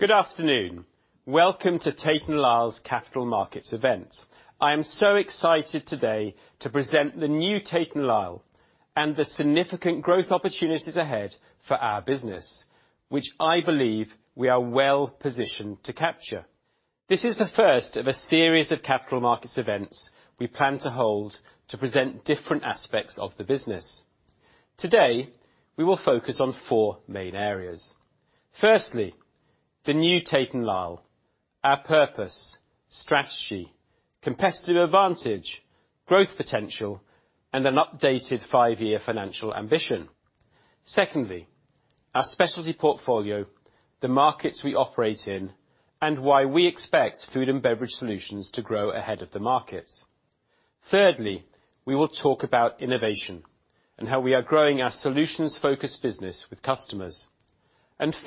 Good afternoon. Welcome to Tate & Lyle's Capital Markets event. I am so excited today to present the new Tate & Lyle and the significant growth opportunities ahead for our business, which I believe we are well-positioned to capture. This is the first of a series of capital markets events we plan to hold to present different aspects of the business. Today, we will focus on four main areas. Firstly, the new Tate & Lyle, our purpose, strategy, competitive advantage, growth potential, and an updated five-year financial ambition. Secondly, our specialty portfolio, the markets we operate in, and why we expect Food & Beverage Solutions to grow ahead of the markets. Thirdly, we will talk about innovation and how we are growing our solutions-focused business with customers.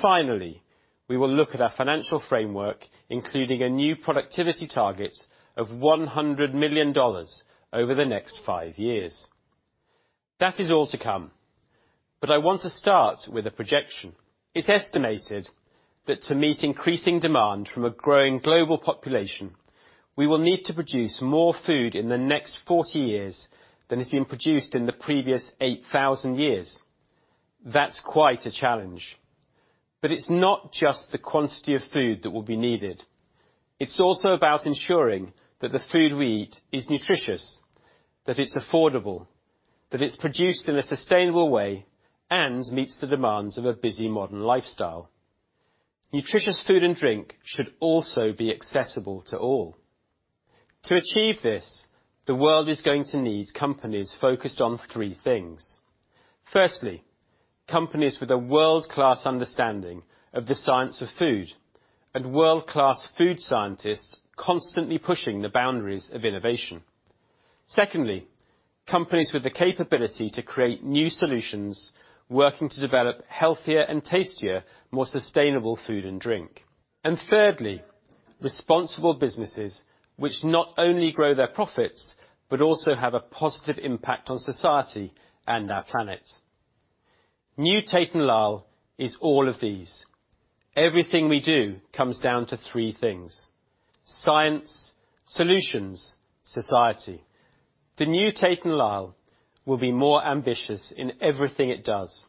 Finally, we will look at our financial framework, including a new productivity target of $100 million over the next five years. That is all to come, but I want to start with a projection. It's estimated that to meet increasing demand from a growing global population, we will need to produce more food in the next 40 years than has been produced in the previous 8,000 years. That's quite a challenge. It's not just the quantity of food that will be needed. It's also about ensuring that the food we eat is nutritious, that it's affordable, that it's produced in a sustainable way, and meets the demands of a busy modern lifestyle. Nutritious food and drink should also be accessible to all. To achieve this, the world is going to need companies focused on three things. Firstly, companies with a world-class understanding of the science of food and world-class food scientists constantly pushing the boundaries of innovation. Secondly, companies with the capability to create new solutions, working to develop healthier and tastier, more sustainable food and drink. Thirdly, responsible businesses which not only grow their profits, but also have a positive impact on society and our planet. New Tate & Lyle is all of these. Everything we do comes down to three things: science, solutions, society. The new Tate & Lyle will be more ambitious in everything it does,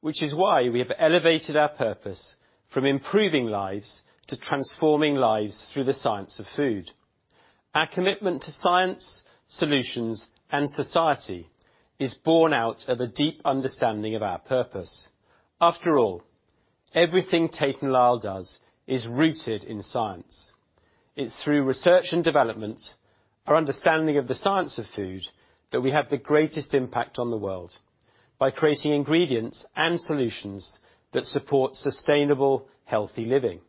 which is why we have elevated our purpose from improving lives to transforming lives through the science of food. Our commitment to science, solutions, and society is borne out of a deep understanding of our purpose. After all, everything Tate & Lyle does is rooted in science. It's through research and development, our understanding of the science of food, that we have the greatest impact on the world by creating ingredients and solutions that support sustainable, healthy living.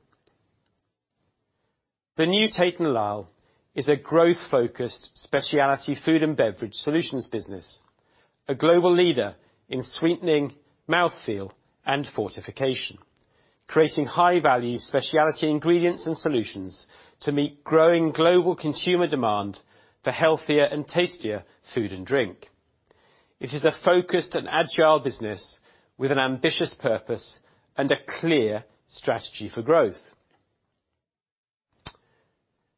The new Tate & Lyle is a growth-focused speciality food and beverage solutions business, a global leader in sweetening, mouthfeel, and fortification, creating high-value speciality ingredients and solutions to meet growing global consumer demand for healthier and tastier food and drink. It is a focused and agile business with an ambitious purpose and a clear strategy for growth.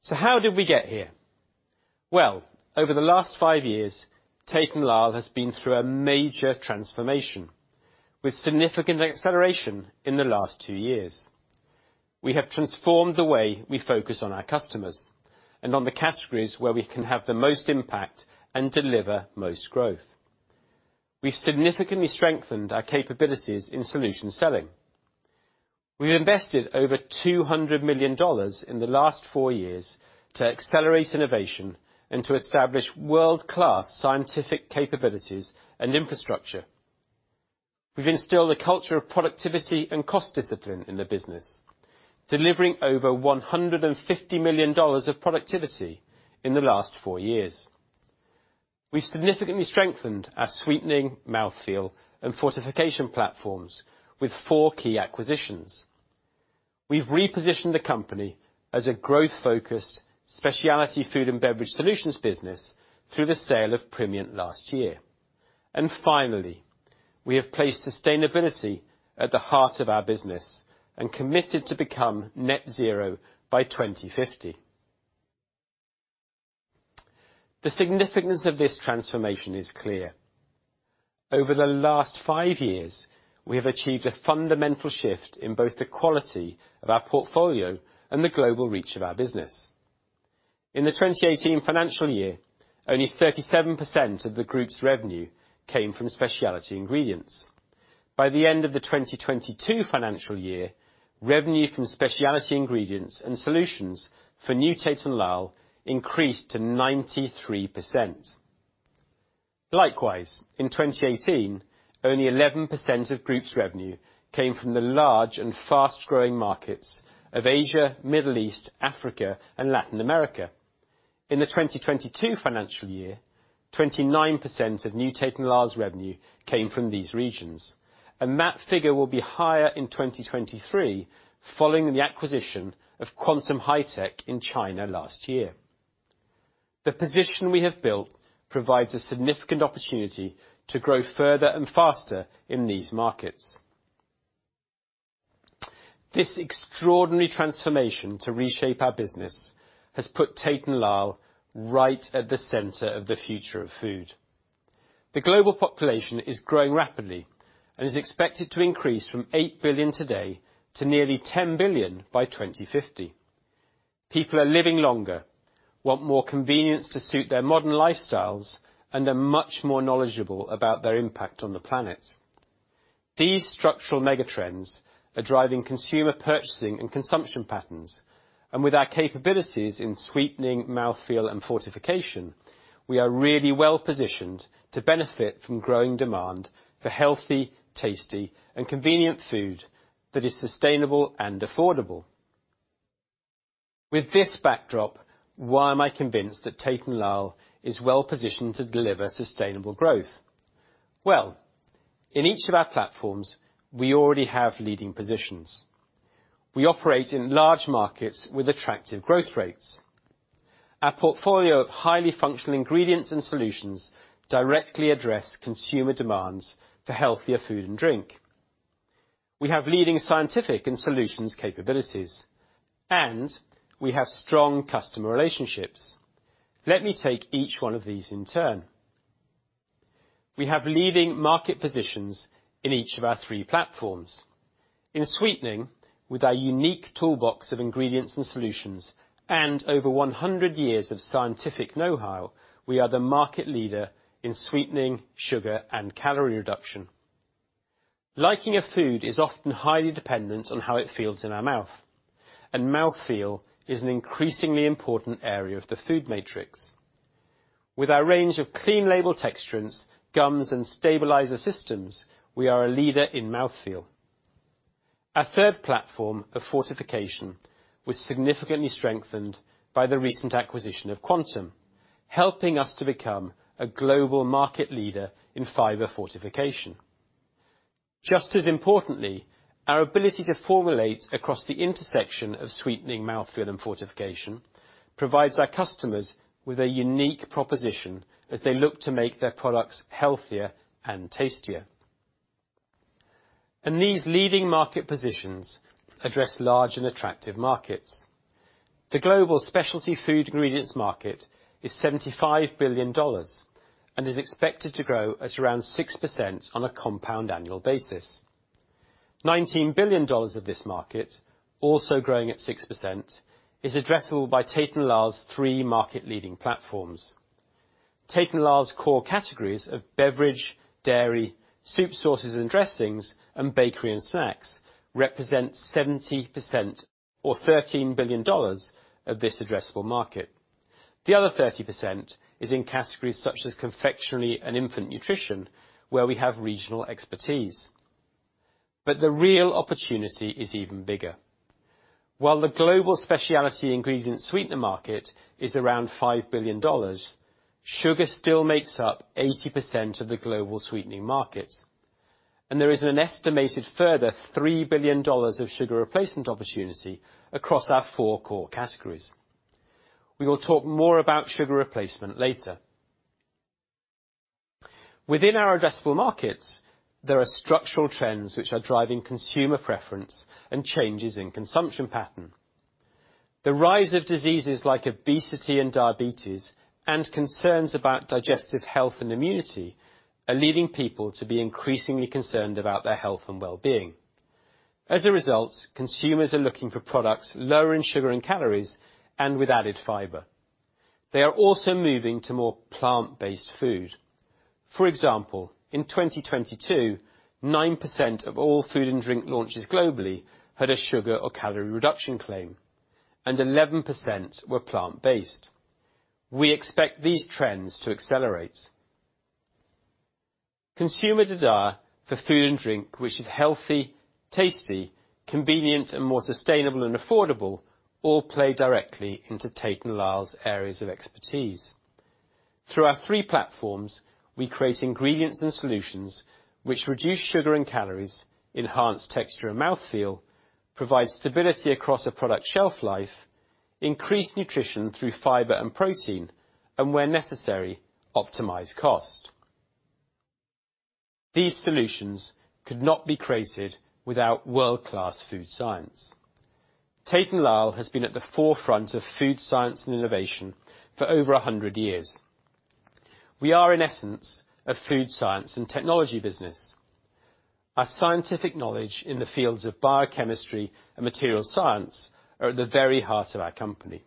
How did we get here? Well, over the last five years, Tate & Lyle has been through a major transformation, with significant acceleration in the last two years. We have transformed the way we focus on our customers and on the categories where we can have the most impact and deliver most growth. We significantly strengthened our capabilities in solution selling. We invested over $200 million in the last four years to accelerate innovation and to establish world-class scientific capabilities and infrastructure. We've instilled a culture of productivity and cost discipline in the business, delivering over $150 million of productivity in the last four years. We significantly strengthened our sweetening, mouthfeel, and fortification platforms with four key acquisitions. We've repositioned the company as a growth-focused speciality food and beverage solutions business through the sale of Primient last year. Finally, we have placed sustainability at the heart of our business and committed to become net zero by 2050. The significance of this transformation is clear. Over the last five years, we have achieved a fundamental shift in both the quality of our portfolio and the global reach of our business. In the 2018 financial year, only 37% of the group's revenue came from speciality ingredients. By the end of the 2022 financial year, revenue from speciality ingredients and solutions for new Tate & Lyle increased to 93%. Likewise, in 2018, only 11% of group's revenue came from the large and fast-growing markets of Asia, Middle East, Africa, and Latin America. In the 2022 financial year, 29% of new Tate & Lyle's revenue came from these regions, and that figure will be higher in 2023 following the acquisition of Quantum Hi-Tech in China last year. The position we have built provides a significant opportunity to grow further and faster in these markets. This extraordinary transformation to reshape our business has put Tate & Lyle right at the center of the future of food. The global population is growing rapidly and is expected to increase from 8 billion today to nearly 10 billion by 2050. People are living longer, want more convenience to suit their modern lifestyles, and are much more knowledgeable about their impact on the planet. These structural megatrends are driving consumer purchasing and consumption patterns. With our capabilities in sweetening, mouthfeel, and fortification, we are really well positioned to benefit from growing demand for healthy, tasty, and convenient food that is sustainable and affordable. With this backdrop, why am I convinced that Tate & Lyle is well positioned to deliver sustainable growth? Well, in each of our platforms, we already have leading positions. We operate in large markets with attractive growth rates. Our portfolio of highly functional ingredients and solutions directly address consumer demands for healthier food and drink. We have leading scientific and solutions capabilities, and we have strong customer relationships. Let me take each one of these in turn. We have leading market positions in each of our three platforms. In sweetening, with our unique toolbox of ingredients and solutions, and over 100 years of scientific know-how, we are the market leader in sweetening sugar and calorie reduction. Liking a food is often highly dependent on how it feels in our mouth, and mouthfeel is an increasingly important area of the food matrix. With our range of clean-label texturants, gums, and stabilizer systems, we are a leader in mouthfeel. Our third platform of fortification was significantly strengthened by the recent acquisition of Quantum, helping us to become a global market leader in fiber fortification. Just as importantly, our ability to formulate across the intersection of sweetening, mouthfeel, and fortification provides our customers with a unique proposition as they look to make their products healthier and tastier. These leading market positions address large and attractive markets. The global specialty food ingredients market is $75 billion and is expected to grow at around 6% on a compound annual basis. $19 billion of this market, also growing at 6%, is addressable by Tate & Lyle's three market-leading platforms. Tate & Lyle's core categories of beverage, dairy, soup, sauces and dressings, and bakery and snacks represent 70% or $13 billion of this addressable market. The other 30% is in categories such as confectionery and infant nutrition, where we have regional expertise. The real opportunity is even bigger. While the global specialty ingredient sweetener market is around $5 billion, sugar still makes up 80% of the global sweetening markets, and there is an estimated further $3 billion of sugar replacement opportunity across our four core categories. We will talk more about sugar replacement later. Within our addressable markets, there are structural trends which are driving consumer preference and changes in consumption pattern. The rise of diseases like obesity and diabetes and concerns about digestive health and immunity are leading people to be increasingly concerned about their health and well-being. As a result, consumers are looking for products lower in sugar and calories and with added fiber. They are also moving to more plant-based food. For example, in 2022, 9% of all food and drink launches globally had a sugar or calorie reduction claim, and 11% were plant-based. We expect these trends to accelerate. Consumer desire for food and drink, which is healthy, tasty, convenient, and more sustainable and affordable, all play directly into Tate & Lyle's areas of expertise. Through our three platforms, we create ingredients and solutions which reduce sugar and calories, enhance texture and mouthfeel, provide stability across a product shelf life, increase nutrition through fiber and protein, and where necessary, optimize cost. These solutions could not be created without world-class food science. Tate & Lyle has been at the forefront of food science and innovation for over 100 years. We are, in essence, a food science and technology business. Our scientific knowledge in the fields of biochemistry and material science are at the very heart of our company.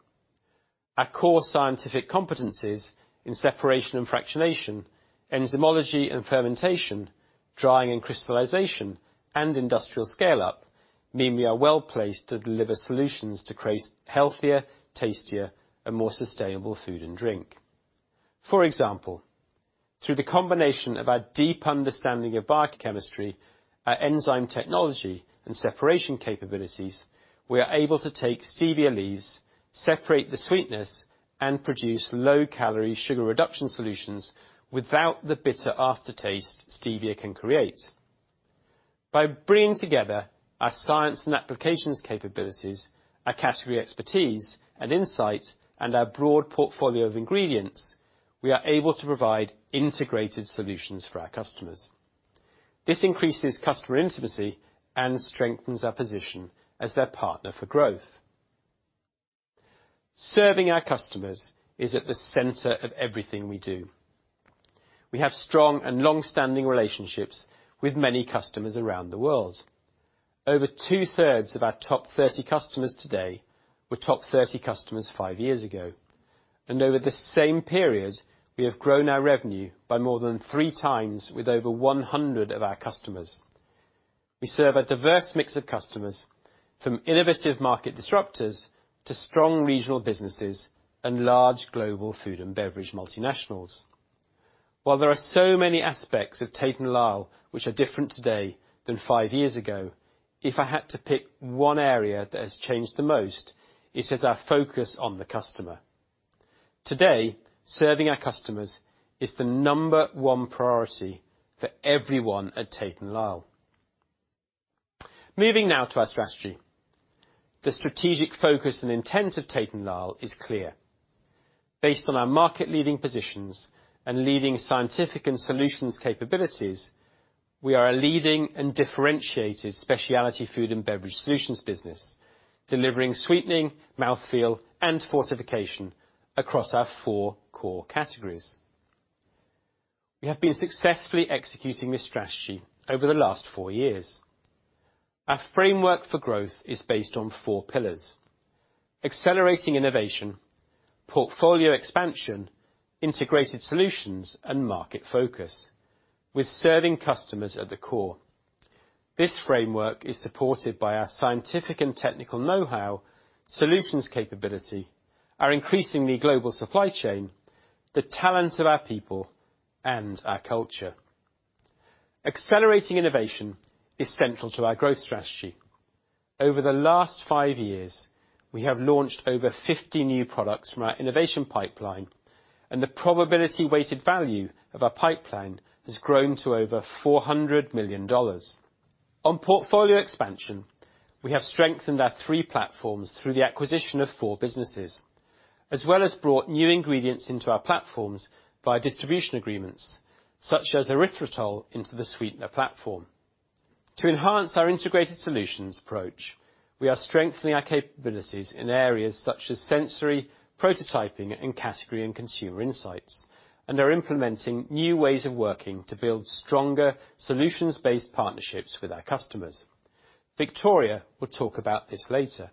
Our core scientific competencies in separation and fractionation, enzymology and fermentation, drying and crystallization, and industrial scale-up mean we are well placed to deliver solutions to create healthier, tastier, and more sustainable food and drink. For example, through the combination of our deep understanding of biochemistry, our enzyme technology, and separation capabilities, we are able to take stevia leaves, separate the sweetness, and produce low-calorie sugar reduction solutions without the bitter aftertaste stevia can create. By bringing together our science and applications capabilities, our category expertise and insight, and our broad portfolio of ingredients, we are able to provide integrated solutions for our customers. This increases customer intimacy and strengthens our position as their partner for growth. Serving our customers is at the center of everything we do. We have strong and long-standing relationships with many customers around the world. Over two-thirds of our top 30 customers today were top 30 customers five years ago. Over the same period, we have grown our revenue by more than 3x with over 100 of our customers. We serve a diverse mix of customers from innovative market disruptors to strong regional businesses and large global food and beverage multinationals. While there are so many aspects of Tate & Lyle which are different today than five years ago, if I had to pick one area that has changed the most, it is our focus on the customer. Today, serving our customers is the number one priority for everyone at Tate & Lyle. Moving now to our strategy. The strategic focus and intent of Tate & Lyle is clear. Based on our market leading positions and leading scientific and solutions capabilities, we are a leading and differentiated specialty food and beverage solutions business, delivering sweetening, mouthfeel and fortification across our four core categories. We have been successfully executing this strategy over the last four years. Our framework for growth is based on four pillars: accelerating innovation, portfolio expansion, integrated solutions, and market focus, with serving customers at the core. This framework is supported by our scientific and technical know-how, solutions capability, our increasingly global supply chain, the talent of our people, and our culture. Accelerating innovation is central to our growth strategy. Over the last five years, we have launched over 50 new products from our innovation pipeline, and the probability weighted value of our pipeline has grown to over $400 million. On portfolio expansion, we have strengthened our three platforms through the acquisition of four businesses, as well as brought new ingredients into our platforms via distribution agreements, such as erythritol into the sweetener platform. To enhance our integrated solutions approach, we are strengthening our capabilities in areas such as sensory, prototyping, and category and consumer insights, and are implementing new ways of working to build stronger solutions-based partnerships with our customers. Victoria will talk about this later.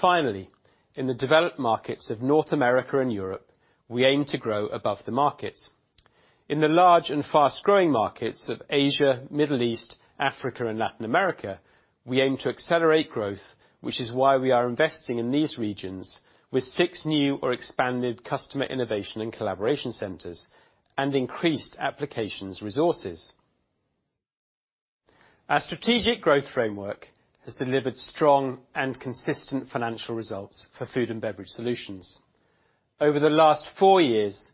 Finally, in the developed markets of North America and Europe, we aim to grow above the market. In the large and fast-growing markets of Asia, Middle East, Africa, and Latin America, we aim to accelerate growth, which is why we are investing in these regions with six new or expanded customer innovation and collaboration centers and increased applications resources. Our strategic growth framework has delifourvered strong and consistent financial results for Food & Beverage Solutions. Over the last four years,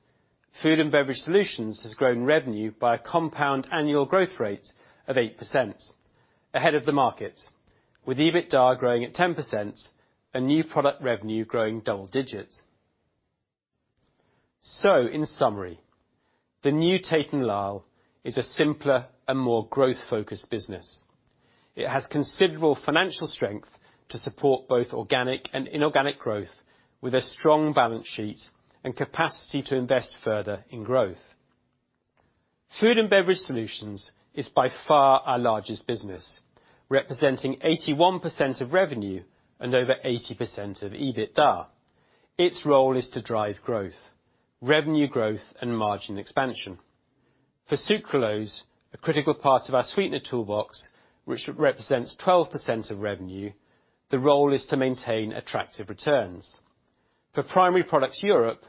Food & Beverage Solutions has grown revenue by a compound annual growth rate of 8% ahead of the market, with EBITDA growing at 10%, and new product revenue growing double digits. In summary, the new Tate & Lyle is a simpler and more growth-focused business. It has considerable financial strength to support both organic and inorganic growth with a strong balance sheet and capacity to invest further in growth. Food & Beverage Solutions is by far our largest business, representing 81% of revenue and over 80% of EBITDA. Its role is to drive growth, revenue growth, and margin expansion. For sucralose, a critical part of our sweetener toolbox, which represents 12% of revenue, the role is to maintain attractive returns. For Primary Products Europe,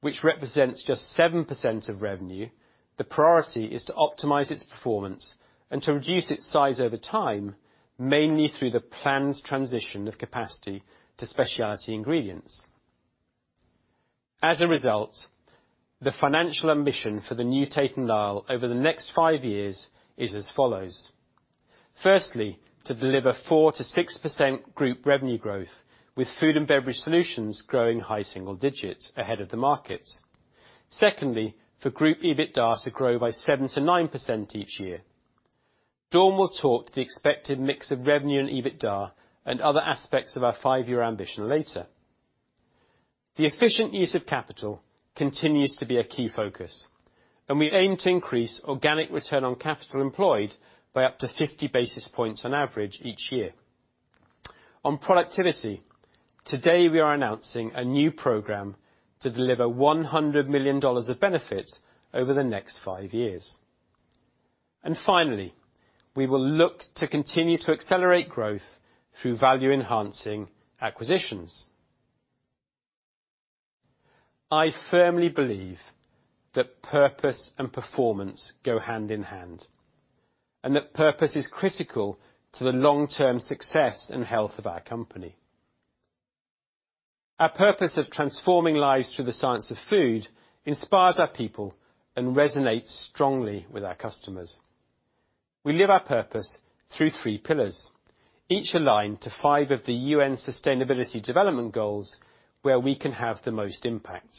which represents just 7% of revenue, the priority is to optimize its performance and to reduce its size over time, mainly through the planned transition of capacity to specialty ingredients. The financial ambition for the new Tate & Lyle over the next five years is as follows. Firstly, to deliver 4%-6% group revenue growth, with Food & Beverage Solutions growing high single digits ahead of the market. Secondly, for group EBITDA to grow by 7%-9% each year. Dom will talk the expected mix of revenue and EBITDA and other aspects of our five-year ambition later. The efficient use of capital continues to be a key focus, and we aim to increase organic return on capital employed by up to 50 basis points on average each year. On productivity, today, we are announcing a new program to deliver $100 million of benefits over the next five years. Finally, we will look to continue to accelerate growth through value-enhancing acquisitions. I firmly believe that purpose and performance go hand in hand, and that purpose is critical to the long-term success and health of our company. Our purpose of transforming lives through the science of food inspires our people and resonates strongly with our customers. We live our purpose through three pillars, each aligned to five of the UN Sustainable Development Goals where we can have the most impact.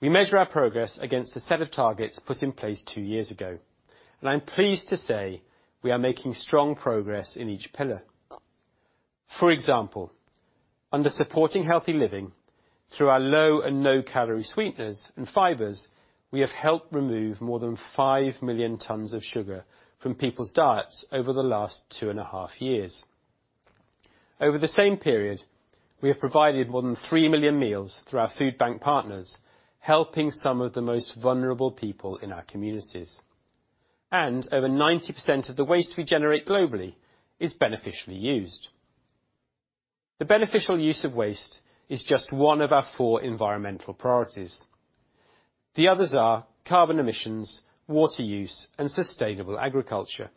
We measure our progress against the set of targets put in place two years ago, and I'm pleased to say we are making strong progress in each pillar. For example, under supporting healthy living, through our low and no-calorie sweeteners and fibers, we have helped remove more than 5 million tons of sugar from people's diets over the last two and a half years. Over the same period, we have provided more than 3 million meals through our food bank partners, helping some of the most vulnerable people in our communities. Over 90% of the waste we generate globally is beneficially used. The beneficial use of waste is just one of our four environmental priorities. The others are carbon emissions, water use, and sustainable agriculture.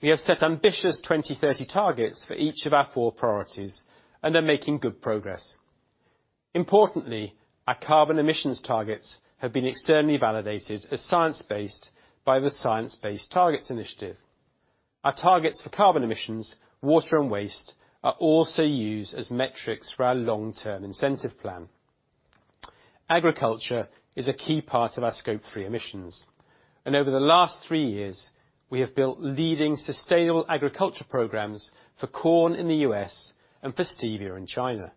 We have set ambitious 2030 targets for each of our four priorities and are making good progress. Importantly, our carbon emissions targets have been externally validated as science-based by the Science Based Targets initiative. Our targets for carbon emissions, water, and waste are also used as metrics for our long-term incentive plan. Agriculture is a key part of our Scope 3 emissions. Over the last three years, we have built leading sustainable agriculture programs for corn in the US and for stevia in China.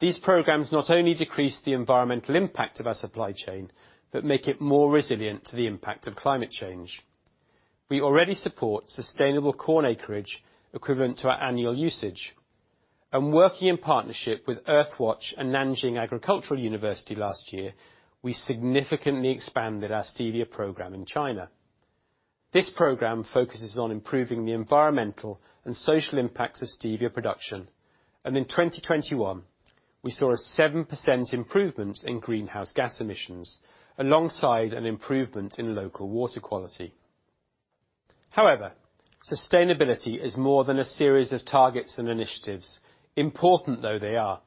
These programs not only decrease the environmental impact of our supply chain, but make it more resilient to the impact of climate change. We already support sustainable corn acreage equivalent to our annual usage. Working in partnership with Earthwatch and Nanjing Agricultural University last year, we significantly expanded our stevia program in China. This program focuses on improving the environmental and social impacts of stevia production. In 2021, we saw a 7% improvement in greenhouse gas emissions alongside an improvement in local water quality. Sustainability is more than a series of targets and initiatives, important though they are.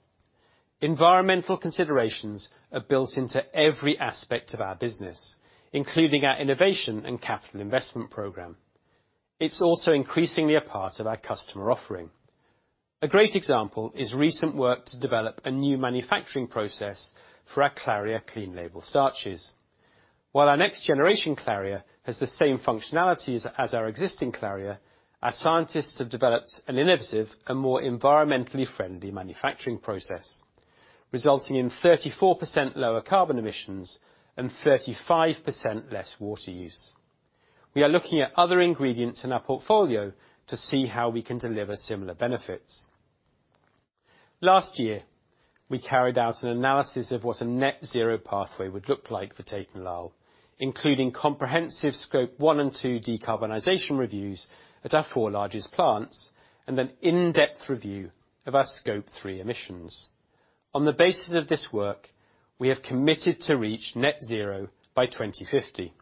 Environmental considerations are built into every aspect of our business, including our innovation and capital investment program. It's also increasingly a part of our customer offering. A great example is recent work to develop a new manufacturing process for our CLARIA clean label starches. While our next generation CLARIA has the same functionalities as our existing CLARIA, our scientists have developed an innovative and more environmentally friendly manufacturing process, resulting in 34% lower carbon emissions and 35% less water use. We are looking at other ingredients in our portfolio to see how we can deliver similar benefits. Last year, we carried out an analysis of what a net zero pathway would look like for Tate & Lyle, including comprehensive Scope 1 and 2 decarbonization reviews at our four largest plants and an in-depth review of our Scope 3 emissions. On the basis of this work, we have committed to reach net zero by 2050.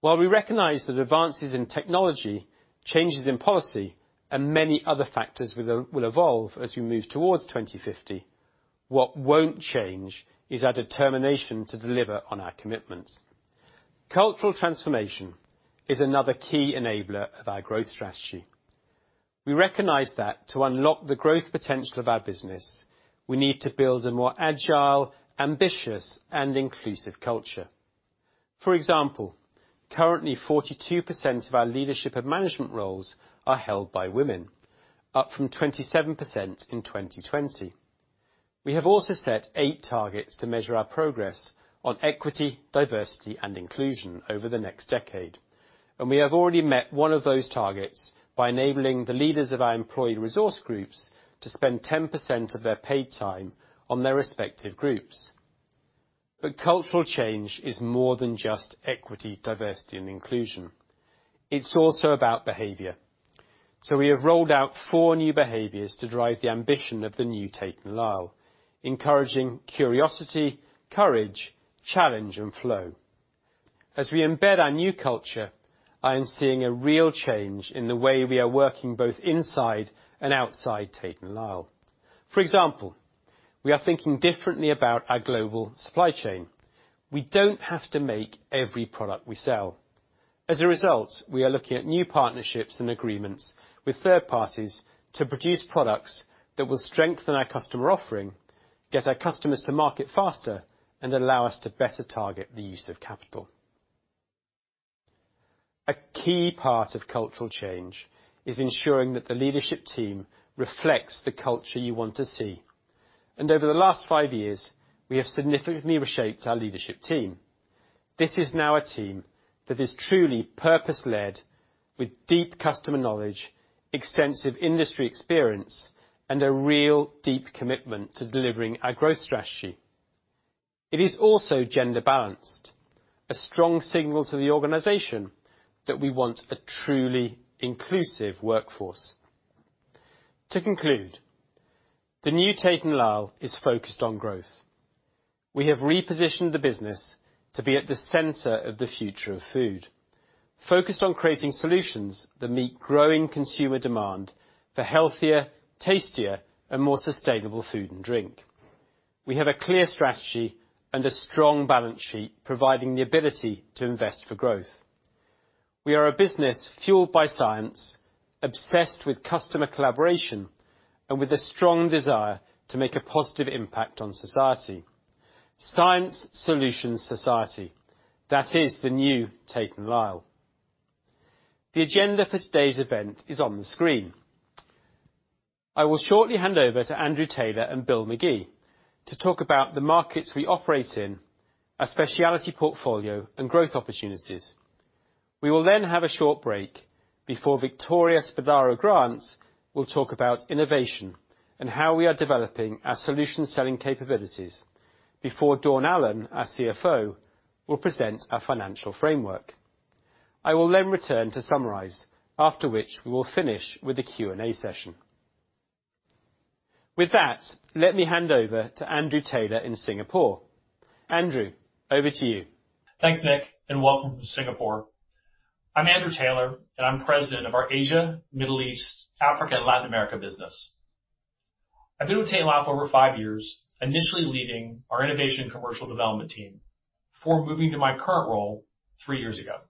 While we recognize that advances in technology, changes in policy, and many other factors will evolve as we move towards 2050, what won't change is our determination to deliver on our commitments. Cultural transformation is another key enabler of our growth strategy. We recognize that to unlock the growth potential of our business, we need to build a more agile, ambitious, and inclusive culture. For example, currently 42% of our leadership and management roles are held by women, up from 27% in 2020. We have also set eight targets to measure our progress on equity, diversity, and inclusion over the next decade. We have already met one of those targets by enabling the leaders of our employee resource groups to spend 10% of their paid time on their respective groups. Cultural change is more than just equity, diversity, and inclusion. It's also about behavior. We have rolled out four new behaviors to drive the ambition of the new Tate & Lyle, encouraging curiosity, courage, challenge, and flow. As we embed our new culture, I am seeing a real change in the way we are working both inside and outside Tate & Lyle. For example, we are thinking differently about our global supply chain. We don't have to make every product we sell. As a result, we are looking at new partnerships and agreements with third parties to produce products that will strengthen our customer offering, get our customers to market faster, and allow us to better target the use of capital. A key part of cultural change is ensuring that the leadership team reflects the culture you want to see. Over the last five years, we have significantly reshaped our leadership team. This is now a team that is truly purpose-led with deep customer knowledge, extensive industry experience, and a real deep commitment to delivering our growth strategy. It is also gender-balanced, a strong signal to the organization that we want a truly inclusive workforce. To conclude, the new Tate & Lyle is focused on growth. We have repositioned the business to be at the center of the future of food, focused on creating solutions that meet growing consumer demand for healthier, tastier, and more sustainable food and drink. We have a clear strategy and a strong balance sheet, providing the ability to invest for growth. We are a business fueled by science, obsessed with customer collaboration, and with a strong desire to make a positive impact on society. Science, solutions, society. That is the new Tate & Lyle. The agenda for today's event is on the screen. I will shortly hand over to Andrew Taylor and Bill Magee to talk about the markets we operate in, our specialty portfolio and growth opportunities. We will have a short break before Victoria Spadaro Grant will talk about innovation and how we are developing our solution selling capabilities before Dawn Allen, our CFO, will present our financial framework. I will return to summarize, after which we will finish with the Q&A session. With that, let me hand over to Andrew Taylor in Singapore. Andrew, over to you. Thanks, Nick, and welcome to Singapore. I'm Andrew Taylor, and I'm President of our Asia, Middle East, Africa, and Latin America business. I've been with Tate & Lyle for over five years, initially leading our innovation commercial development team before moving to my current role three years ago.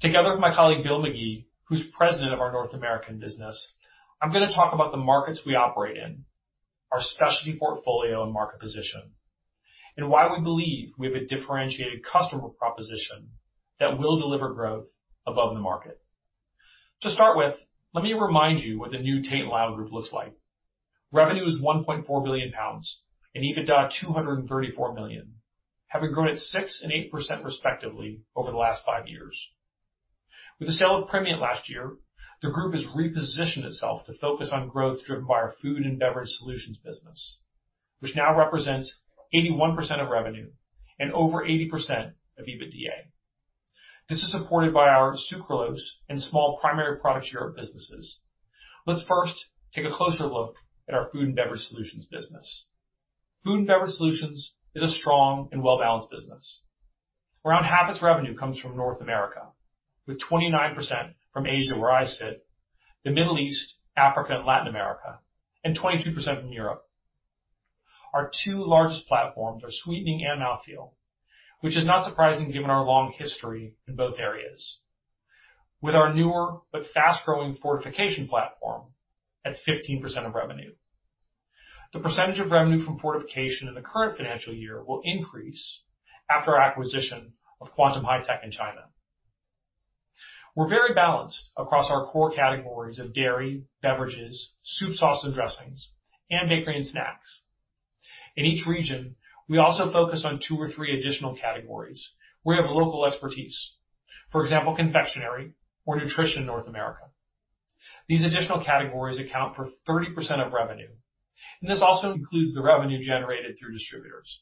Together with my colleague, Bill Magee, who's President of our North American business, I'm gonna talk about the markets we operate in, our specialty portfolio and market position, and why we believe we have a differentiated customer proposition that will deliver growth above the market. To start with, let me remind you what the new Tate & Lyle group looks like. Revenue is 1.4 billion pounds and EBITDA 234 million, having grown at 6% and 8% respectively over the last five years. With the sale of Primient last year, the group has repositioned itself to focus on growth driven by our Food & Beverage Solutions business, which now represents 81% of revenue and over 80% of EBITDA. This is supported by our sucralose and small Primary Products Europe businesses. Let's first take a closer look at our Food & Beverage Solutions business. Food & Beverage Solutions is a strong and well-balanced business. Around half its revenue comes from North America, with 29% from Asia, where I sit, the Middle East, Africa, and Latin America, and 22% from Europe. Our two largest platforms are sweetening and mouthfeel, which is not surprising given our long history in both areas. With our newer but fast-growing fortification platform at 15% of revenue. The percentage of revenue from fortification in the current financial year will increase after our acquisition of Quantum Hi-Tech in China. We're very balanced across our core categories of dairy, beverages, soup, sauce, and dressings, and bakery and snacks. In each region, we also focus on two or three additional categories where we have local expertise. For example, confectionery or nutrition in North America. These additional categories account for 30% of revenue, this also includes the revenue generated through distributors.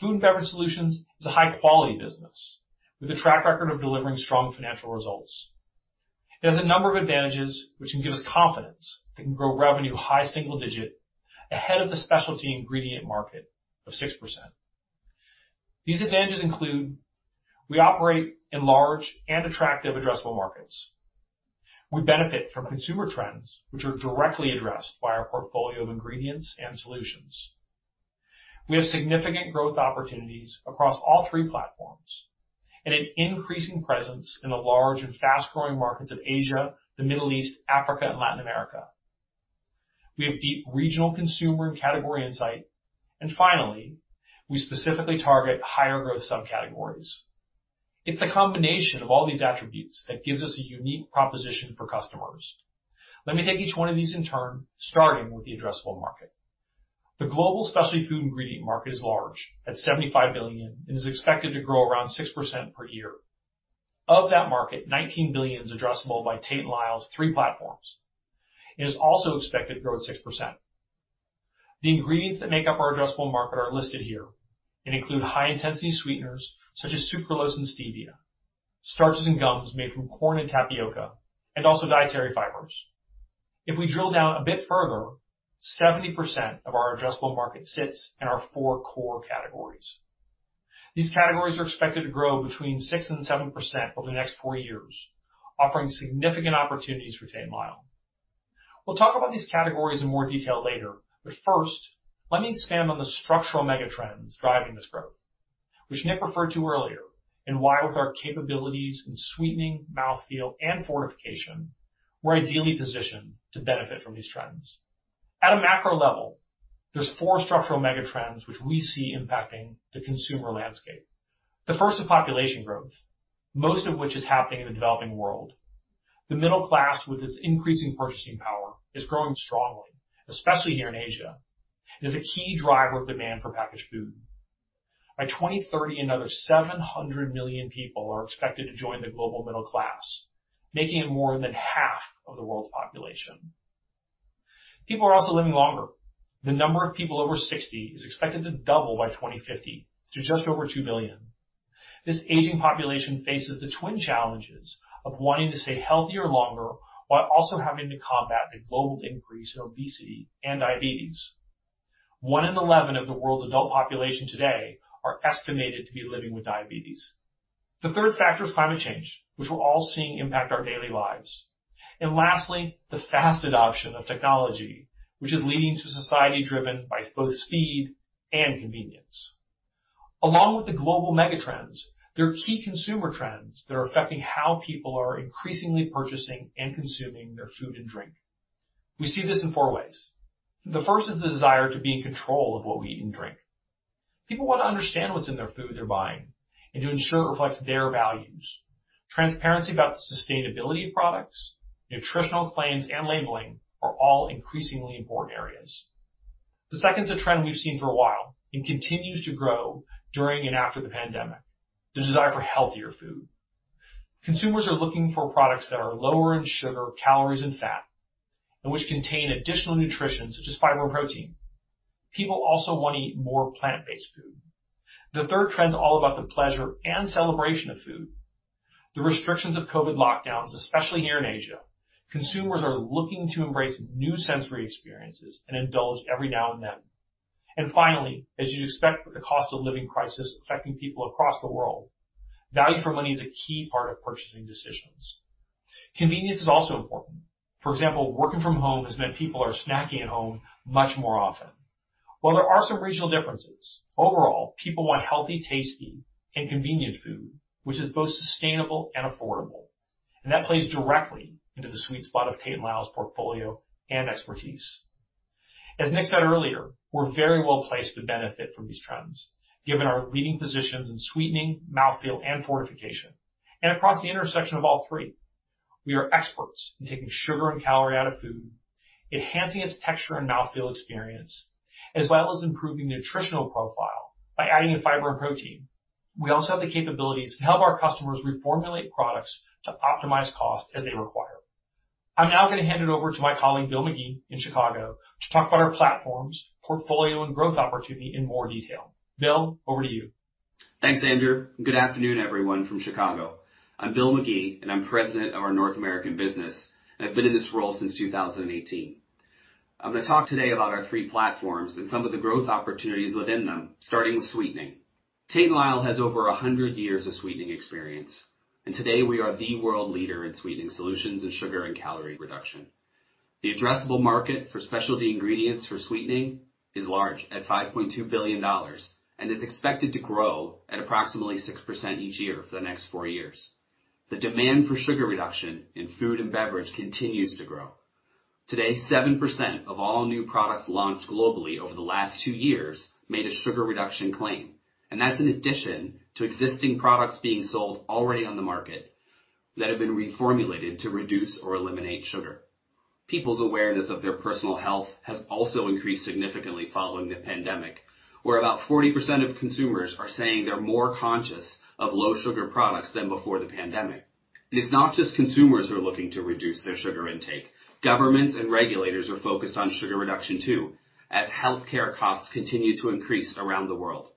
Food & Beverage Solutions is a high-quality business with a track record of delivering strong financial results. It has a number of advantages which can give us confidence that it can grow revenue high single digit ahead of the specialty ingredient market of 6%. These advantages include we operate in large and attractive addressable markets. We benefit from consumer trends which are directly addressed by our portfolio of ingredients and solutions. We have significant growth opportunities across all three platforms and an increasing presence in the large and fast-growing markets of Asia, the Middle East, Africa, and Latin America. We have deep regional consumer and category insight. Finally, we specifically target higher growth subcategories. It's the combination of all these attributes that gives us a unique proposition for customers. Let me take each one of these in turn, starting with the addressable market. The global specialty food ingredient market is large, at 75 billion, and is expected to grow around 6% per year. Of that market, 19 billion is addressable by Tate & Lyle's three platforms. It is also expected to grow at 6%. The ingredients that make up our addressable market are listed here and include high-intensity sweeteners such as sucralose and stevia, starches and gums made from corn and tapioca, and also dietary fibers. If we drill down a bit further, 70% of our addressable market sits in our four core categories. These categories are expected to grow between 6% and 7% over the next four years, offering significant opportunities for Tate & Lyle. We'll talk about these categories in more detail later, but first, let me expand on the structural mega-trends driving this growth, which Nick referred to earlier, and why with our capabilities in sweetening, mouthfeel, and fortification, we're ideally positioned to benefit from these trends. At a macro level, there's four structural mega-trends which we see impacting the consumer landscape. The first is population growth, most of which is happening in the developing world. The middle class, with its increasing purchasing power, is growing strongly, especially here in Asia, and is a key driver of demand for packaged food. By 2030, another 700 million people are expected to join the global middle class, making it more than half of the world's population. People are also living longer. The number of people over 60 is expected to double by 2050 to just over 2 billion. This aging population faces the twin challenges of wanting to stay healthier longer while also having to combat the global increase in obesity and diabetes. One in 11 of the world's adult population today are estimated to be living with diabetes. The third factor is climate change, which we're all seeing impact our daily lives. Lastly, the fast adoption of technology, which is leading to society driven by both speed and convenience. Along with the global megatrends, there are key consumer trends that are affecting how people are increasingly purchasing and consuming their food and drink. We see this in four ways. The first is the desire to be in control of what we eat and drink. People want to understand what's in their food they're buying and to ensure it reflects their values. Transparency about the sustainability of products, nutritional claims, and labeling are all increasingly important areas. The second is a trend we've seen for a while and continues to grow during and after the pandemic. The desire for healthier food. Consumers are looking for products that are lower in sugar, calories, and fat, and which contain additional nutrition such as fiber and protein. People also want to eat more plant-based food. The third trend is all about the pleasure and celebration of food. The restrictions of Covid lockdowns, especially here in Asia, consumers are looking to embrace new sensory experiences and indulge every now and then. Finally, as you'd expect, with the cost of living crisis affecting people across the world, value for money is a key part of purchasing decisions. Convenience is also important. For example, working from home has meant people are snacking at home much more often. While there are some regional differences, overall, people want healthy, tasty, and convenient food, which is both sustainable and affordable. That plays directly into the sweet spot of Tate & Lyle's portfolio and expertise. As Nick said earlier, we're very well placed to benefit from these trends, given our leading positions in sweetening, mouthfeel, and fortification, and across the intersection of all three. We are experts in taking sugar and calorie out of food, enhancing its texture and mouthfeel experience, as well as improving nutritional profile by adding in fiber and protein. We also have the capabilities to help our customers reformulate products to optimize cost as they require. I'm now gonna hand it over to my colleague, Bill Magee in Chicago, to talk about our platforms, portfolio, and growth opportunity in more detail. Bill, over to you. Thanks, Andrew. Good afternoon, everyone from Chicago. I'm Bill Magee, and I'm President of our North American business, and I've been in this role since 2018. I'm gonna talk today about our three platforms and some of the growth opportunities within them, starting with sweetening. Tate & Lyle has over 100 years of sweetening experience, and today we are the world leader in sweetening solutions and sugar and calorie reduction. The addressable market for specialty ingredients for sweetening is large, at $5.2 billion, and is expected to grow at approximately 6% each year for the next four years. The demand for sugar reduction in food and beverage continues to grow. Today, 7% of all new products launched globally over the last two years made a sugar reduction claim, and that's in addition to existing products being sold already on the market that have been reformulated to reduce or eliminate sugar. People's awareness of their personal health has also increased significantly following the pandemic, where about 40% of consumers are saying they're more conscious of low sugar products than before the pandemic. It's not just consumers who are looking to reduce their sugar intake. Governments and regulators are focused on sugar reduction too, as healthcare costs continue to increase around the world.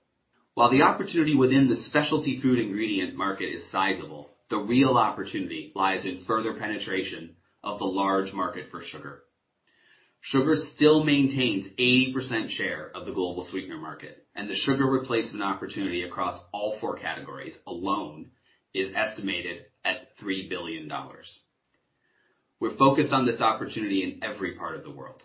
While the opportunity within the specialty food ingredient market is sizable, the real opportunity lies in further penetration of the large market for sugar. Sugar still maintains 80% share of the global sweetener market. The sugar replacement opportunity across all four categories alone is estimated at $3 billion. We're focused on this opportunity in every part of the world.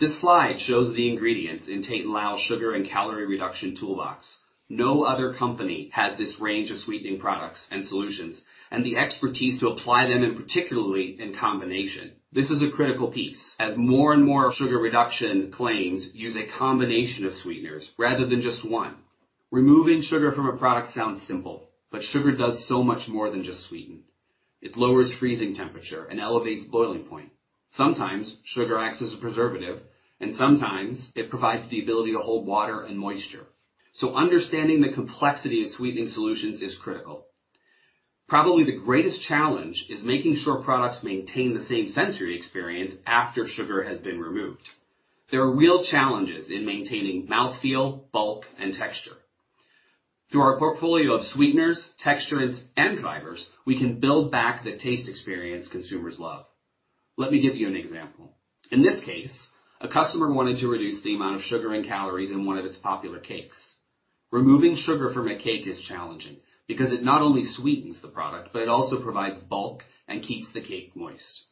This slide shows the ingredients in Tate & Lyle Sugar and Calorie Reduction Toolbox. No other company has this range of sweetening products and solutions and the expertise to apply them, and particularly in combination. This is a critical piece as more and more sugar reduction claims use a combination of sweeteners rather than just one. Removing sugar from a product sounds simple, sugar does so much more than just sweeten. It lowers freezing temperature and elevates boiling point. Sometimes sugar acts as a preservative, and sometimes it provides the ability to hold water and moisture. Understanding the complexity of sweetening solutions is critical. Probably the greatest challenge is making sure products maintain the same sensory experience after sugar has been removed. There are real challenges in maintaining mouthfeel, bulk, and texture. Through our portfolio of sweeteners, texturants, and fibers, we can build back the taste experience consumers love. Let me give you an example. In this case, a customer wanted to reduce the amount of sugar and calories in one of its popular cakes. Removing sugar from a cake is challenging because it not only sweetens the product, but it also provides bulk and keeps the cake moist.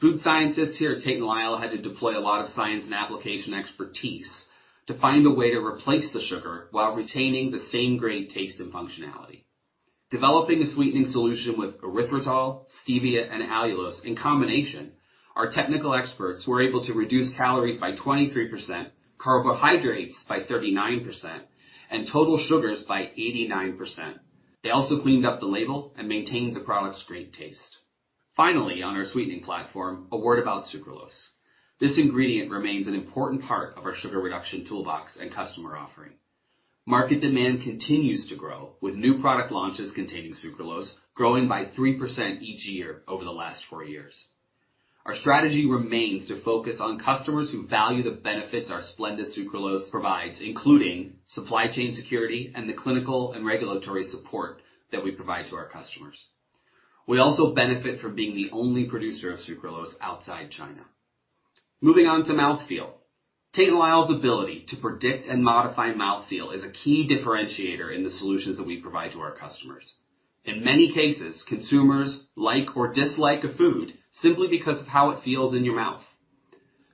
Food scientists here at Tate & Lyle had to deploy a lot of science and application expertise to find a way to replace the sugar while retaining the same great taste and functionality. Developing a sweetening solution with erythritol, stevia, and allulose in combination, our technical experts were able to reduce calories by 23%, carbohydrates by 39%, and total sugars by 89%. They also cleaned up the label and maintained the product's great taste. On our sweetening platform, a word about sucralose. This ingredient remains an important part of our sugar reduction toolbox and customer offering. Market demand continues to grow with new product launches containing sucralose growing by 3% each year over the last four years. Our strategy remains to focus on customers who value the benefits our Splenda sucralose provides, including supply chain security and the clinical and regulatory support that we provide to our customers. We also benefit from being the only producer of sucralose outside China. Moving on to mouthfeel. Tate & Lyle's ability to predict and modify mouthfeel is a key differentiator in the solutions that we provide to our customers. In many cases, consumers like or dislike a food simply because of how it feels in your mouth.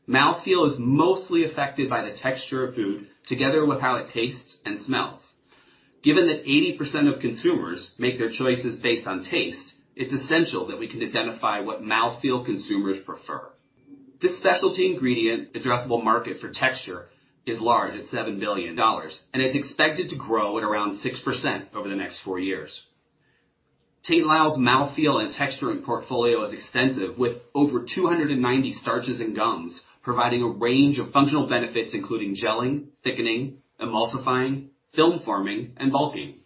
Mouthfeel is mostly affected by the texture of food together with how it tastes and smells. Given that 80% of consumers make their choices based on taste, it's essential that we can identify what mouthfeel consumers prefer. This specialty ingredient addressable market for texture is large, at $7 billion, and it's expected to grow at around 6% over the next four years. Tate & Lyle's mouthfeel and texturing portfolio is extensive, with over 290 starches and gums providing a range of functional benefits, including gelling, thickening, emulsifying, film forming, and bulking.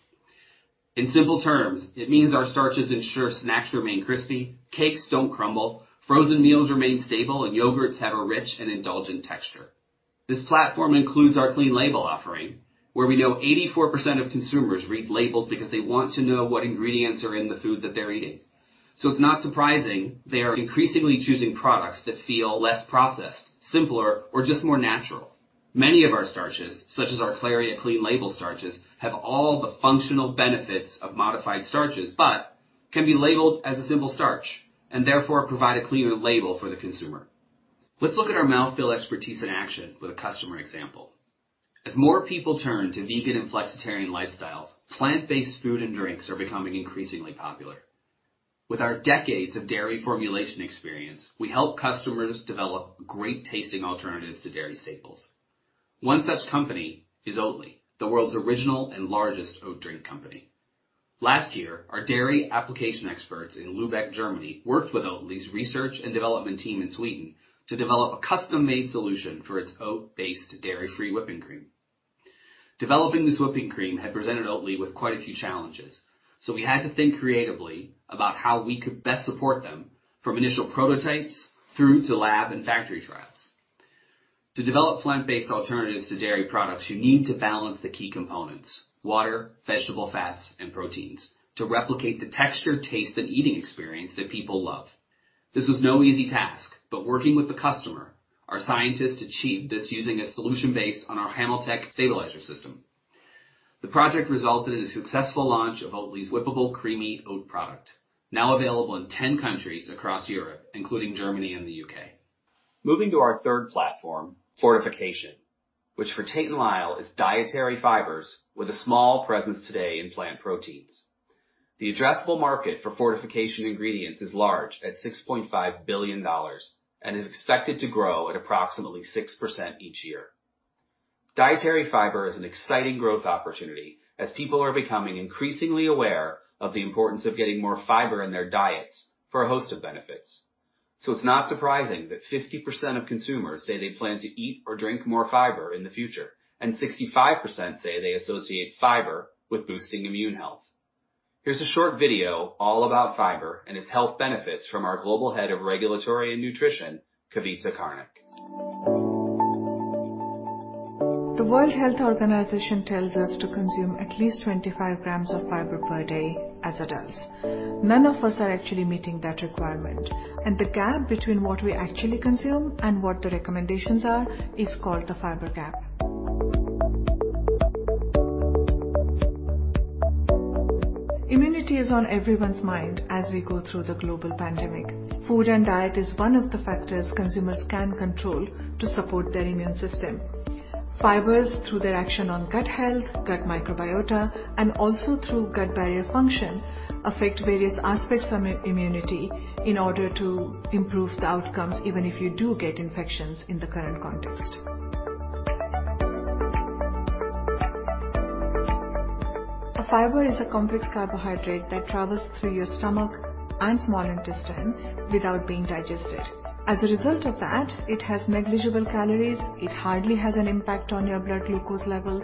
In simple terms, it means our starches ensure snacks remain crispy, cakes don't crumble, frozen meals remain stable, and yogurts have a rich and indulgent texture. This platform includes our clean label offering, where we know 84% of consumers read labels because they want to know what ingredients are in the food that they're eating. It's not surprising they are increasingly choosing products that feel less processed, simpler, or just more natural. Many of our starches, such as our CLARIA® clean label starches, have all the functional benefits of modified starches, but can be labeled as a simple starch and therefore provide a cleaner label for the consumer. Let's look at our mouthfeel expertise in action with a customer example. As more people turn to vegan and flexitarian lifestyles, plant-based food and drinks are becoming increasingly popular. With our decades of dairy formulation experience, we help customers develop great-tasting alternatives to dairy staples. One such company is Oatly, the world's original and largest oat drink company. Last year, our dairy application experts in Lübeck, Germany, worked with Oatly's research and development team in Sweden to develop a custom-made solution for its oat-based dairy-free whipping cream. Developing this whipping cream had presented Oatly with quite a few challenges, so we had to think creatively about how we could best support them from initial prototypes through to lab and factory trials. To develop plant-based alternatives to dairy products, you need to balance the key components, water, vegetable fats, and proteins, to replicate the texture, taste, and eating experience that people love. This was no easy task, but working with the customer, our scientists achieved this using a solution based on our HAMULTEC® stabilizer system. The project resulted in a successful launch of Oatly's whippable creamy oat product, now available in 10 countries across Europe, including Germany and the U.K. Moving to our third platform, fortification, which for Tate & Lyle is dietary fibers with a small presence today in plant proteins. The addressable market for fortification ingredients is large at $6.5 billion and is expected to grow at approximately 6% each year. Dietary fiber is an exciting growth opportunity as people are becoming increasingly aware of the importance of getting more fiber in their diets for a host of benefits. It's not surprising that 50% of consumers say they plan to eat or drink more fiber in the future, and 65% say they associate fiber with boosting immune health. Here's a short video all about fiber and its health benefits from our Global Head of Regulatory and Nutrition, Kavita Karnik. The World Health Organization tells us to consume at least 25 g of fiber per day as adults. None of us are actually meeting that requirement. The gap between what we actually consume and what the recommendations are is called the fiber gap. Immunity is on everyone's mind as we go through the global pandemic. Food and diet is one of the factors consumers can control to support their immune system. Fibers through their action on gut health, gut microbiota, and also through gut barrier function, affect various aspects of immunity in order to improve the outcomes, even if you do get infections in the current context. A fiber is a complex carbohydrate that travels through your stomach and small intestine without being digested. As a result of that, it has negligible calories, it hardly has an impact on your blood glucose levels,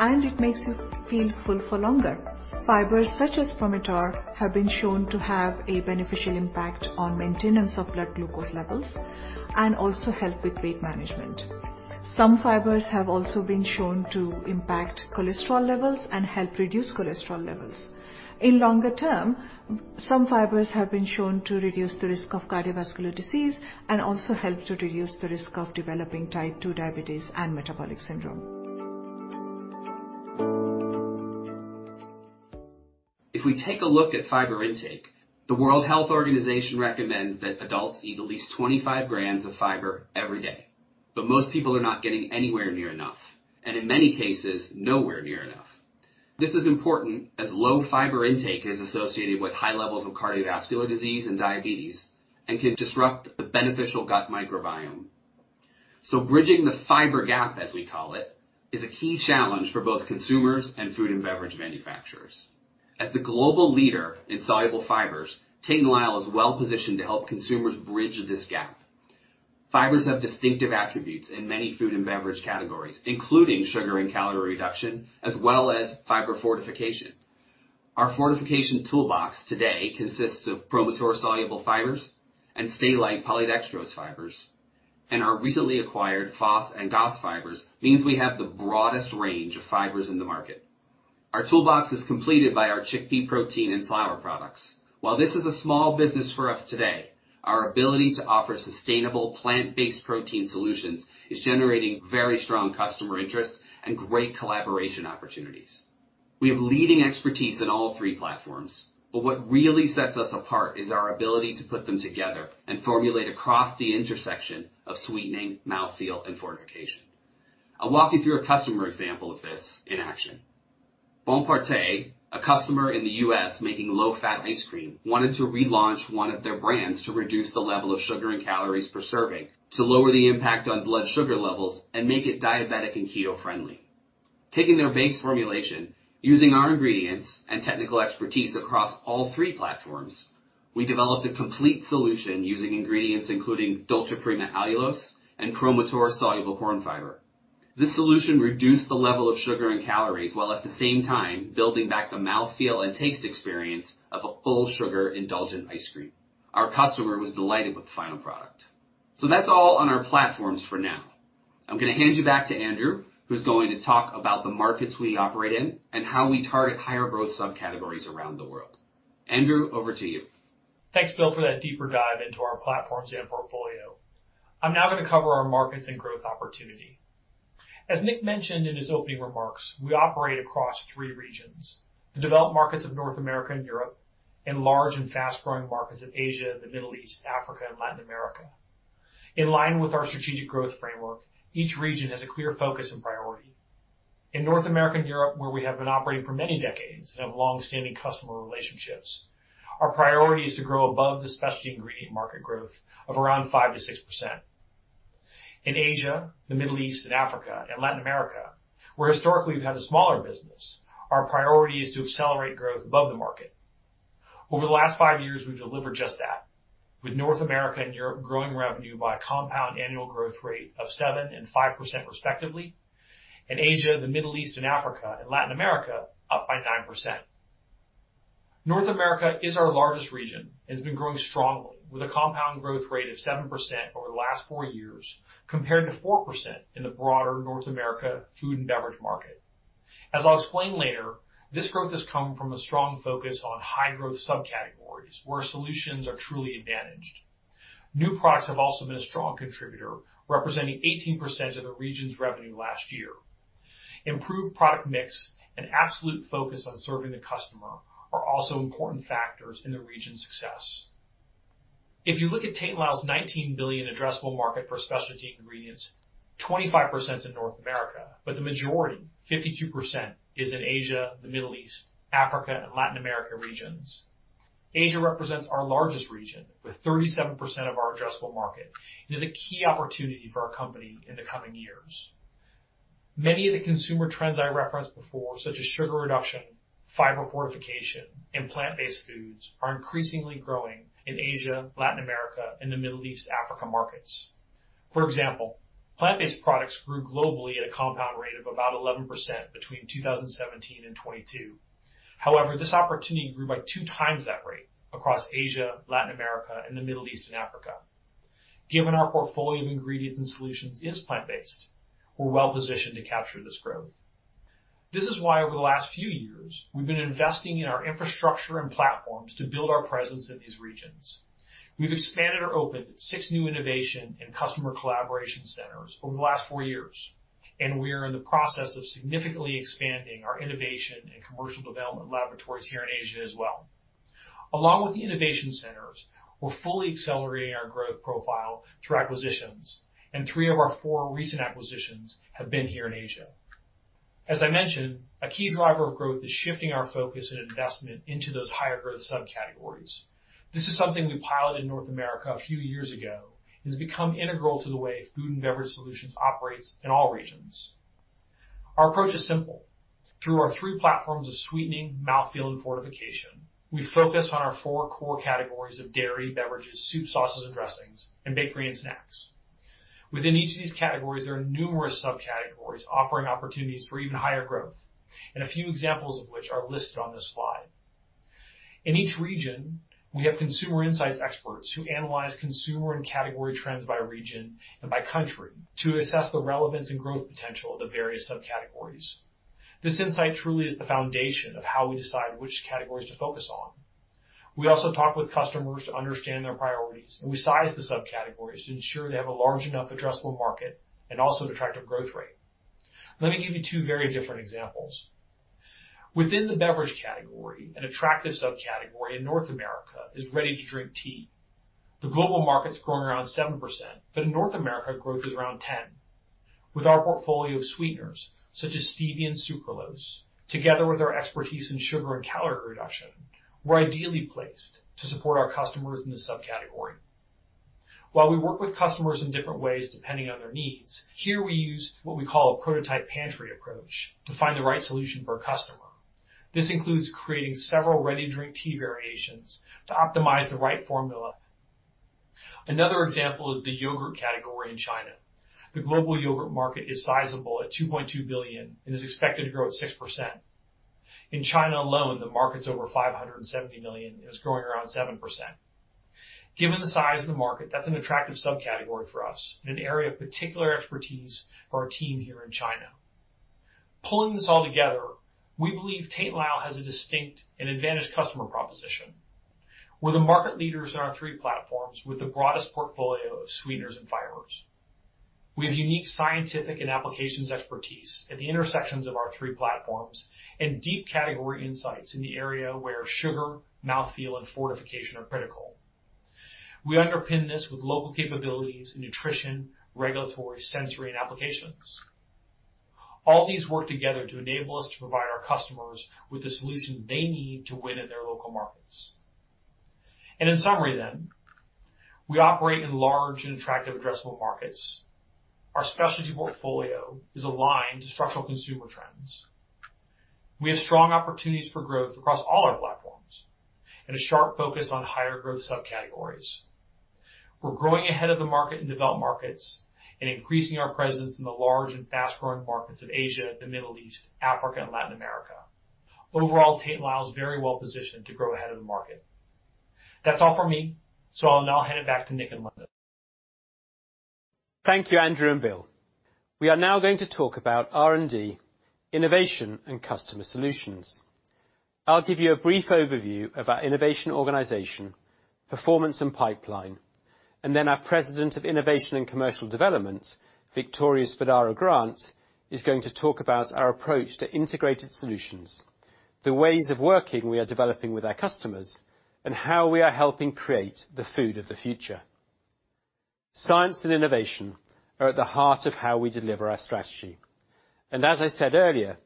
and it makes you feel full for longer. Fibers such as PROMITOR have been shown to have a beneficial impact on maintenance of blood glucose levels and also help with weight management. Some fibers have also been shown to impact cholesterol levels and help reduce cholesterol levels. In longer term, some fibers have been shown to reduce the risk of cardiovascular disease and also help to reduce the risk of developing type two diabetes and metabolic syndrome. We take a look at fiber intake, the World Health Organization recommends that adults eat at least 25 g of fiber every day, but most people are not getting anywhere near enough, and in many cases, nowhere near enough. This is important as low fiber intake is associated with high levels of cardiovascular disease and diabetes and can disrupt the beneficial gut microbiome. Bridging the fiber gap, as we call it, is a key challenge for both consumers and food and beverage manufacturers. The global leader in soluble fibers, Tate & Lyle is well-positioned to help consumers bridge this gap. Fibers have distinctive attributes in many food and beverage categories, including sugar and calorie reduction, as well as fiber fortification. Our fortification toolbox today consists of PROMITOR soluble fibers and STA-LITE Polydextrose fibers, and our recently acquired FOS and GOS fibers means we have the broadest range of fibers in the market. Our toolbox is completed by our chickpea protein and flour products. While this is a small business for us today, our ability to offer sustainable plant-based protein solutions is generating very strong customer interest and great collaboration opportunities. We have leading expertise in all three platforms, but what really sets us apart is our ability to put them together and formulate across the intersection of sweetening, mouthfeel, and fortification. I'll walk you through a customer example of this in action. Bomparte, a customer in the U.S. making low-fat ice cream, wanted to relaunch one of their brands to reduce the level of sugar and calories per serving to lower the impact on blood sugar levels and make it diabetic and keto-friendly. Taking their base formulation, using our ingredients and technical expertise across all three platforms, we developed a complete solution using ingredients including DOLCIA PRIMA allulose and PROMITOR soluble corn fiber. This solution reduced the level of sugar and calories, while at the same time building back the mouthfeel and taste experience of a full sugar indulgent ice cream. Our customer was delighted with the final product. That's all on our platforms for now. I'm gonna hand you back to Andrew, who's going to talk about the markets we operate in and how we target higher growth subcategories around the world. Andrew, over to you. Thanks, Bill, for that deeper dive into our platforms and portfolio. I'm now gonna cover our markets and growth opportunity. As Nick mentioned in his opening remarks, we operate across three regions, the developed markets of North America and Europe, and large and fast-growing markets in Asia, the Middle East, Africa, and Latin America. In line with our strategic growth framework, each region has a clear focus and priority. In North America and Europe, where we have been operating for many decades and have long-standing customer relationships, our priority is to grow above the specialty ingredient market growth of around 5%-6%. In Asia, the Middle East, Africa, and Latin America, where historically we've had a smaller business, our priority is to accelerate growth above the market. Over the last five years, we've delivered just that, with North America and Europe growing revenue by a compound annual growth rate of 7% and 5% respectively. In Asia, the Middle East and Africa, and Latin America, up by 9%. North America is our largest region and has been growing strongly with a compound growth rate of 7% over the last four years compared to 4% in the broader North America food and beverage market. As I'll explain later, this growth has come from a strong focus on high-growth subcategories where solutions are truly advantaged. New products have also been a strong contributor, representing 18% of the region's revenue last year. Improved product mix and absolute focus on serving the customer are also important factors in the region's success. If you look at Tate & Lyle's 19 billion addressable market for specialty ingredients, 25% is in North America, but the majority, 52% is in Asia, the Middle East, Africa, and Latin America regions. Asia represents our largest region with 37% of our addressable market and is a key opportunity for our company in the coming years. Many of the consumer trends I referenced before, such as sugar reduction, fiber fortification, and plant-based foods, are increasingly growing in Asia, Latin America, and the Middle East, Africa markets. For example, plant-based products grew globally at a compound rate of about 11% between 2017 and 2022. However, this opportunity grew by 2x that rate across Asia, Latin America, and the Middle East, and Africa. Given our portfolio of ingredients and solutions is plant-based, we're well-positioned to capture this growth. This is why over the last few years, we've been investing in our infrastructure and platforms to build our presence in these regions. We've expanded or opened six new innovation and customer collaboration centers over the last four years, and we are in the process of significantly expanding our innovation and commercial development laboratories here in Asia as well. Along with the innovation centers, we're fully accelerating our growth profile through acquisitions, and three of our four recent acquisitions have been here in Asia. As I mentioned, a key driver of growth is shifting our focus and investment into those higher growth subcategories. This is something we piloted in North America a few years ago and has become integral to the way Food & Beverage Solutions operates in all regions. Our approach is simple. Through our three platforms of sweetening, mouthfeel, and fortification, we focus on our four core categories of dairy, beverages, soup sauces and dressings, and bakery and snacks. Within each of these categories, there are numerous subcategories offering opportunities for even higher growth, and a few examples of which are listed on this slide. In each region, we have consumer insights experts who analyze consumer and category trends by region and by country to assess the relevance and growth potential of the various subcategories. This insight truly is the foundation of how we decide which categories to focus on. We also talk with customers to understand their priorities, and we size the subcategories to ensure they have a large enough addressable market and also an attractive growth rate. Let me give you two very different examples. Within the beverage category, an attractive subcategory in North America is ready-to-drink tea. The global market's growing around 7%. In North America, growth is around 10%. With our portfolio of sweeteners such as stevia and sucralose, together with our expertise in sugar and calorie reduction, we're ideally placed to support our customers in this subcategory. While we work with customers in different ways, depending on their needs, here we use what we call a Prototype Pantry approach to find the right solution for a customer. This includes creating several ready-to-drink tea variations to optimize the right formula. Another example is the yogurt category in China. The global yogurt market is sizable at $2.2 billion and is expected to grow at 6%. In China alone, the market's over $570 million and is growing around 7%. Given the size of the market, that's an attractive subcategory for us and an area of particular expertise for our team here in China. Pulling this all together, we believe Tate & Lyle has a distinct and advantage customer proposition, where the market leaders in our three platforms with the broadest portfolio of sweeteners and fibers. We have unique scientific and applications expertise at the intersections of our three platforms and deep category insights in the area where sugar, mouthfeel, and fortification are critical. We underpin this with local capabilities in nutrition, regulatory, sensory, and applications. All these work together to enable us to provide our customers with the solutions they need to win in their local markets. In summary then, we operate in large and attractive addressable markets. Our specialty portfolio is aligned to structural consumer trends. We have strong opportunities for growth across all our platforms and a sharp focus on higher growth subcategories. We're growing ahead of the market in developed markets and increasing our presence in the large and fast-growing markets of Asia, the Middle East, Africa, and Latin America. Overall, Tate & Lyle is very well positioned to grow ahead of the market. That's all for me, so I'll now hand it back to Nick and Linda. Thank you, Andrew and Bill. We are now going to talk about R&D, innovation, and customer solutions. I'll give you a brief overview of our innovation organization, performance, and pipeline, and then our President of Innovation and Commercial Development, Victoria Spadaro Grant, is going to talk about our approach to integrated solutions, the ways of working we are developing with our customers, and how we are helping create the food of the future. Science and innovation are at the heart of how we deliver our strategy. As I said earlier,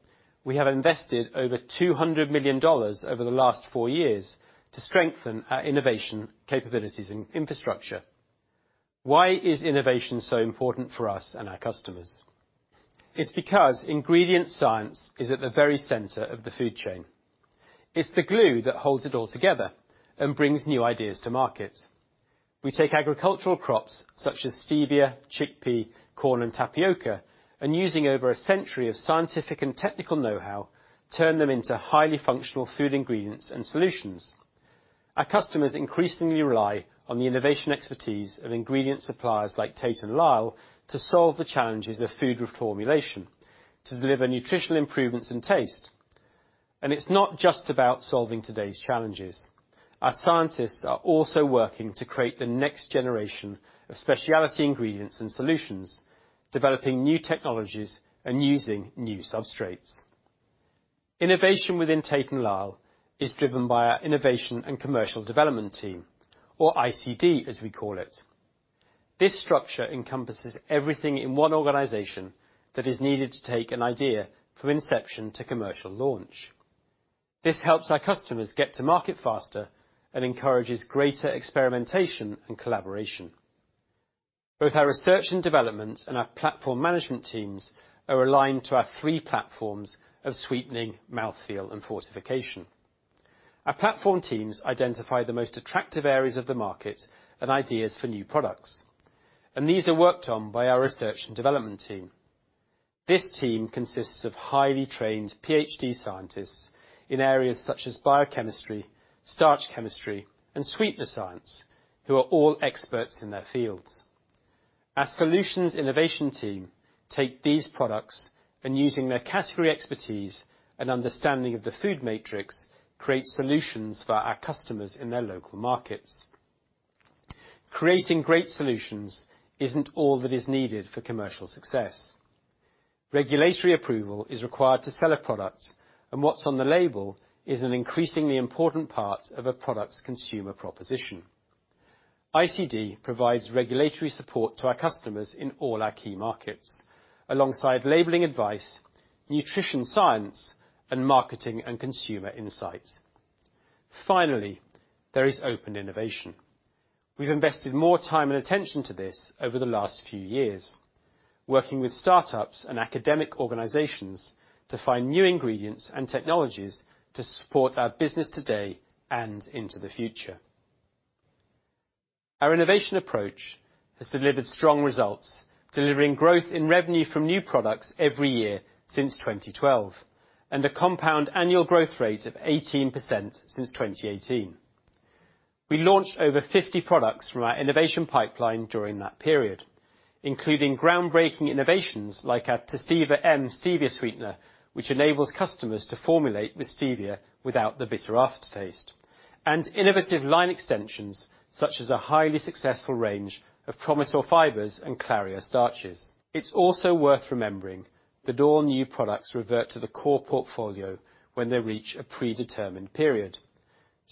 we have invested over $200 million over the last four years to strengthen our innovation capabilities and infrastructure. Why is innovation so important for us and our customers? It's because ingredient science is at the very center of the food chain. It's the glue that holds it all together and brings new ideas to market. We take agricultural crops such as stevia, chickpea, corn, and tapioca, and using over a century of scientific and technical know-how, turn them into highly functional food ingredients and solutions. Our customers increasingly rely on the innovation expertise of ingredient suppliers like Tate & Lyle to solve the challenges of food reformulation to deliver nutritional improvements in taste. It's not just about solving today's challenges. Our scientists are also working to create the next generation of specialty ingredients and solutions, developing new technologies and using new substrates. Innovation within Tate & Lyle is driven by our Innovation and Commercial Development team, or ICD, as we call it. This structure encompasses everything in one organization that is needed to take an idea from inception to commercial launch. This helps our customers get to market faster and encourages greater experimentation and collaboration. Both our research and development and our platform management teams are aligned to our three platforms of sweetening, mouthfeel, and fortification. Our platform teams identify the most attractive areas of the market and ideas for new products. These are worked on by our research and development team. This team consists of highly trained PhD scientists in areas such as biochemistry, starch chemistry, and sweetener science who are all experts in their fields. Our solutions innovation team take these products and using their category expertise and understanding of the food matrix, create solutions for our customers in their local markets. Creating great solutions isn't all that is needed for commercial success. Regulatory approval is required to sell a product, and what's on the label is an increasingly important part of a product's consumer proposition. ICD provides regulatory support to our customers in all our key markets, alongside labeling advice, nutrition science, and marketing and consumer insights. Finally, there is open innovation. We've invested more time and attention to this over the last few years, working with startups and academic organizations to find new ingredients and technologies to support our business today and into the future. Our innovation approach has delivered strong results, delivering growth in revenue from new products every year since 2012, and a compound annual growth rate of 18% since 2018. We launched over 50 products from our innovation pipeline during that period, including groundbreaking innovations like our TASTEVA M stevia sweetener, which enables customers to formulate with stevia without the bitter aftertaste, and innovative line extensions such as a highly successful range of PROMITOR fibers and CLARIA starches. It's also worth remembering that all new products revert to the core portfolio when they reach a predetermined period.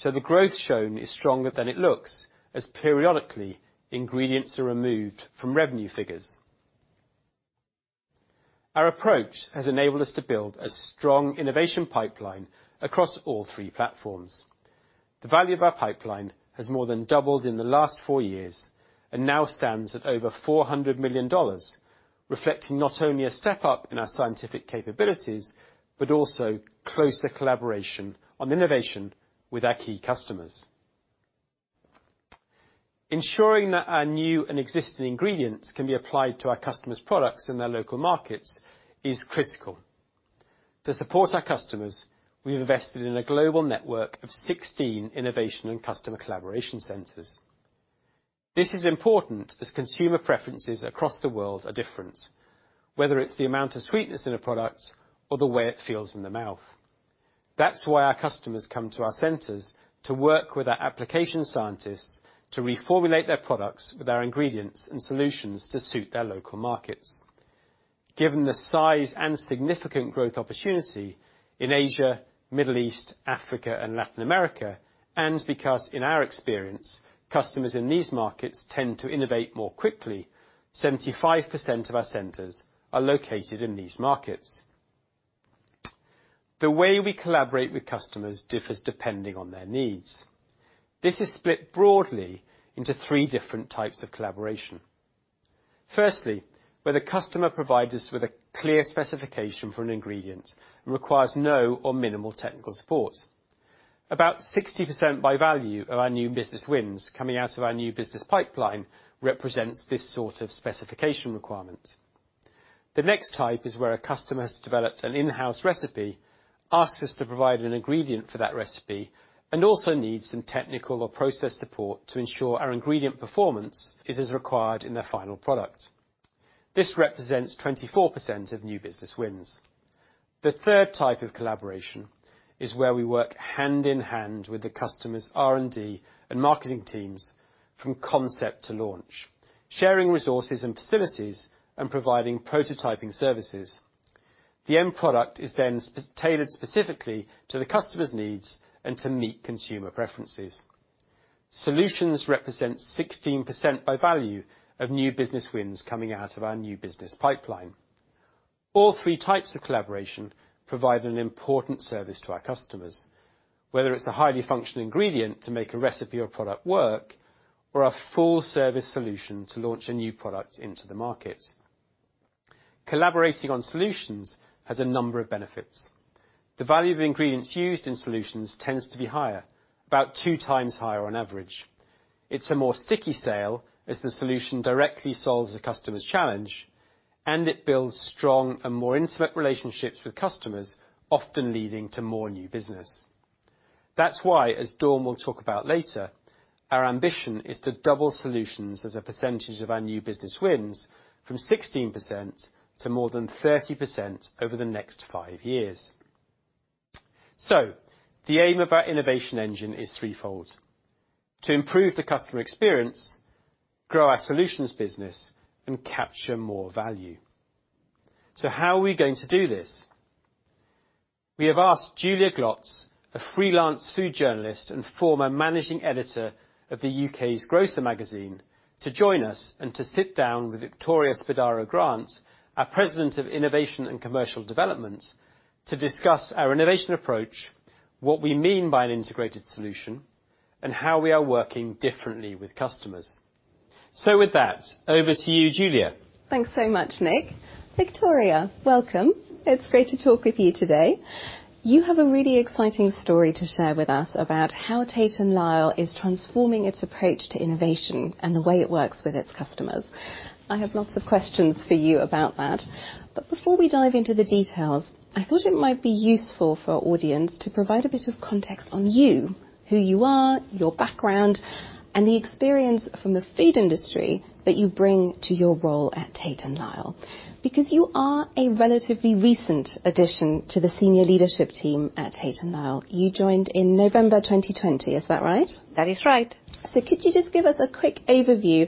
The growth shown is stronger than it looks as periodically, ingredients are removed from revenue figures. Our approach has enabled us to build a strong innovation pipeline across all three platforms. The value of our pipeline has more than doubled in the last four years and now stands at over $400 million, reflecting not only a step up in our scientific capabilities, but also closer collaboration on innovation with our key customers. Ensuring that our new and existing ingredients can be applied to our customers' products in their local markets is critical. To support our customers, we've invested in a global network of 16 innovation and customer collaboration centers. This is important as consumer preferences across the world are different, whether it's the amount of sweetness in a product or the way it feels in the mouth. That's why our customers come to our centers to work with our application scientists to reformulate their products with our ingredients and solutions to suit their local markets. Given the size and significant growth opportunity in Asia, Middle East, Africa, and Latin America, because in our experience, customers in these markets tend to innovate more quickly, 75% of our centers are located in these markets. The way we collaborate with customers differs depending on their needs. This is split broadly into three different types of collaboration. Firstly, where the customer provides us with a clear specification for an ingredient requires no or minimal technical support. About 60% by value of our new business wins coming out of our new business pipeline represents this sort of specification requirement. The next type is where a customer has developed an in-house recipe, asks us to provide an ingredient for that recipe, and also needs some technical or process support to ensure our ingredient performance is as required in their final product. This represents 24% of new business wins. The third type of collaboration is where we work hand in hand with the customer's R&D and marketing teams from concept to launch, sharing resources and facilities, and providing prototyping services. The end product is then tailored specifically to the customer's needs and to meet consumer preferences. Solutions represent 16% by value of new business wins coming out of our new business pipeline. All three types of collaboration provide an important service to our customers, whether it's a highly functional ingredient to make a recipe or product work, or a full-service solution to launch a new product into the market. Collaborating on solutions has a number of benefits. The value of the ingredients used in solutions tends to be higher, about 2x higher on average. It's a more sticky sale as the solution directly solves a customer's challenge, and it builds strong and more intimate relationships with customers, often leading to more new business. That's why, as Dawn will talk about later, our ambition is to double solutions as a percentage of our new business wins from 16% to more than 30% over the next five years. The aim of our innovation engine is threefold: To improve the customer experience, grow our solutions business, and capture more value. How are we going to do this? We have asked Julia Glotz, a freelance food journalist and former managing editor of the U.K.'s The Grocer, to join us and to sit down with Victoria Spadaro Grant, our President of Innovation and Commercial Development, to discuss our innovation approach, what we mean by an integrated solution, and how we are working differently with customers. With that, over to you, Julia. Thanks so much, Nick. Victoria, welcome. It's great to talk with you today. You have a really exciting story to share with us about how Tate & Lyle is transforming its approach to innovation and the way it works with its customers. I have lots of questions for you about that. Before we dive into the details, I thought it might be useful for our audience to provide a bit of context on you, who you are, your background, and the experience from the food industry that you bring to your role at Tate & Lyle. You are a relatively recent addition to the senior leadership team at Tate & Lyle. You joined in November 2020, is that right? That is right. Could you just give us a quick overview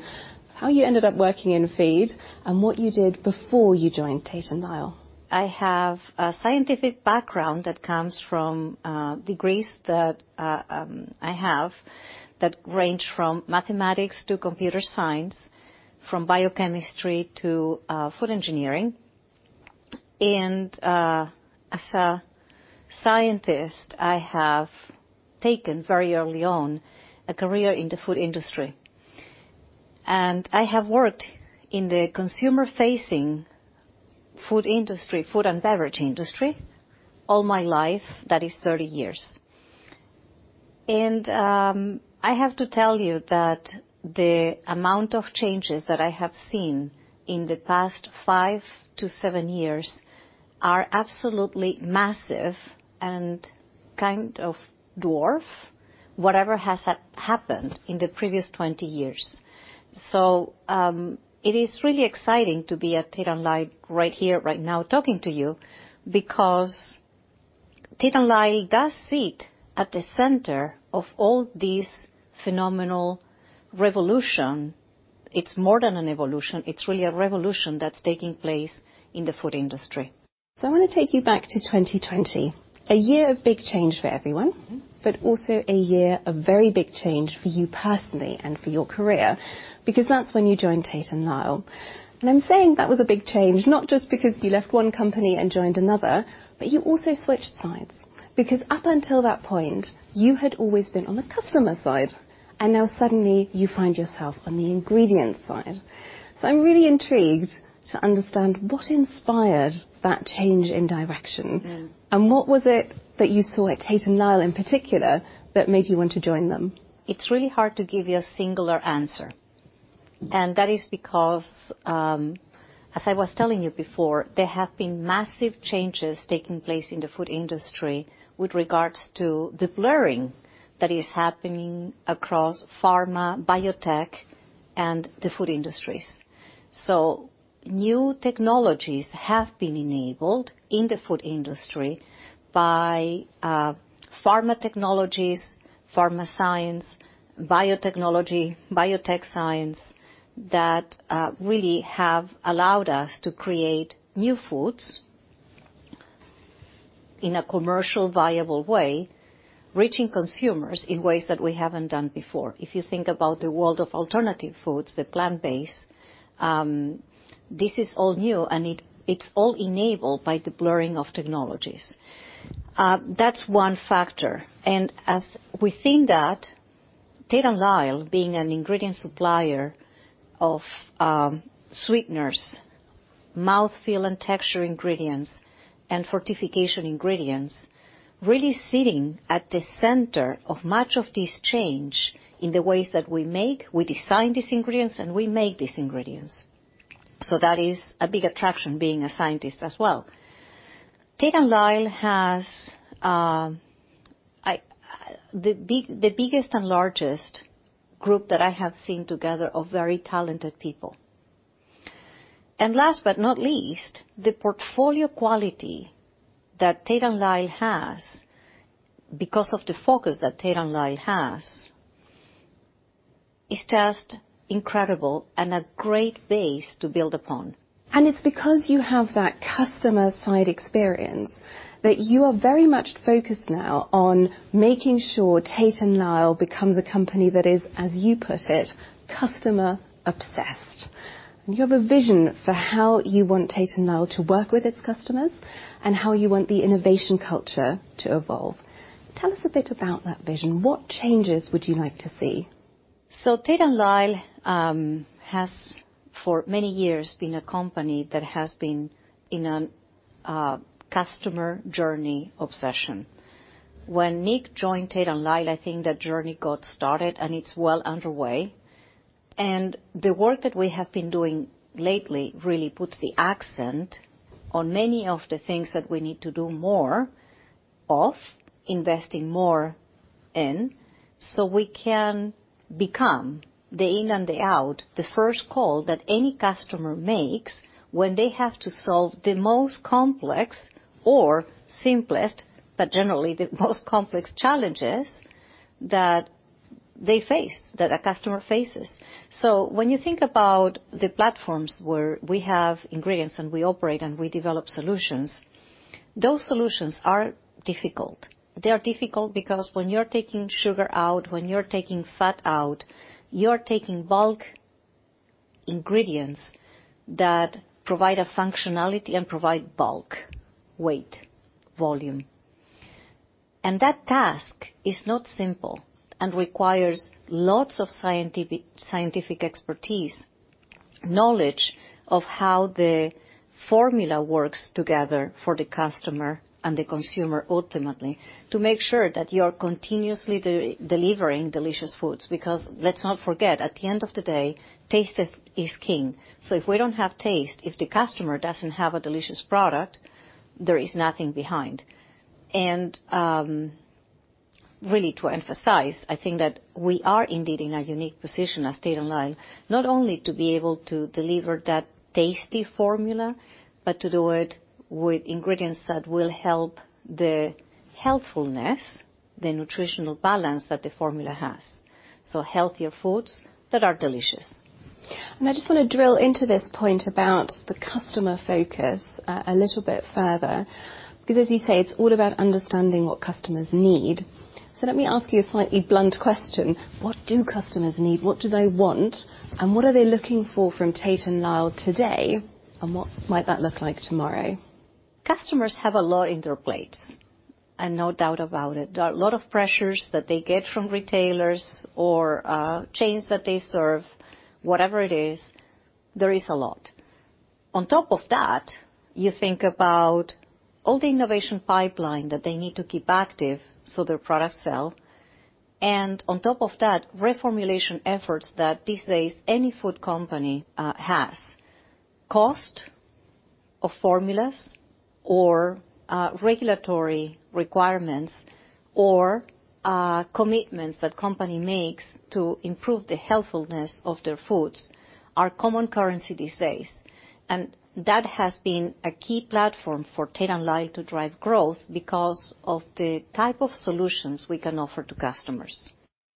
how you ended up working in food and what you did before you joined Tate & Lyle? I have a scientific background that comes from degrees that I have that range from mathematics to computer science, from biochemistry to food engineering. As a scientist, I have taken very early on a career in the food industry. I have worked in the consumer-facing food industry, food and beverage industry all my life, that is 30 years. I have to tell you that the amount of changes that I have seen in the past five to seven years are absolutely massive and kind of dwarf whatever has happened in the previous 20 years. It is really exciting to be at Tate & Lyle right here, right now talking to you because Tate & Lyle does sit at the center of all this phenomenal revolution. It's more than an evolution, it's really a revolution that's taking place in the food industry. I want to take you back to 2020, a year of big change for everyone. Also a year of very big change for you personally and for your career, because that's when you joined Tate & Lyle. I'm saying that was a big change, not just because you left one company and joined another, but you also switched sides. Up until that point, you had always been on the customer side. Now suddenly, you find yourself on the ingredients side. I'm really intrigued to understand what inspired that change in direction. What was it that you saw at Tate & Lyle in particular that made you want to join them? It's really hard to give you a singular answer. That is because, as I was telling you before, there have been massive changes taking place in the food industry with regards to the blurring that is happening across pharma, biotech, and the food industries. New technologies have been enabled in the food industry by pharma technologies, pharma science, biotechnology, biotech science, that really have allowed us to create new foods in a commercial viable way, reaching consumers in ways that we haven't done before. You think about the world of alternative foods, the plant-based, this is all new, and it's all enabled by the blurring of technologies. That's one factor. As we think that, Tate & Lyle being an ingredient supplier of sweeteners, mouth feel and texture ingredients, and fortification ingredients, really sitting at the center of much of this change in the ways that we make, we design these ingredients, and we make these ingredients. That is a big attraction being a scientist as well. Tate & Lyle has the biggest and largest group that I have seen together of very talented people. Last but not least, the portfolio quality that Tate & Lyle has because of the focus that Tate & Lyle has, is just incredible and a great base to build upon. It's because you have that customer side experience that you are very much focused now on making sure Tate & Lyle becomes a company that is, as you put it, customer obsessed. You have a vision for how you want Tate & Lyle to work with its customers, and how you want the innovation culture to evolve. Tell us a bit about that vision. What changes would you like to see? Tate & Lyle has for many years been a company that has been in a customer journey obsession. When Nick joined Tate & Lyle, I think that journey got started, and it's well underway. The work that we have been doing lately really puts the accent on many of the things that we need to do more of, investing more in, so we can become the in and the out, the first call that any customer makes when they have to solve the most complex or simplest, but generally the most complex challenges that they face, that a customer faces. When you think about the platforms where we have ingredients and we operate and we develop solutions, those solutions are difficult. They are difficult because when you're taking sugar out, when you're taking fat out, you're taking bulk ingredients that provide a functionality and provide bulk, weight, volume. That task is not simple and requires lots of scientific expertise, knowledge of how the formula works together for the customer and the consumer ultimately, to make sure that you're continuously delivering delicious foods because let's not forget, at the end of the day, taste is king. If we don't have taste, if the customer doesn't have a delicious product, there is nothing behind. Really to emphasize, I think that we are indeed in a unique position as Tate & Lyle, not only to be able to deliver that tasty formula, but to do it with ingredients that will help the healthfulness, the nutritional balance that the formula has. Healthier foods that are delicious. I just wanna drill into this point about the customer focus a little bit further, because as you say, it's all about understanding what customers need. Let me ask you a slightly blunt question. What do customers need? What do they want, and what are they looking for from Tate & Lyle today, and what might that look like tomorrow? Customers have a lot in their plates. No doubt about it. There are a lot of pressures that they get from retailers or chains that they serve. Whatever it is, there is a lot. On top of that, you think about all the innovation pipeline that they need to keep active, so their products sell. On top of that, reformulation efforts that these days any food company has. Cost of formulas or regulatory requirements or commitments that company makes to improve the healthfulness of their foods are common currency these days. That has been a key platform for Tate & Lyle to drive growth because of the type of solutions we can offer to customers.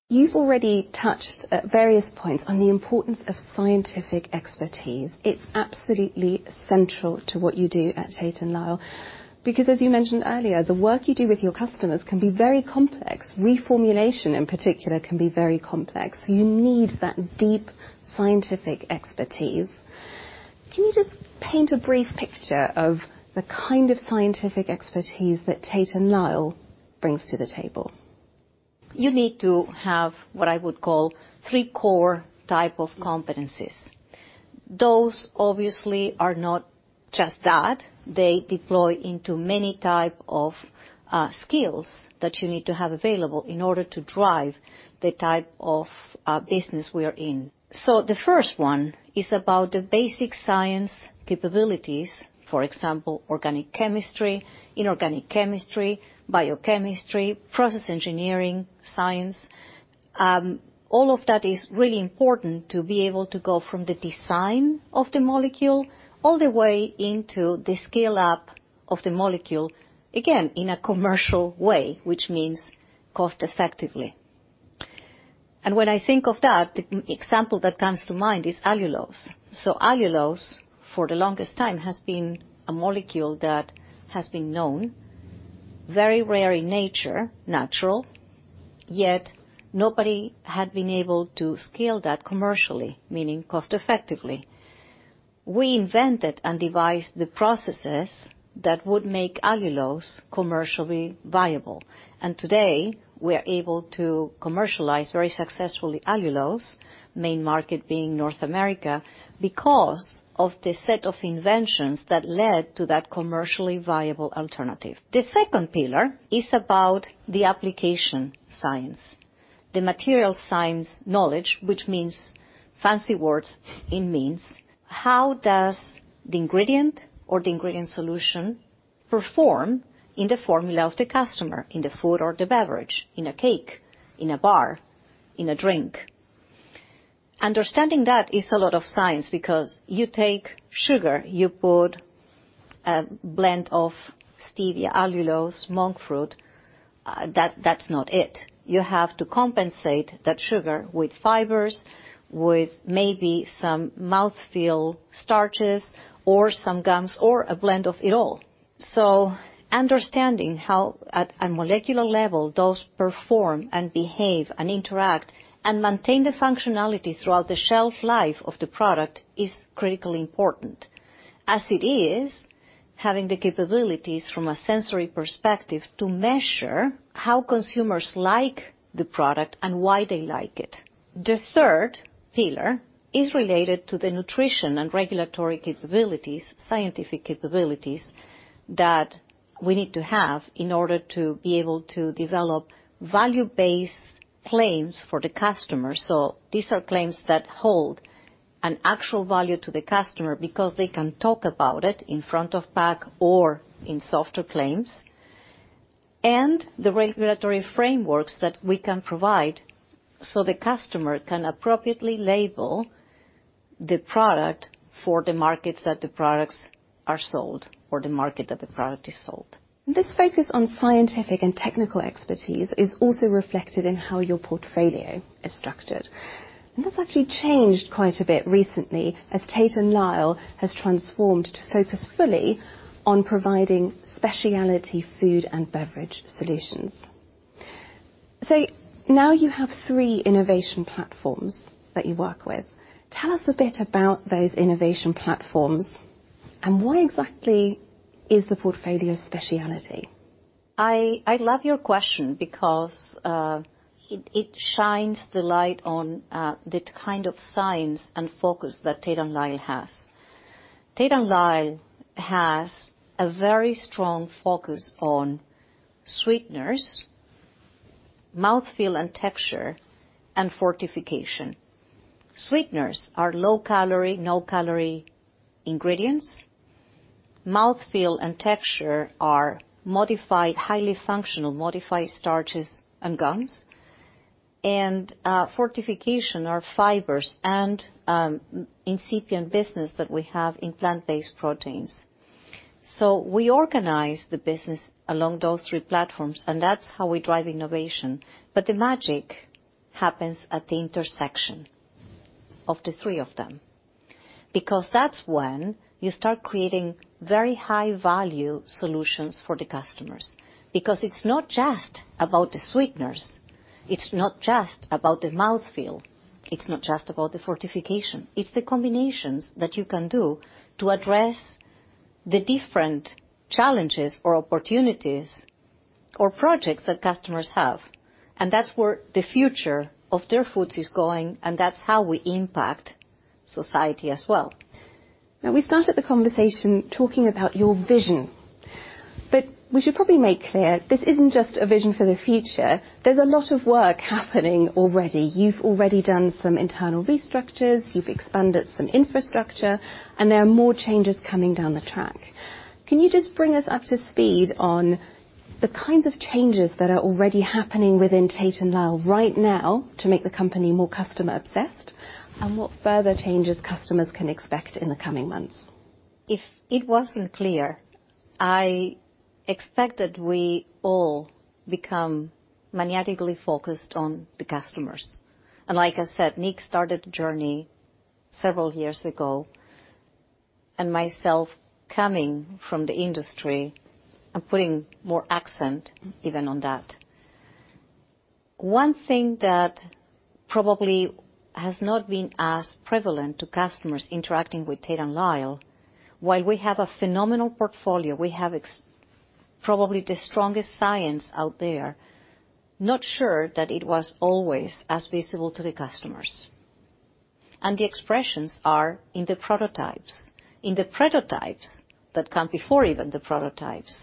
You've already touched at various points on the importance of scientific expertise. It's absolutely central to what you do at Tate & Lyle because, as you mentioned earlier, the work you do with your customers can be very complex. Reformulation, in particular, can be very complex. You need that deep scientific expertise. Can you just paint a brief picture of the kind of scientific expertise that Tate & Lyle brings to the table? You need to have what I would call three core type of competencies. Those obviously are not just that. They deploy into many type of skills that you need to have available in order to drive the type of business we are in. The first one is about the basic science capabilities, for example, organic chemistry, inorganic chemistry, biochemistry, process engineering, science. All of that is really important to be able to go from the design of the molecule all the way into the scale-up of the molecule, again, in a commercial way, which means cost-effectively. When I think of that, the example that comes to mind is allulose. Allulose, for the longest time, has been a molecule that has been known, very rare in nature, natural, yet nobody had been able to scale that commercially, meaning cost-effectively. We invented and devised the processes that would make allulose commercially viable. Today, we are able to commercialize very successfully allulose, main market being North America, because of the set of inventions that led to that commercially viable alternative. The second pillar is about the application science, the material science knowledge, which means fancy words. It means how does the ingredient or the ingredient solution perform in the formula of the customer, in the food or the beverage, in a cake, in a bar, in a drink? Understanding that is a lot of science because you take sugar, you put a blend of stevia, allulose, monk fruit. That's not it. You have to compensate that sugar with fibers, with maybe some mouth feel starches or some gums or a blend of it all. Understanding how at a molecular level those perform and behave and interact and maintain the functionality throughout the shelf life of the product is critically important, as it is having the capabilities from a sensory perspective to measure how consumers like the product and why they like it. The third pillar is related to the nutrition and regulatory capabilities, scientific capabilities that we need to have in order to be able to develop value-based claims for the customer. These are claims that hold an actual value to the customer because they can talk about it in front of pack or in softer claims, and the regulatory frameworks that we can provide so the customer can appropriately label the product for the markets that the products are sold, or the market that the product is sold. This focus on scientific and technical expertise is also reflected in how your portfolio is structured. That's actually changed quite a bit recently as Tate & Lyle has transformed to focus fully on providing speciality food and beverage solutions. Now you have three innovation platforms that you work with. Tell us a bit about those innovation platforms, and why exactly is the portfolio speciality? I love your question because it shines the light on the kind of science and focus that Tate & Lyle has. Tate & Lyle has a very strong focus on sweeteners, mouthfeel and texture, and fortification. Sweeteners are low calorie, no calorie ingredients. Mouthfeel and texture are modified, highly functional, modified starches and gums. Fortification are fibers and incipient business that we have in plant-based proteins. We organize the business along those three platforms, and that's how we drive innovation. The magic happens at the intersection of the three of them, because that's when you start creating very high value solutions for the customers. It's not just about the sweeteners. It's not just about the mouthfeel. It's not just about the fortification. It's the combinations that you can do to address the different challenges or opportunities or projects that customers have. That's where the future of their foods is going, and that's how we impact society as well. We started the conversation talking about your vision, but we should probably make clear this isn't just a vision for the future. There's a lot of work happening already. You've already done some internal restructures, you've expanded some infrastructure, and there are more changes coming down the track. Can you just bring us up to speed on the kinds of changes that are already happening within Tate & Lyle right now to make the company more customer-obsessed, and what further changes customers can expect in the coming months? If it wasn't clear, I expect that we all become maniacally focused on the customers. Like I said, Nick started the journey several years ago, and myself coming from the industry and putting more accent even on that. One thing that probably has not been as prevalent to customers interacting with Tate & Lyle, while we have a phenomenal portfolio, we have probably the strongest science out there, not sure that it was always as visible to the customers. The expressions are in the prototypes, in the prototypes that come before even the prototypes,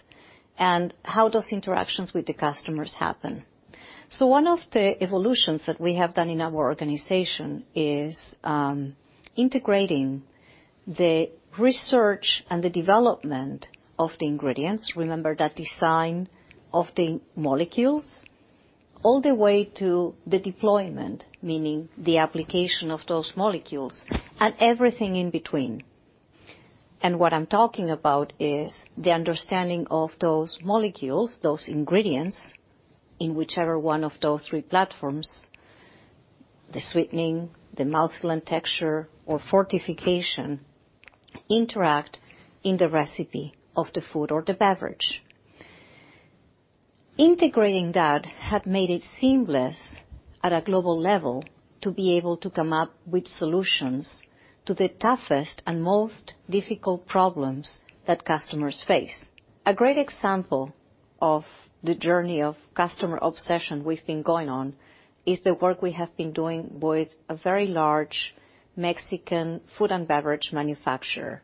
and how those interactions with the customers happen. One of the evolutions that we have done in our organization is integrating the research and the development of the ingredients. Remember that design of the molecules, all the way to the deployment, meaning the application of those molecules and everything in between. What I'm talking about is the understanding of those molecules, those ingredients in whichever one of those three platforms, the sweetening, the mouthfeel and texture or fortification, interact in the recipe of the food or the beverage. Integrating that had made it seamless at a global level to be able to come up with solutions to the toughest and most difficult problems that customers face. A great example of the journey of customer obsession we've been going on is the work we have been doing with a very large Mexican food and beverage manufacturer,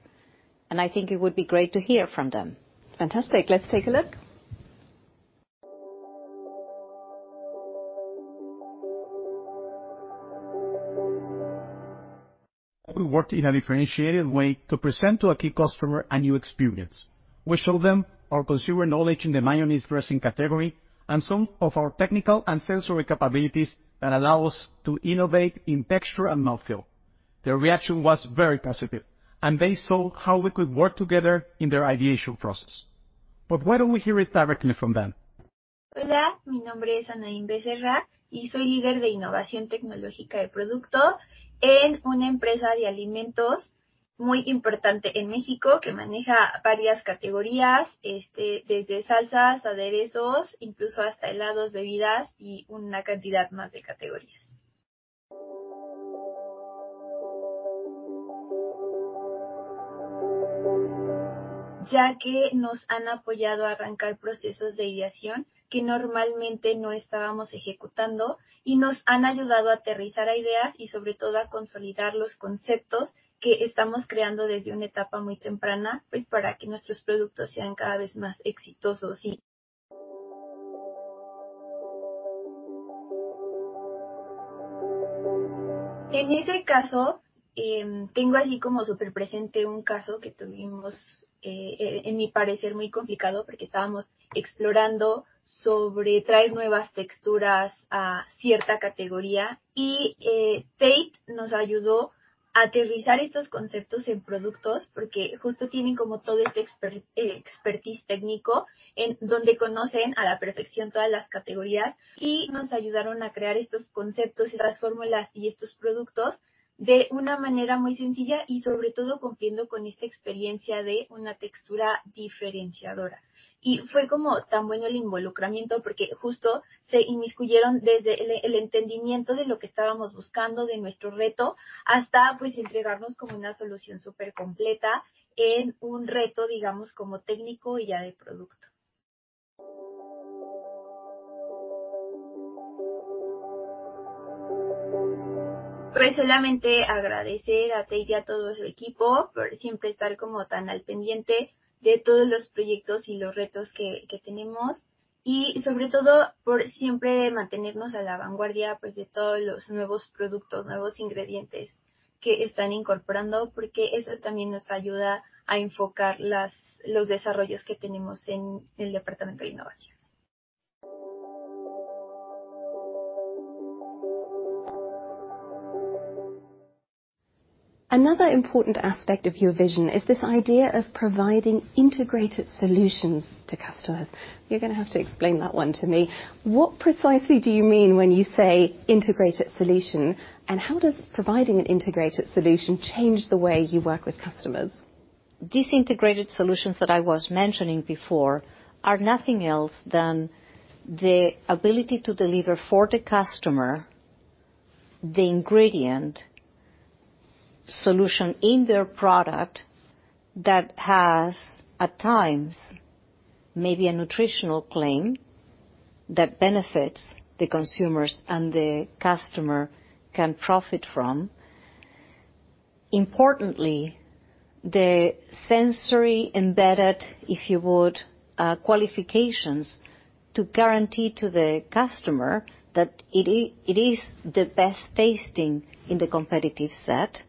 and I think it would be great to hear from them. Fantastic. Let's take a look. We worked in a differentiated way to present to a key customer a new experience. We showed them our consumer knowledge in the mayonnaise dressing category and some of our technical and sensory capabilities that allow us to innovate in texture and mouthfeel. Their reaction was very positive, and they saw how we could work together in their ideation process. Why don't we hear it directly from them? Hola. Mi nombre es Anaín Becerra y soy líder de innovación tecnológica de producto en una empresa de alimentos muy importante en México que maneja varias categorías, este, desde salsas, aderezos, incluso hasta helados, bebidas y una cantidad más de categorías. Ya que nos han apoyado a arrancar procesos de ideación que normalmente no estábamos ejecutando y nos han ayudado a aterrizar ideas y sobre todo a consolidar los conceptos que estamos creando desde una etapa muy temprana, pues para que nuestros productos sean cada vez más exitosos y. En ese caso, tengo así como super presente un caso que tuvimos en mi parecer muy complicado porque estábamos explorando sobre traer nuevas texturas a cierta categoría y Tate nos ayudó a aterrizar estos conceptos en productos, porque justo tienen como todo este expertise técnico en donde conocen a la perfección todas las categorías y nos ayudaron a crear estos conceptos y estas fórmulas y estos productos de una manera muy sencilla y sobre todo cumpliendo con esta experiencia de una textura diferenciadora. Fue como tan bueno el involucramiento porque justo se inmiscuyeron desde el entendimiento de lo que estábamos buscando, de nuestro reto, hasta, pues entregarnos como una solución supercompleta en un reto, digamos, como técnico y ya de producto. solamente agradecer a Tate & Lyle y a todo su equipo por siempre estar como tan al pendiente de todos los proyectos y los retos que tenemos y sobre todo por siempre mantenernos a la vanguardia, pues de todos los nuevos productos, nuevos ingredientes que están incorporando, porque eso también nos ayuda a enfocar las, los desarrollos que tenemos en el departamento de innovación. Another important aspect of your vision is this idea of providing integrated solutions to customers. You're gonna have to explain that one to me. What precisely do you mean when you say integrated solution? How does providing an integrated solution change the way you work with customers? These integrated solutions that I was mentioning before are nothing else than the ability to deliver for the customer the ingredient solution in their product that has, at times, maybe a nutritional claim that benefits the consumers and the customer can profit from. Importantly, the sensory-embedded, if you would, qualifications to guarantee to the customer that it is the best tasting in the competitive set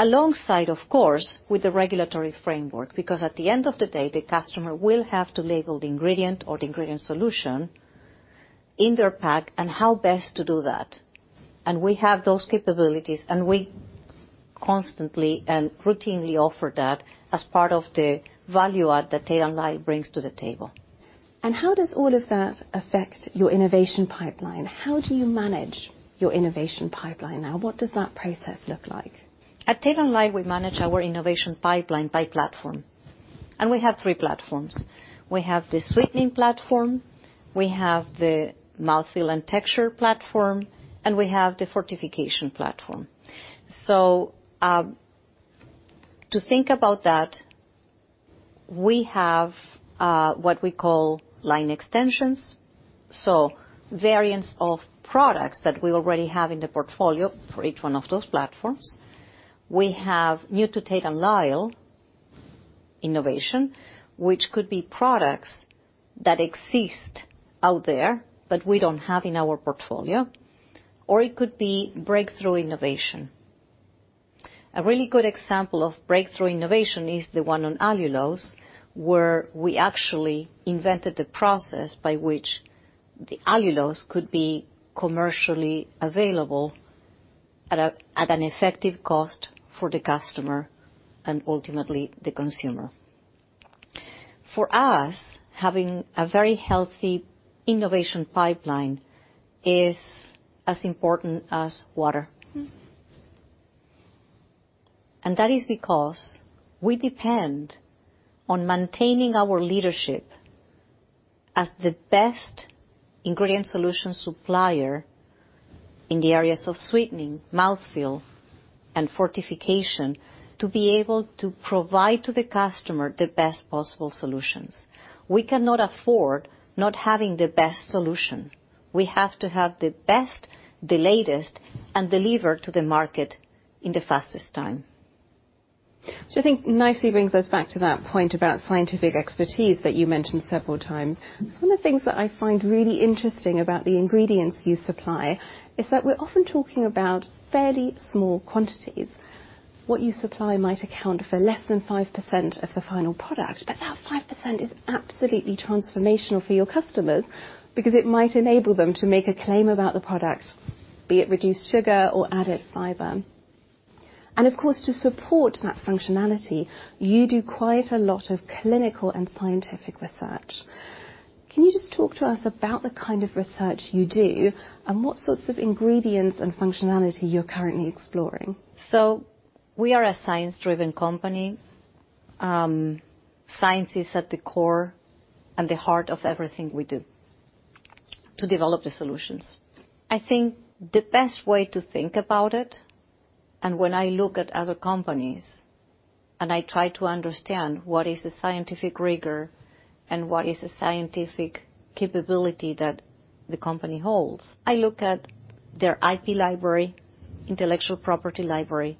alongside, of course, with the regulatory framework. At the end of the day, the customer will have to label the ingredient or the ingredient solution in their pack and how best to do that. We have those capabilities, and we constantly and routinely offer that as part of the value add that Tate & Lyle brings to the table. How does all of that affect your innovation pipeline? How do you manage your innovation pipeline now? What does that process look like? At Tate & Lyle, we manage our innovation pipeline by platform. We have three platforms. We have the sweetening platform, we have the mouthfeel and texture platform, and we have the fortification platform. To think about that, we have what we call line extensions, so variants of products that we already have in the portfolio for each one of those platforms. We have new to Tate & Lyle innovation, which could be products that exist out there, but we don't have in our portfolio, or it could be breakthrough innovation. A really good example of breakthrough innovation is the one on allulose, where we actually invented the process by which the allulose could be commercially available at an effective cost for the customer and ultimately the consumer. For us, having a very healthy innovation pipeline is as important as water That is because we depend on maintaining our leadership as the best ingredient solution supplier in the areas of sweetening, mouthfeel, and fortification to be able to provide to the customer the best possible solutions. We cannot afford not having the best solution. We have to have the best, the latest, and deliver to the market in the fastest time. Which I think nicely brings us back to that point about scientific expertise that you mentioned several times. Some of the things that I find really interesting about the ingredients you supply is that we're often talking about fairly small quantities. What you supply might account for less than 5% of the final product, but that 5% is absolutely transformational for your customers because it might enable them to make a claim about the product, be it reduced sugar or added fiber. Of course, to support that functionality, you do quite a lot of clinical and scientific research. Can you just talk to us about the kind of research you do and what sorts of ingredients and functionality you're currently exploring? We are a science-driven company. Science is at the core and the heart of everything we do to develop the solutions. I think the best way to think about it, and when I look at other companies, and I try to understand what is the scientific rigor and what is the scientific capability that the company holds, I look at their IP library, intellectual property library,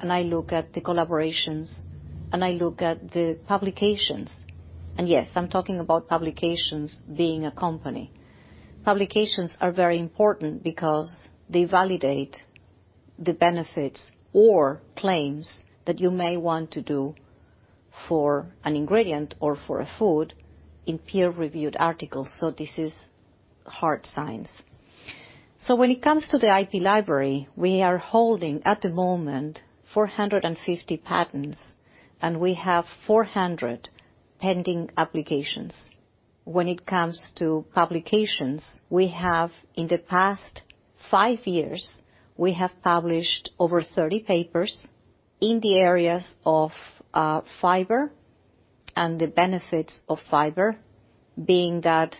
and I look at the collaborations, and I look at the publications. Yes, I'm talking about publications being a company. Publications are very important because they validate the benefits or claims that you may want to do for an ingredient or for a food in peer-reviewed articles. This is hard science. When it comes to the IP library, we are holding at the moment 450 patents, and we have 400 pending applications. When it comes to publications. In the past five years, we have published over 30 papers in the areas of fiber and the benefits of fiber, being that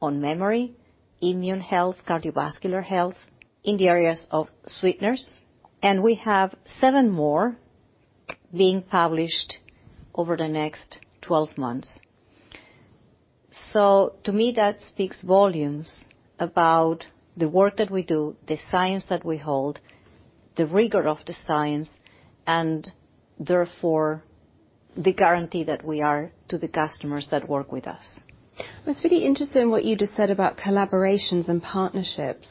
on memory, immune health, cardiovascular health, in the areas of sweeteners. We have seven more being published over the next 12 months. To me, that speaks volumes about the work that we do, the science that we hold, the rigor of the science, and therefore the guarantee that we are to the customers that work with us. I was really interested in what you just said about collaborations and partnerships.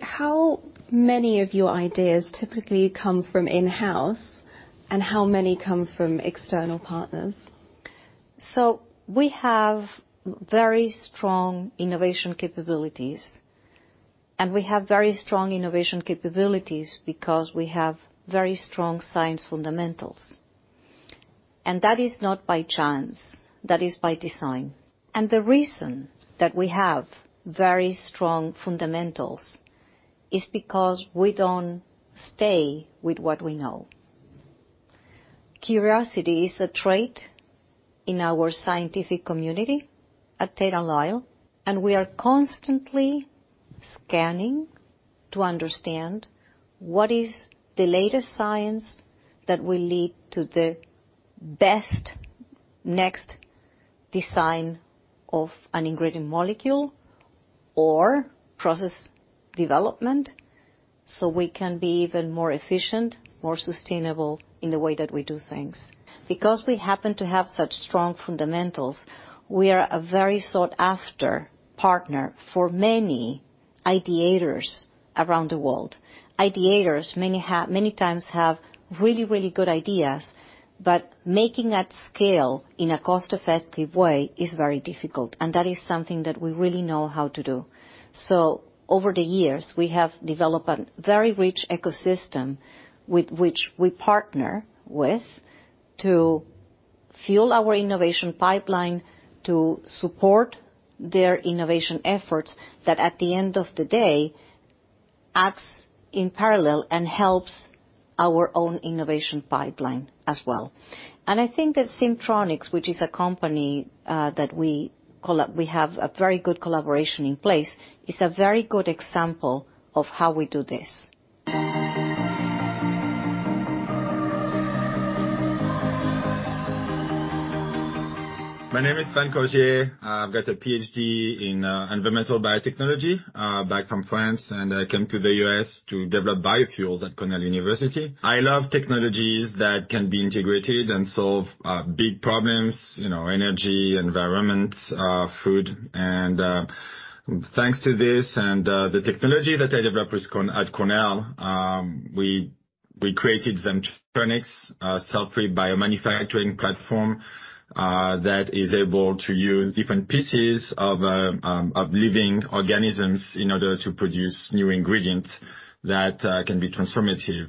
How many of your ideas typically come from in-house, and how many come from external partners? We have very strong innovation capabilities, we have very strong innovation capabilities because we have very strong science fundamentals. That is not by chance. That is by design. The reason that we have very strong fundamentals is because we don't stay with what we know. Curiosity is a trait in our scientific community at Tate & Lyle, we are constantly scanning to understand what is the latest science that will lead to the best next design of an ingredient molecule or process development, we can be even more efficient, more sustainable in the way that we do things. We happen to have such strong fundamentals, we are a very sought-after partner for many ideators around the world. Ideators many times have really, really good ideas, but making that scale in a cost-effective way is very difficult, and that is something that we really know how to do. Over the years, we have developed a very rich ecosystem with which we partner with to fuel our innovation pipeline to support their innovation efforts that at the end of the day Acts in parallel and helps our own innovation pipeline as well. I think that Zymtronix, which is a company, that we have a very good collaboration in place, is a very good example of how we do this. My name is Ben Cogier. I've got a PhD in environmental biotechnology back from France, and I came to the U.S. to develop biofuels at Cornell University. I love technologies that can be integrated and solve big problems, you know, energy, environment, food. Thanks to this and the technology that I developed at Cornell, we created Zymtronix, a cell-free biomanufacturing platform that is able to use different pieces of living organisms in order to produce new ingredients that can be transformative.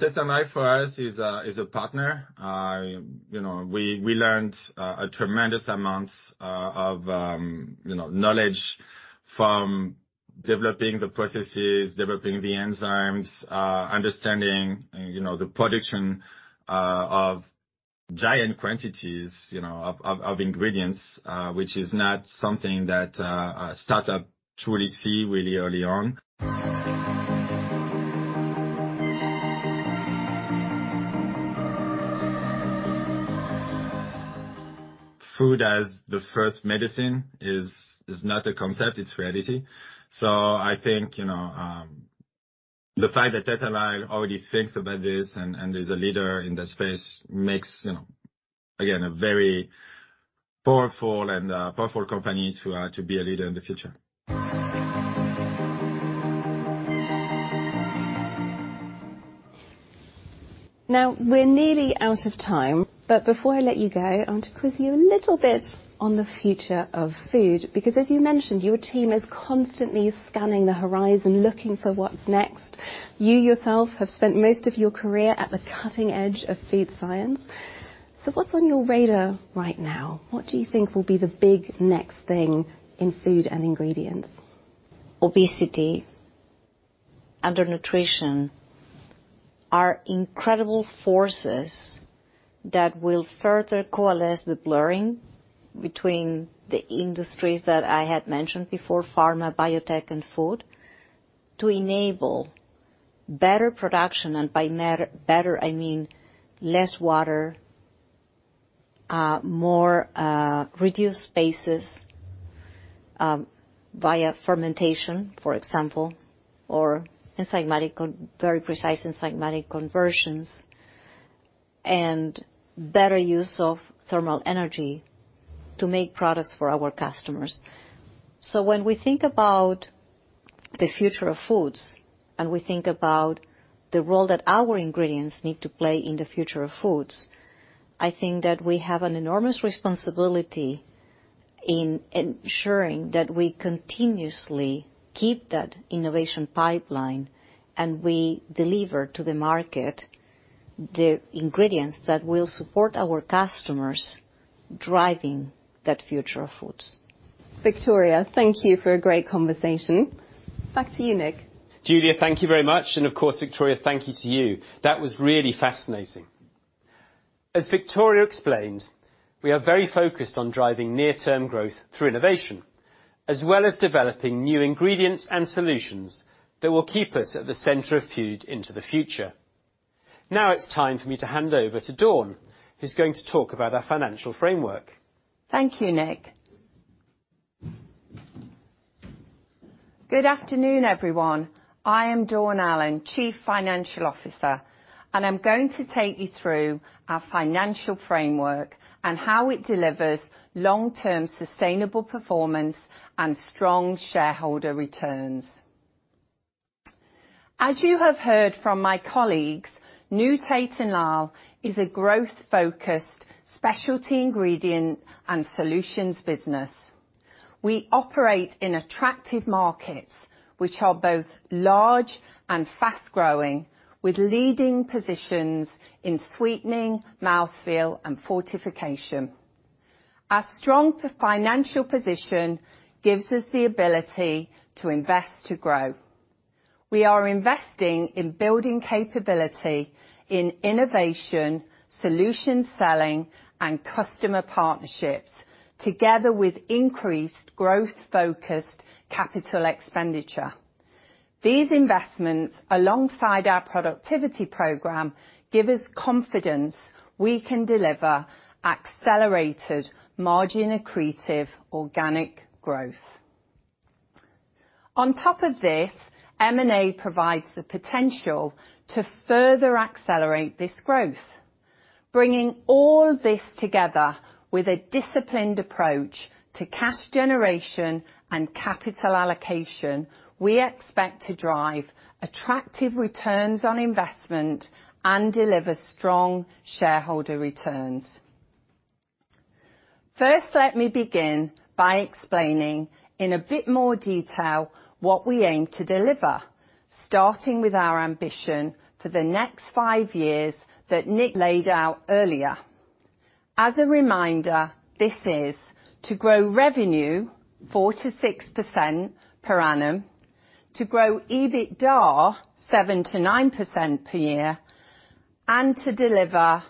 Tate & Lyle, for us, is a partner. you know, we learned a tremendous amount of, you know, knowledge from developing the processes, developing the enzymes, understanding, you know, the production of giant quantities, you know, of ingredients, which is not something that a startup truly see really early on. Food as the first medicine is not a concept. It's reality. I think, you know, the fact that Tate & Lyle already thinks about this and is a leader in that space makes, you know, again, a very powerful and powerful company to be a leader in the future. We're nearly out of time, but before I let you go, I want to quiz you a little bit on the future of food, because as you mentioned, your team is constantly scanning the horizon, looking for what's next. You yourself have spent most of your career at the cutting edge of food science. What's on your radar right now? What do you think will be the big next thing in food and ingredients? Obesity, undernutrition are incredible forces that will further coalesce the blurring between the industries that I had mentioned before, pharma, biotech, and food, to enable better production. By better, I mean less water, more reduced spaces via fermentation, for example, or very precise enzymatic conversions and better use of thermal energy to make products for our customers. When we think about the future of foods, and we think about the role that our ingredients need to play in the future of foods, I think that we have an enormous responsibility in ensuring that we continuously keep that innovation pipeline and we deliver to the market the ingredients that will support our customers driving that future of foods. Victoria, thank you for a great conversation. Back to you, Nick. Julia, thank you very much. Of course, Victoria, thank you to you. That was really fascinating. As Victoria explained, we are very focused on driving near-term growth through innovation, as well as developing new ingredients and solutions that will keep us at the center of food into the future. It's time for me to hand over to Dawn, who's going to talk about our financial framework. Thank you, Nick. Good afternoon, everyone. I am Dawn Allen, chief financial officer. I'm going to take you through our financial framework and how it delivers long-term sustainable performance and strong shareholder returns. As you have heard from my colleagues, new Tate & Lyle is a growth-focused specialty ingredient and solutions business. We operate in attractive markets, which are both large and fast-growing, with leading positions in sweetening, mouthfeel, and fortification. Our strong financial position gives us the ability to invest to grow. We are investing in building capability in innovation, solution selling, and customer partnerships together with increased growth-focused capital expenditure. These investments, alongside our productivity program, give us confidence we can deliver accelerated margin-accretive organic growth. On top of this, M&A provides the potential to further accelerate this growth. Bringing all this together with a disciplined approach to cash generation and capital allocation, we expect to drive attractive returns on investment and deliver strong shareholder returns. First, let me begin by explaining in a bit more detail what we aim to deliver, starting with our ambition for the next five years that Nick laid out earlier. As a reminder, this is to grow revenue 4%-6% per annum, to grow EBITDA 7%-9% per year, and to deliver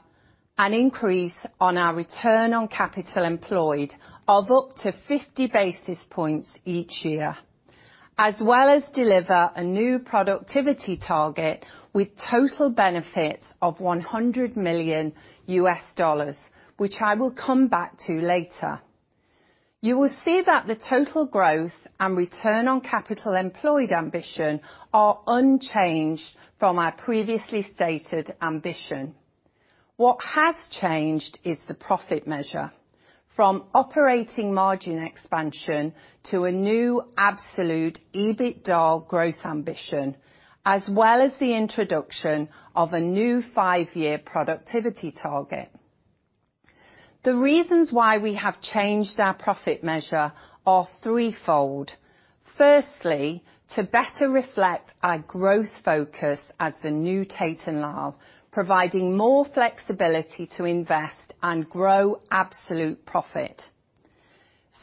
an increase on our return on capital employed of up to 50 basis points each year. As well as deliver a new productivity target with total benefits of $100 million, which I will come back to later. You will see that the total growth and return on capital employed ambition are unchanged from our previously stated ambition. What has changed is the profit measure. From operating margin expansion to a new absolute EBITDA growth ambition, as well as the introduction of a new five-year productivity target. The reasons why we have changed our profit measure are threefold. Firstly, to better reflect our growth focus as the new Tate & Lyle, providing more flexibility to invest and grow absolute profit.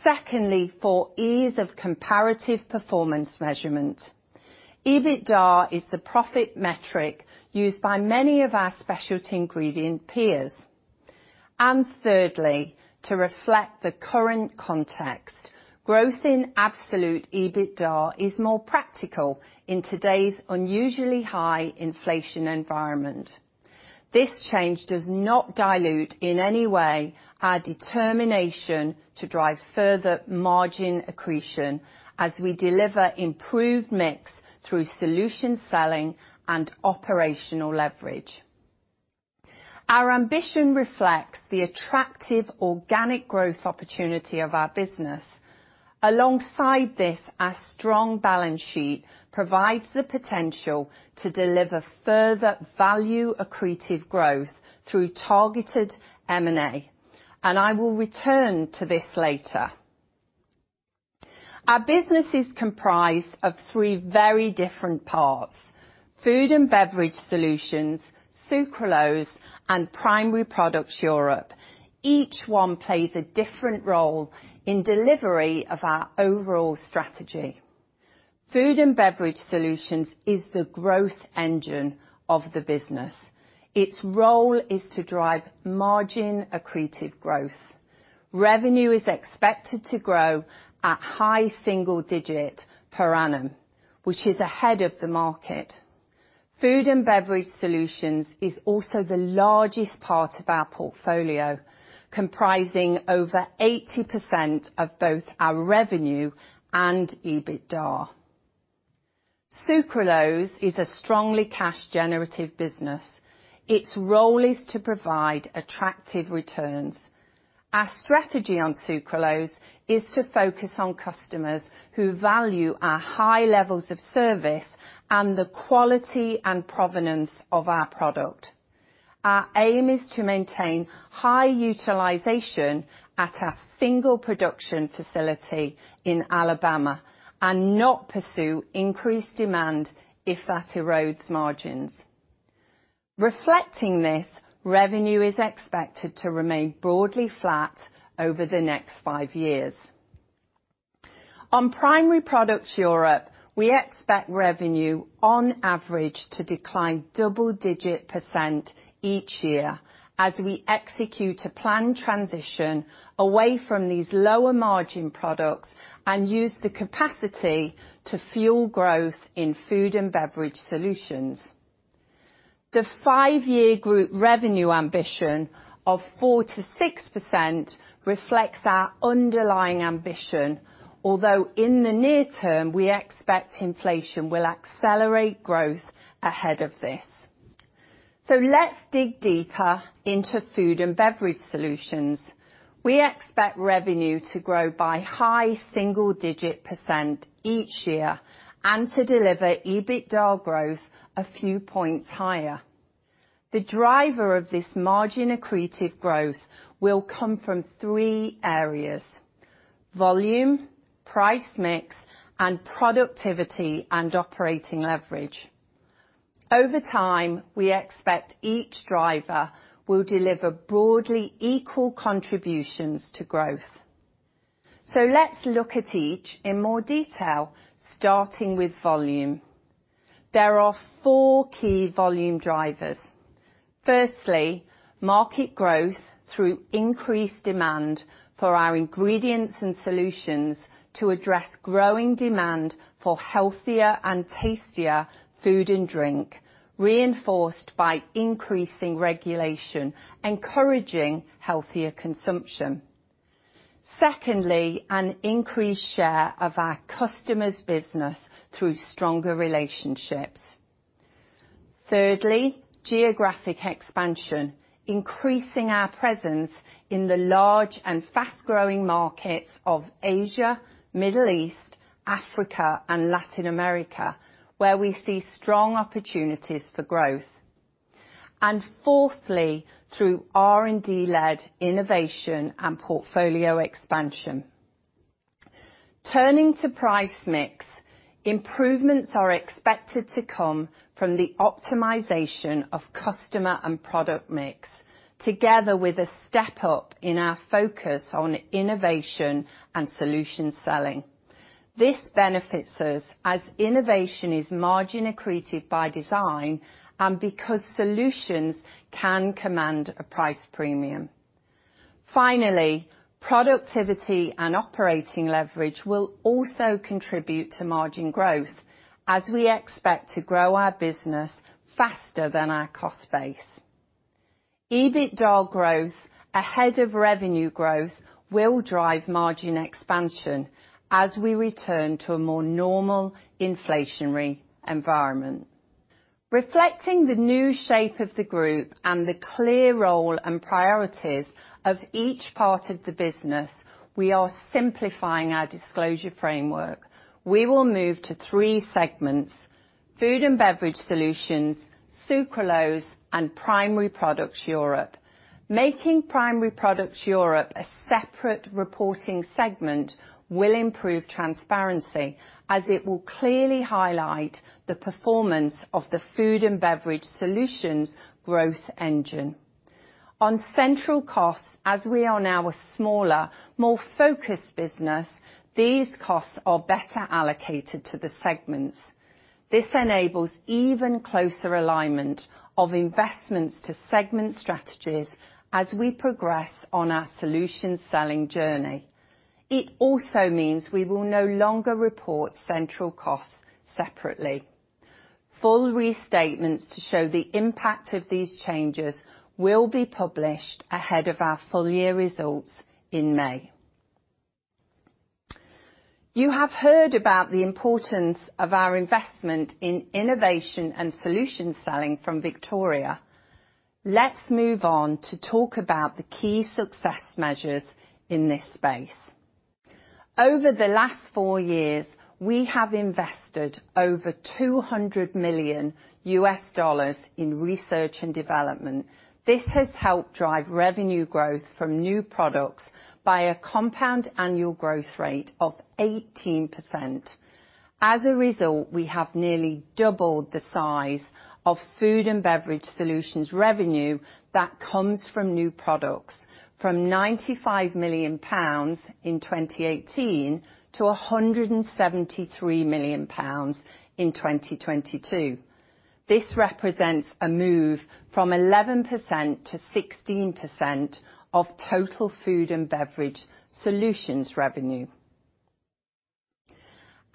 Secondly, for ease of comparative performance measurement. EBITDA is the profit metric used by many of our specialty ingredient peers. Thirdly, to reflect the current context. Growth in absolute EBITDA is more practical in today's unusually high inflation environment. This change does not dilute in any way our determination to drive further margin accretion as we deliver improved mix through solution selling and operational leverage. Our ambition reflects the attractive organic growth opportunity of our business. Alongside this, our strong balance sheet provides the potential to deliver further value accretive growth through targeted M&A. I will return to this later. Our business is comprised of three very different parts, Food & Beverage Solutions, sucralose, Primary Products Europe. Each one plays a different role in delivery of our overall strategy. Food & Beverage Solutions is the growth engine of the business. Its role is to drive margin accretive growth. Revenue is expected to grow at high single digit per annum, which is ahead of the market. Food & Beverage Solutions is also the largest part of our portfolio, comprising over 80% of both our revenue and EBITDA. Sucralose is a strongly cash generative business. Its role is to provide attractive returns. Our strategy on sucralose is to focus on customers who value our high levels of service and the quality and provenance of our product. Our aim is to maintain high utilization at our single production facility in Alabama and not pursue increased demand if that erodes margins. Reflecting this, revenue is expected to remain broadly flat over the next five years. On Primary Products Europe, we expect revenue on average to decline double-digit % each year as we execute a planned transition away from these lower margin products and use the capacity to fuel growth in Food & Beverage Solutions. The five-year group revenue ambition of 4%-6% reflects our underlying ambition, although in the near term, we expect inflation will accelerate growth ahead of this. Let's dig deeper into Food & Beverage Solutions. We expect revenue to grow by high single-digit percent each year and to deliver EBITDA growth a few points higher. The driver of this margin accretive growth will come from three areas: volume, price mix, and productivity and operating leverage. Over time, we expect each driver will deliver broadly equal contributions to growth. Let's look at each in more detail, starting with volume. There are four key volume drivers. Firstly, market growth through increased demand for our ingredients and solutions to address growing demand for healthier and tastier food and drink, reinforced by increasing regulation, encouraging healthier consumption. Secondly, an increased share of our customers' business through stronger relationships. Thirdly, geographic expansion, increasing our presence in the large and fast-growing markets of Asia, Middle East, Africa, and Latin America, where we see strong opportunities for growth. Fourthly, through R&D led innovation and portfolio expansion. Turning to price mix, improvements are expected to come from the optimization of customer and product mix, together with a step up in our focus on innovation and solution selling. This benefits us as innovation is margin accretive by design and because solutions can command a price premium. Finally, productivity and operating leverage will also contribute to margin growth as we expect to grow our business faster than our cost base. EBITDA growth ahead of revenue growth will drive margin expansion as we return to a more normal inflationary environment. Reflecting the new shape of the group and the clear role and priorities of each part of the business, we are simplifying our disclosure framework. We will move to three segments: Food & Beverage Solutions, Sucralose, and Primary Products Europe. Making Primary Products Europe a separate reporting segment will improve transparency, as it will clearly highlight the performance of the Food & Beverage Solutions growth engine. On central costs, as we are now a smaller, more focused business, these costs are better allocated to the segments. This enables even closer alignment of investments to segment strategies as we progress on our solution selling journey. It also means we will no longer report central costs separately. Full restatements to show the impact of these changes will be published ahead of our full year results in May. You have heard about the importance of our investment in innovation and solution selling from Victoria. Let's move on to talk about the key success measures in this space. Over the last four years, we have invested over $200 million in research and development. This has helped drive revenue growth from new products by a compound annual growth rate of 18%. As a result, we have nearly doubled the size of Food & Beverage Solutions revenue that comes from new products from 95 million pounds in 2018 to 173 million pounds in 2022. This represents a move from 11% to 16% of total Food & Beverage Solutions revenue.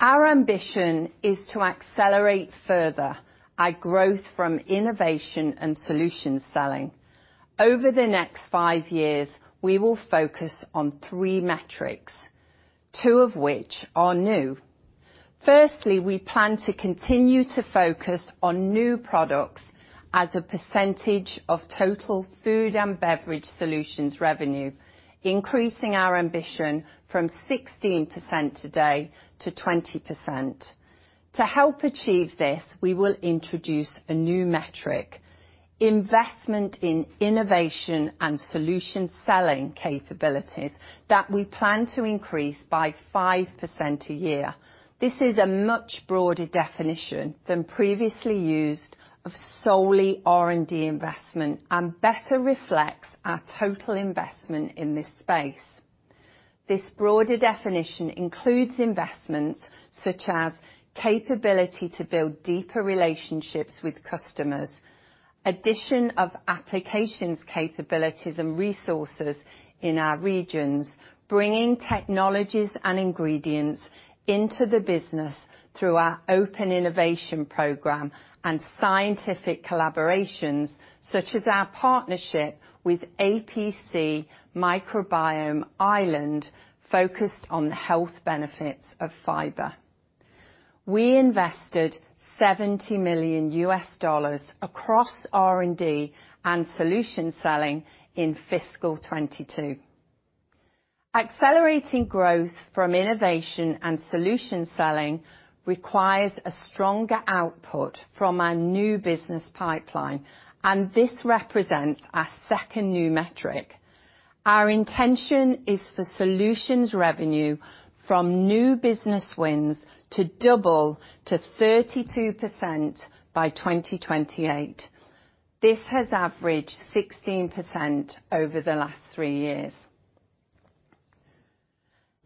Our ambition is to accelerate further our growth from innovation and solution selling. Over the next five years, we will focus on three metrics, two of which are new. Firstly, we plan to continue to focus on new products as a percentage of total Food & Beverage Solutions revenue, increasing our ambition from 16% today to 20%. To help achieve this, we will introduce a new metric, investment in innovation and solution selling capabilities that we plan to increase by 5% a year. This is a much broader definition than previously used of solely R&D investment and better reflects our total investment in this space. This broader definition includes investments such as capability to build deeper relationships with customers, addition of applications capabilities and resources in our regions, bringing technologies and ingredients into the business through our open innovation program and scientific collaborations such as our partnership with APC Microbiome Ireland focused on the health benefits of fiber. We invested $70 million across R&D and solution selling in fiscal 2022. Accelerating growth from innovation and solution selling requires a stronger output from our new business pipeline, and this represents our second new metric. Our intention is for solutions revenue from new business wins to double to 32% by 2028. This has averaged 16% over the last three years.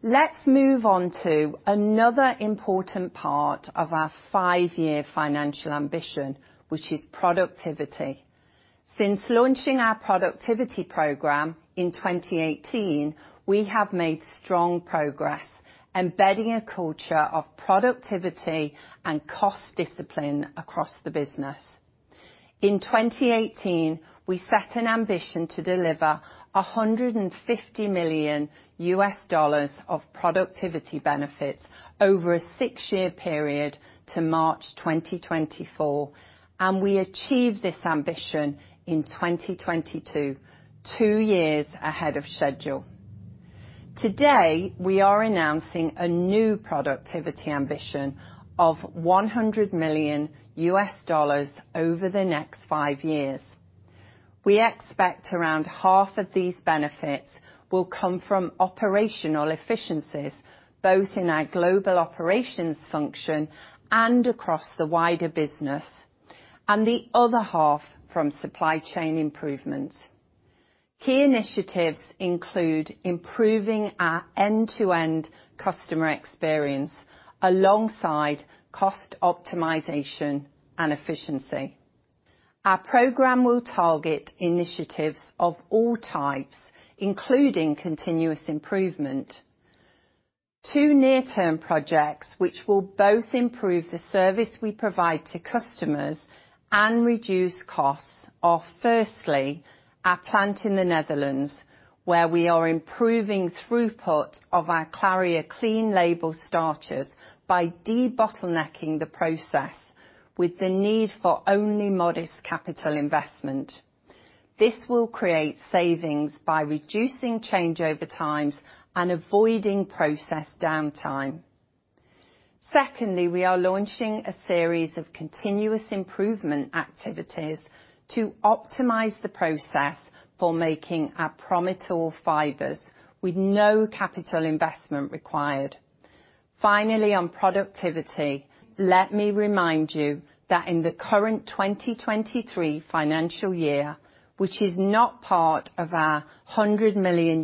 Let's move on to another important part of our five-year financial ambition, which is productivity. Since launching our productivity program in 2018, we have made strong progress embedding a culture of productivity and cost discipline across the business. In 2018, we set an ambition to deliver $150 million of productivity benefits over a six-year period to March 2024, and we achieved this ambition in 2022, two years ahead of schedule. Today, we are announcing a new productivity ambition of $100 million over the next five years. We expect around half of these benefits will come from operational efficiencies, both in our global operations function and across the wider business. The other half from supply chain improvements. Key initiatives include improving our end-to-end customer experience alongside cost optimization and efficiency. Our program will target initiatives of all types, including continuous improvement. Two near-term projects which will both improve the service we provide to customers and reduce costs are firstly, our plant in the Netherlands, where we are improving throughput of our CLARIA clean label starches by de-bottlenecking the process with the need for only modest capital investment. This will create savings by reducing changeover times and avoiding process downtime. Secondly, we are launching a series of continuous improvement activities to optimize the process for making our PROMITOR fibers with no capital investment required. Finally, on productivity, let me remind you that in the current 2023 financial year, which is not part of our $100 million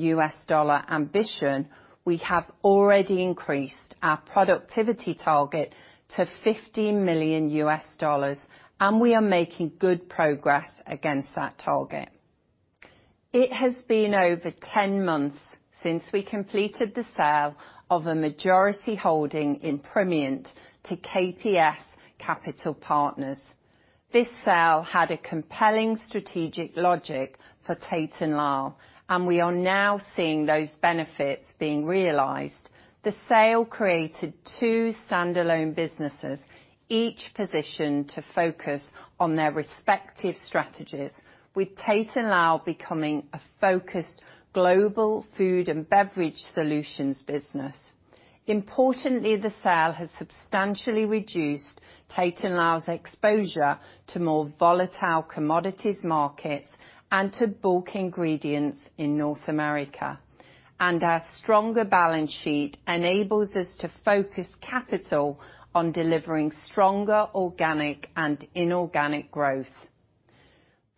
ambition, we have already increased our productivity target to $50 million, and we are making good progress against that target. It has been over 10 months since we completed the sale of a majority holding in Primient to KPS Capital Partners. This sale had a compelling strategic logic for Tate & Lyle, and we are now seeing those benefits being realized. The sale created two standalone businesses, each positioned to focus on their respective strategies, with Tate & Lyle becoming a focused global Food & Beverage Solutions business. Importantly, the sale has substantially reduced Tate & Lyle's exposure to more volatile commodities markets and to bulk ingredients in North America. Our stronger balance sheet enables us to focus capital on delivering stronger organic and inorganic growth.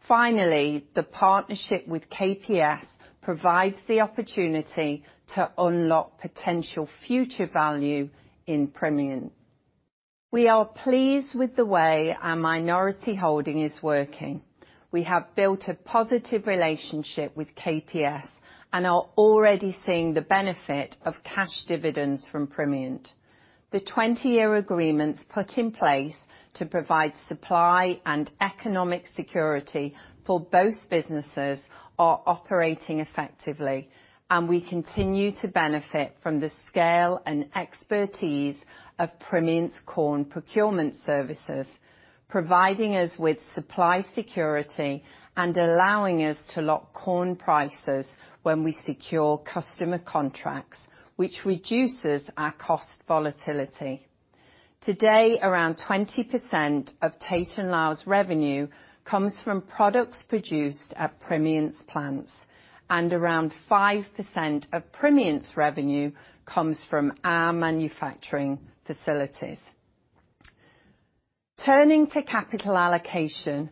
Finally, the partnership with KPS provides the opportunity to unlock potential future value in Primient. We are pleased with the way our minority holding is working. We have built a positive relationship with KPS and are already seeing the benefit of cash dividends from Primient. The 20-year agreements put in place to provide supply and economic security for both businesses are operating effectively, and we continue to benefit from the scale and expertise of Primient's corn procurement services, providing us with supply security and allowing us to lock corn prices when we secure customer contracts, which reduces our cost volatility. Today, around 20% of Tate & Lyle's revenue comes from products produced at Primient's plants, and around 5% of Primient's revenue comes from our manufacturing facilities. Turning to capital allocation,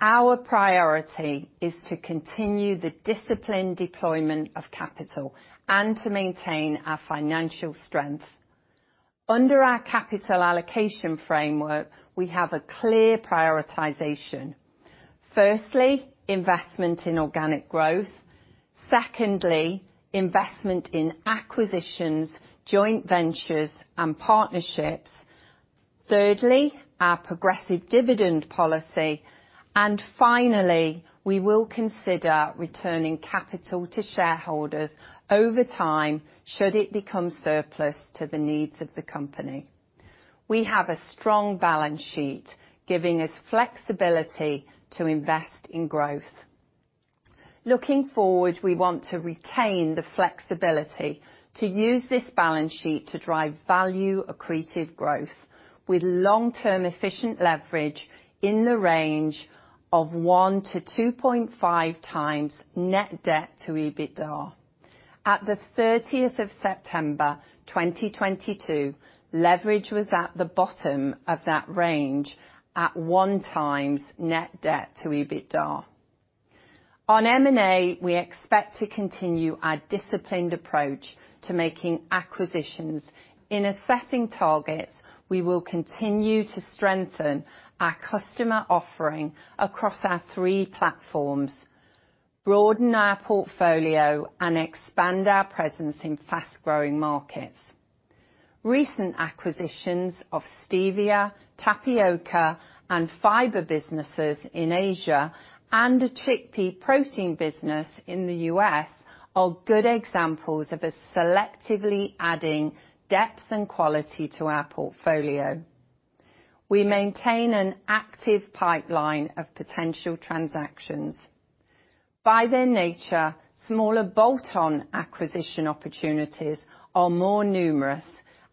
our priority is to continue the disciplined deployment of capital and to maintain our financial strength. Under our capital allocation framework, we have a clear prioritization. Firstly, investment in organic growth. Secondly, investment in acquisitions, joint ventures, and partnerships. Thirdly, our progressive dividend policy. Finally, we will consider returning capital to shareholders over time should it become surplus to the needs of the company. We have a strong balance sheet, giving us flexibility to invest in growth. Looking forward, we want to retain the flexibility to use this balance sheet to drive value accreted growth with long-term efficient leverage in the range of 1x to 2.5x net debt to EBITDA. At the 30th of September, 2022, leverage was at the bottom of that range at 1x net debt to EBITDA. On M&A, we expect to continue our disciplined approach to making acquisitions. In assessing targets, we will continue to strengthen our customer offering across our three platforms, broaden our portfolio, and expand our presence in fast-growing markets. Recent acquisitions of stevia, tapioca, and fiber businesses in Asia and a chickpea protein business in the U.S. are good examples of us selectively adding depth and quality to our portfolio. We maintain an active pipeline of potential transactions. By their nature, smaller bolt-on acquisition opportunities are more numerous,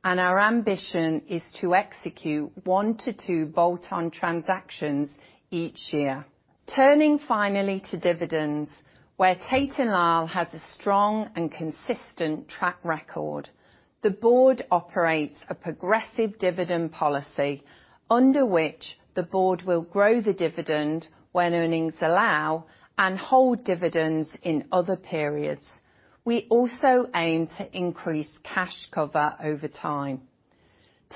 and our ambition is to execute one to two bolt-on transactions each year. Turning finally to dividends, where Tate & Lyle has a strong and consistent track record. The board operates a progressive dividend policy under which the board will grow the dividend when earnings allow, and hold dividends in other periods. We also aim to increase cash cover over time.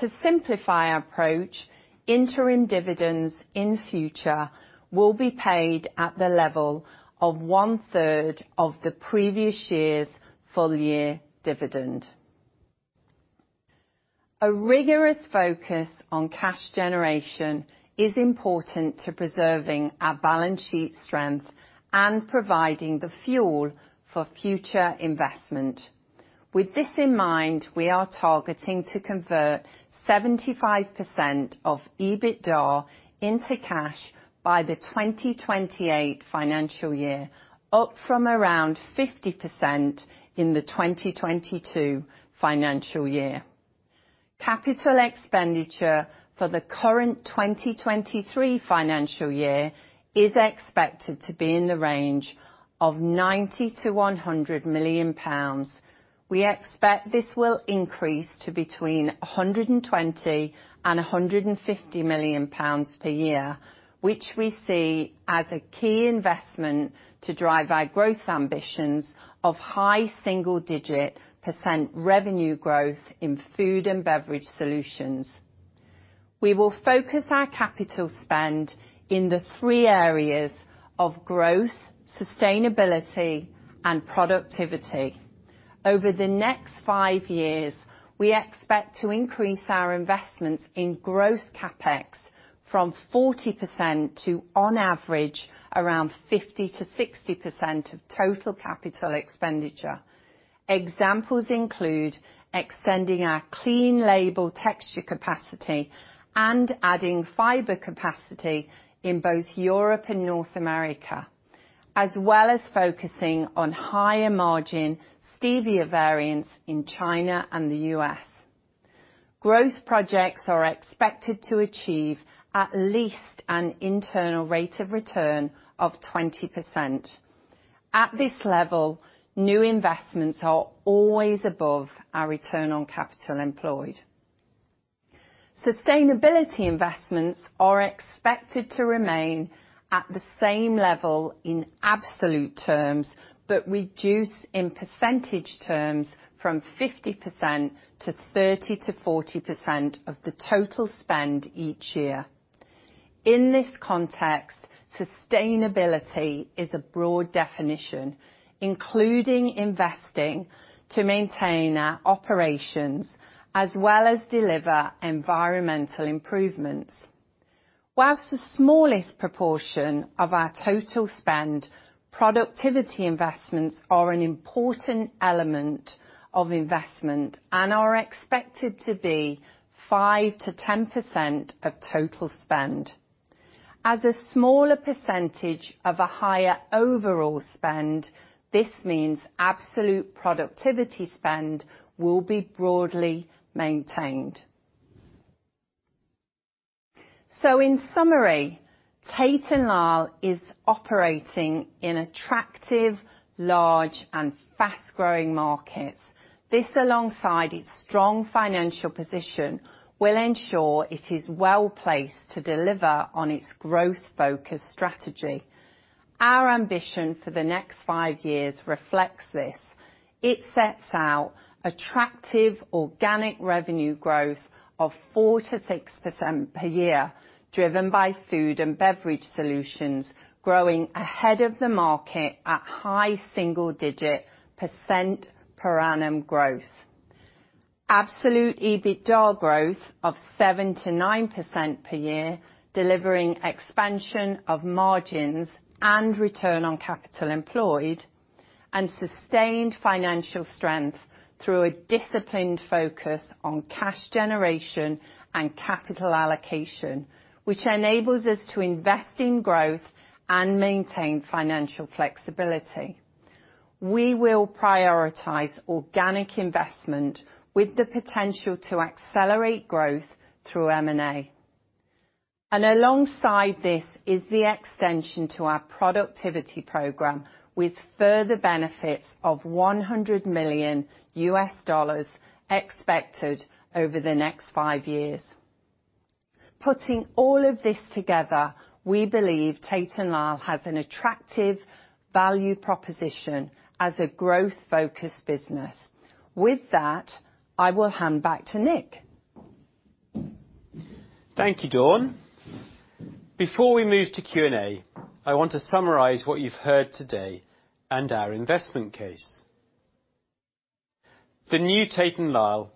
To simplify our approach, interim dividends in future will be paid at the level of one-third of the previous year's full year dividend. A rigorous focus on cash generation is important to preserving our balance sheet strength and providing the fuel for future investment. With this in mind, we are targeting to convert 75% of EBITDA into cash by the 2028 financial year, up from around 50% in the 2022 financial year. Capital expenditure for the current 2023 financial year is expected to be in the range of 90 million-100 million pounds. We expect this will increase to between 120 million and 150 million pounds per year, which we see as a key investment to drive our growth ambitions of high single-digit percent revenue growth in Food & Beverage Solutions. We will focus our capital spend in the three areas of growth, sustainability, and productivity. Over the next five years, we expect to increase our investments in growth CapEx from 40% to, on average, around 50%-60% of total capital expenditure. Examples include extending our clean label texture capacity and adding fiber capacity in both Europe and North America, as well as focusing on higher margin stevia variants in China and the US. Growth projects are expected to achieve at least an internal rate of return of 20%. At this level, new investments are always above our return on capital employed. Sustainability investments are expected to remain at the same level in absolute terms, but reduce in percentage terms from 50% to 30%-40% of the total spend each year. In this context, sustainability is a broad definition, including investing to maintain our operations as well as deliver environmental improvements. Whilst the smallest proportion of our total spend, productivity investments are an important element of investment and are expected to be 5%-10% of total spend. As a smaller percentage of a higher overall spend, this means absolute productivity spend will be broadly maintained. In summary, Tate & Lyle is operating in attractive, large, and fast-growing markets. This, alongside its strong financial position, will ensure it is well-placed to deliver on its growth-focused strategy. Our ambition for the next five years reflects this. It sets out attractive organic revenue growth of 4%-6% per year, driven by Food & Beverage Solutions growing ahead of the market at high single digit percent per annum growth. Absolute EBITDA growth of 7%-9% per year, delivering expansion of margins and return on capital employed, and sustained financial strength through a disciplined focus on cash generation and capital allocation, which enables us to invest in growth and maintain financial flexibility. We will prioritize organic investment with the potential to accelerate growth through M&A. Alongside this is the extension to our productivity program, with further benefits of $100 million expected over the next five years. Putting all of this together, we believe Tate & Lyle has an attractive value proposition as a growth-focused business. With that, I will hand back to Nick. Thank you, Dawn. Before we move to Q&A, I want to summarize what you've heard today and our investment case. The new Tate & Lyle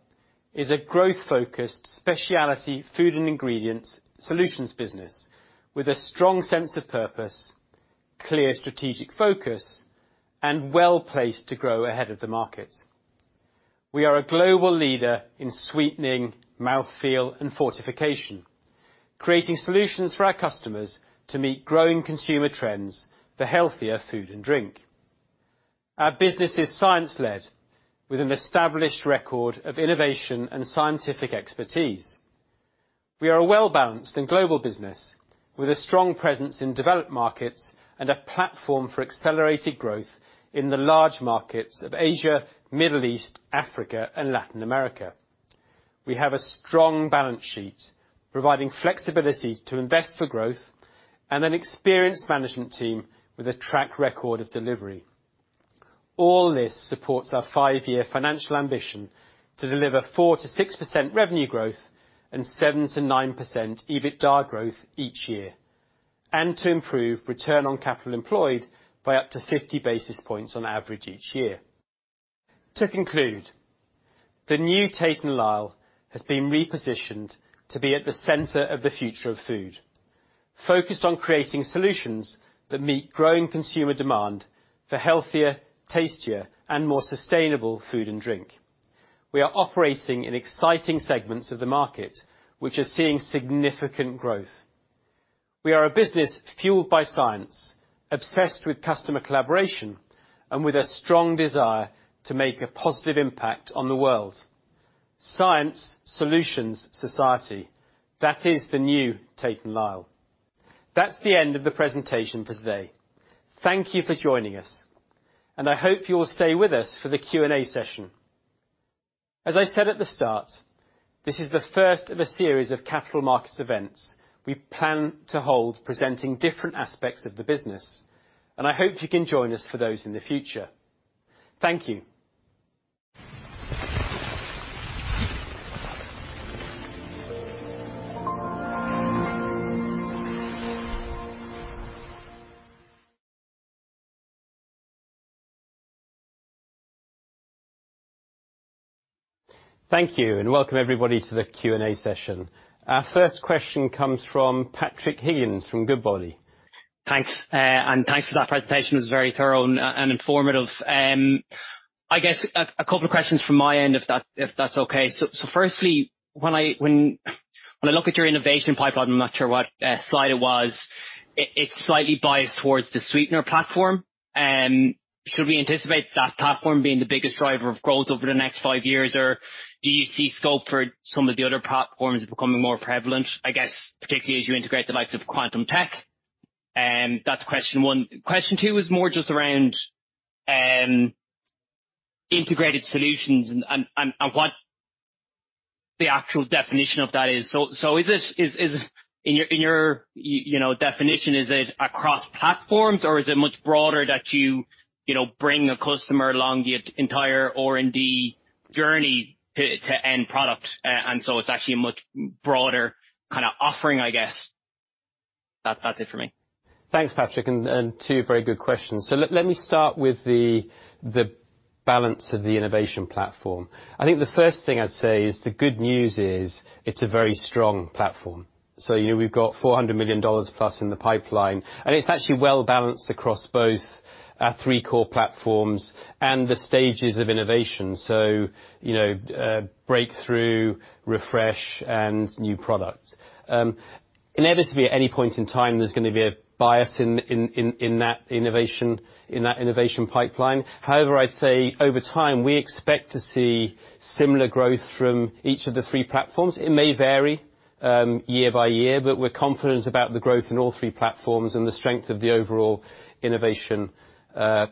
is a growth-focused specialty food and ingredients solutions business with a strong sense of purpose, clear strategic focus, and well-placed to grow ahead of the market. We are a global leader in sweetening, mouthfeel and fortification, creating solutions for our customers to meet growing consumer trends for healthier food and drink. Our business is science-led, with an established record of innovation and scientific expertise. We are a well-balanced and global business with a strong presence in developed markets and a platform for accelerated growth in the large markets of Asia, Middle East, Africa and Latin America. We have a strong balance sheet, providing flexibility to invest for growth and an experienced management team with a track record of delivery. All this supports our five-year financial ambition to deliver 4%-6% revenue growth and 7%-9% EBITDA growth each year, and to improve return on capital employed by up to 50 basis points on average each year. To conclude, the new Tate & Lyle has been repositioned to be at the center of the future of food, focused on creating solutions that meet growing consumer demand for healthier, tastier and more sustainable food and drink. We are operating in exciting segments of the market, which are seeing significant growth. We are a business fueled by science, obsessed with customer collaboration and with a strong desire to make a positive impact on the world. Science, solutions, society. That is the new Tate & Lyle. That's the end of the presentation for today. Thank you for joining us. I hope you will stay with us for the Q&A session. As I said at the start, this is the first of a series of capital markets events we plan to hold presenting different aspects of the business. I hope you can join us for those in the future. Thank you. Thank you. Welcome everybody to the Q&A session. Our first question comes from Patrick Higgins from Goodbody. Thanks. Thanks for that presentation. It was very thorough and informative. I guess a couple of questions from my end, if that's okay. Firstly, when I look at your innovation pipeline, I'm not sure what slide it was, it's slightly biased towards the sweetener platform. Should we anticipate that platform being the biggest driver of growth over the next five years, or do you see scope for some of the other platforms becoming more prevalent, I guess, particularly as you integrate the likes of Quantum Tech? That's question one. Question two is more just around integrated solutions and what the actual definition of that is. Is it in your, you know, definition, is it across platforms or is it much broader that you know, bring a customer along the entire R&D journey to end product? It's actually a much broader kind of offering, I guess. That's it for me. Thanks, Patrick, and two very good questions. Let me start with the balance of the innovation platform. I think the first thing I'd say is the good news is it's a very strong platform. You know, we've got $400 million plus in the pipeline, and it's actually well-balanced across both our three core platforms and the stages of innovation. You know, breakthrough, refresh and new products. Inevitably, at any point in time, there's gonna be a bias in that innovation pipeline. However, I'd say over time, we expect to see similar growth from each of the three platforms. It may vary, year by year, but we're confident about the growth in all three platforms and the strength of the overall innovation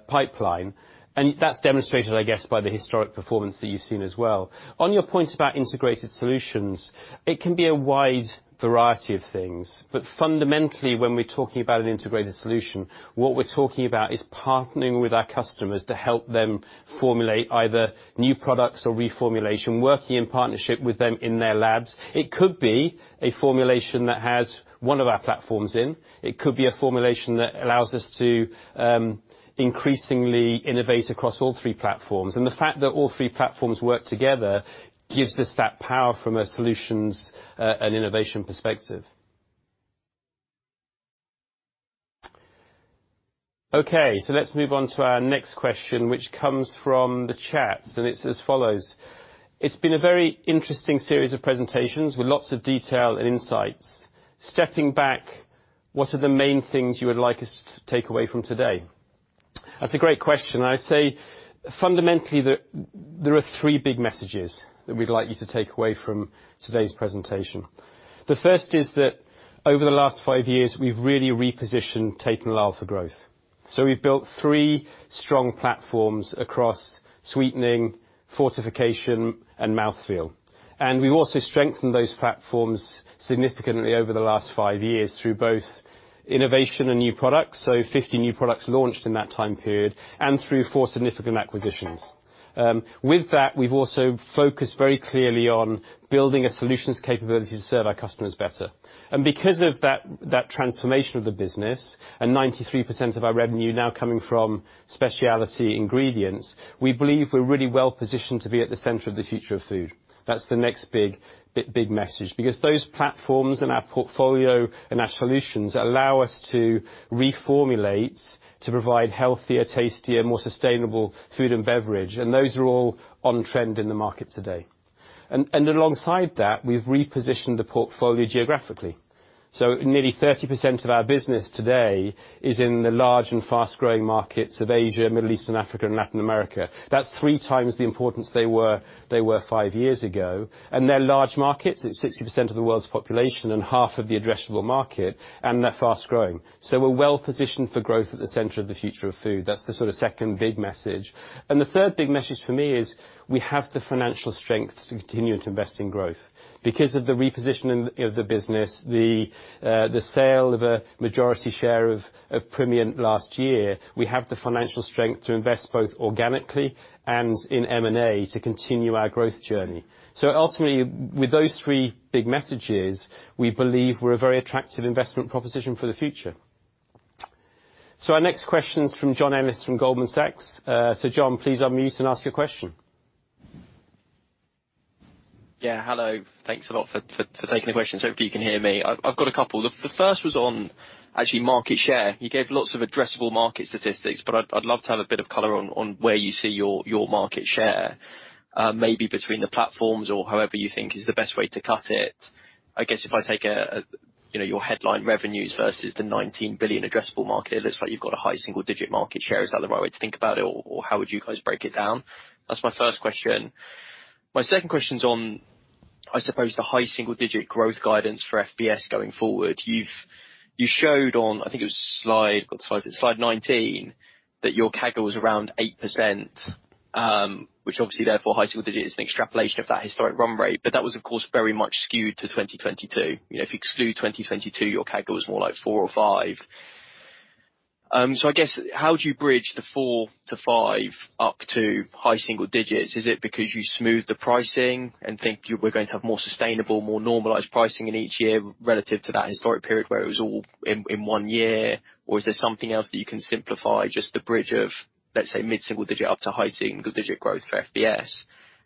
pipeline. That's demonstrated, I guess, by the historic performance that you've seen as well. On your point about integrated solutions, it can be a wide variety of things. Fundamentally, when we're talking about an integrated solution, what we're talking about is partnering with our customers to help them formulate either new products or reformulation, working in partnership with them in their labs. It could be a formulation that has one of our platforms in. It could be a formulation that allows us to increasingly innovate across all three platforms. The fact that all three platforms work together gives us that power from a solutions and innovation perspective. Let's move on to our next question, which comes from the chat. It's as follows: It's been a very interesting series of presentations with lots of detail and insights. Stepping back, what are the main things you would like us to take away from today? That's a great question. I'd say fundamentally there are three big messages that we'd like you to take away from today's presentation. The first is that over the last five years, we've really repositioned Tate & Lyle for growth. We've built three strong platforms across sweetening, fortification and mouthfeel. We've also strengthened those platforms significantly over the last five years through both innovation and new products, so 50 new products launched in that time period, and through four significant acquisitions. With that, we've also focused very clearly on building a solutions capability to serve our customers better. Because of that transformation of the business and 93% of our revenue now coming from specialty ingredients, we believe we're really well positioned to be at the center of the future of food. That's the next big message. Those platforms in our portfolio and our solutions allow us to reformulate to provide healthier, tastier, more sustainable food and beverage, and those are all on trend in the market today. Alongside that, we've repositioned the portfolio geographically. Nearly 30% of our business today is in the large and fast-growing markets of Asia, Middle East, Africa and Latin America. That's 3x the importance they were five years ago. They're large markets, it's 60% of the world's population and half of the addressable market, and they're fast-growing. We're well positioned for growth at the center of the future of food. That's the sort of second big message. The third big message for me is we have the financial strength to continue to invest in growth. Because of the repositioning of the business, the sale of a majority share of Primient last year, we have the financial strength to invest both organically and in M&A to continue our growth journey. Ultimately, with those three big messages, we believe we're a very attractive investment proposition for the future. Our next question is from John Ennis from Goldman Sachs. John, please unmute and ask your question. Yeah, hello. Thanks a lot for taking the question. If you can hear me. I've got a couple. The first was on actually market share. You gave lots of addressable market statistics, but I'd love to have a bit of color on where you see your market share, maybe between the platforms or however you think is the best way to cut it. I guess if I take a, you know, your headline revenues versus the $19 billion addressable market, it looks like you've got a high single digit market share. Is that the right way to think about it, or how would you guys break it down? That's my first question. My second question is on, I suppose the high single digit growth guidance for FBS going forward. You showed on, I think it was slide, what slide is it? Slide 19, that your CAGR was around 8%, which obviously therefore high single digit is an extrapolation of that historic run rate. That was of course very much skewed to 2022. You know, if you exclude 2022, your CAGR was more like four or five. I guess how do you bridge the four to five up to high single digits? Is it because you smooth the pricing and think you were going to have more sustainable, more normalized pricing in each year relative to that historic period where it was all in one year? Is there something else that you can simplify, just the bridge of, let's say, mid-single digit up to high single digit growth for FBS?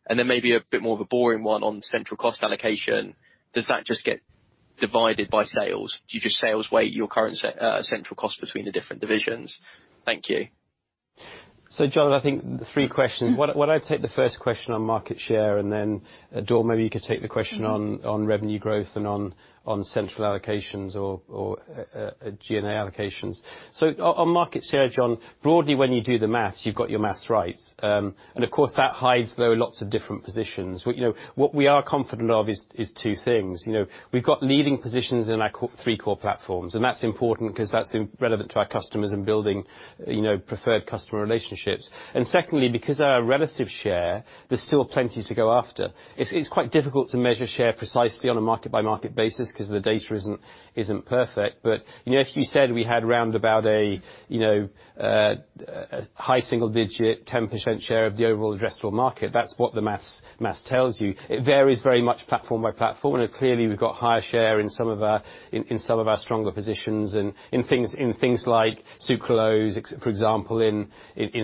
Maybe a bit more of a boring one on central cost allocation. Does that just get divided by sales? Do you just sales weight your current central cost between the different divisions? Thank you. John, I think the three questions. Why don't I take the first question on market share and then, Dawn, maybe you could take the question on revenue growth and on central allocations or GNA allocations. On market share, John, broadly when you do the math, you've got your math right. Of course, that hides though lots of different positions. You know, what we are confident of is two things. You know, we've got leading positions in our three core platforms, and that's important 'cause that's relevant to our customers in building, you know, preferred customer relationships. Secondly, because our relative share, there's still plenty to go after. It's quite difficult to measure share precisely on a market by market basis 'cause the data isn't perfect. You know, if you said we had round about a, you know, high single digit, 10% share of the overall addressable market, that's what the math tells you. It varies very much platform by platform. Clearly we've got higher share in some of our stronger positions and in things like sucralose, for example, in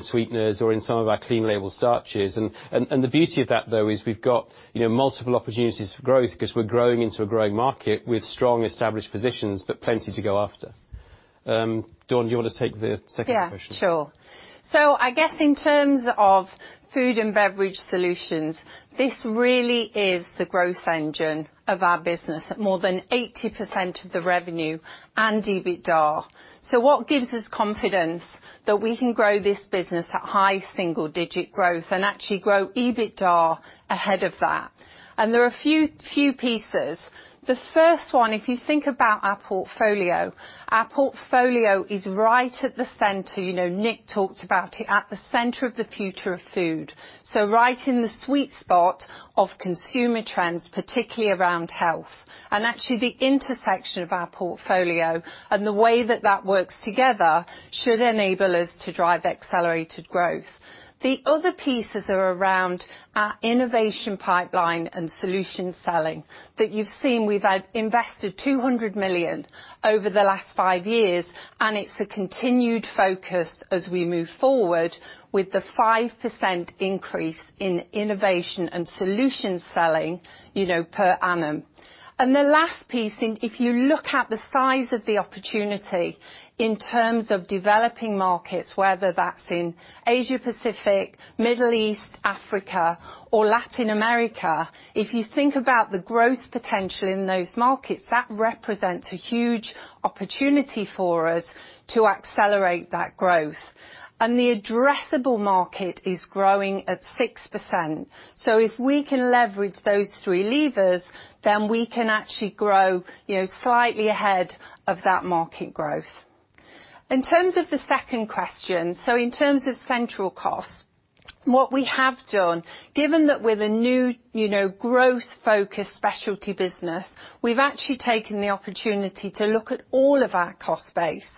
sweeteners or in some of our clean label starches. The beauty of that though is we've got, you know, multiple opportunities for growth 'cause we're growing into a growing market with strong established positions, but plenty to go after. Dawn, do you wanna take the second question? Yeah, sure. I guess in terms of Food & Beverage Solutions, this really is the growth engine of our business at more than 80% of the revenue and EBITDA. What gives us confidence that we can grow this business at high single-digit growth and actually grow EBITDA ahead of that? There are a few pieces. The first one, if you think about our portfolio, our portfolio is right at the center, you know, Nick talked about it at the center of the future of food. Right in the sweet spot of consumer trends, particularly around health. Actually the intersection of our portfolio and the way that that works together should enable us to drive accelerated growth. The other pieces are around our innovation pipeline and solution selling that you've seen. We've invested 200 million over the last five years, and it's a continued focus as we move forward with the 5% increase in innovation and solution selling, you know, per annum. The last piece, and if you look at the size of the opportunity in terms of developing markets, whether that's in Asia-Pacific, Middle East, Africa or Latin America. If you think about the growth potential in those markets, that represents a huge opportunity for us to accelerate that growth. The addressable market is growing at 6%. If we can leverage those three levers, we can actually grow, you know, slightly ahead of that market growth. In terms of the second question, in terms of central cost, what we have done, given that we're the new, you know, growth-focused specialty business, we've actually taken the opportunity to look at all of our cost base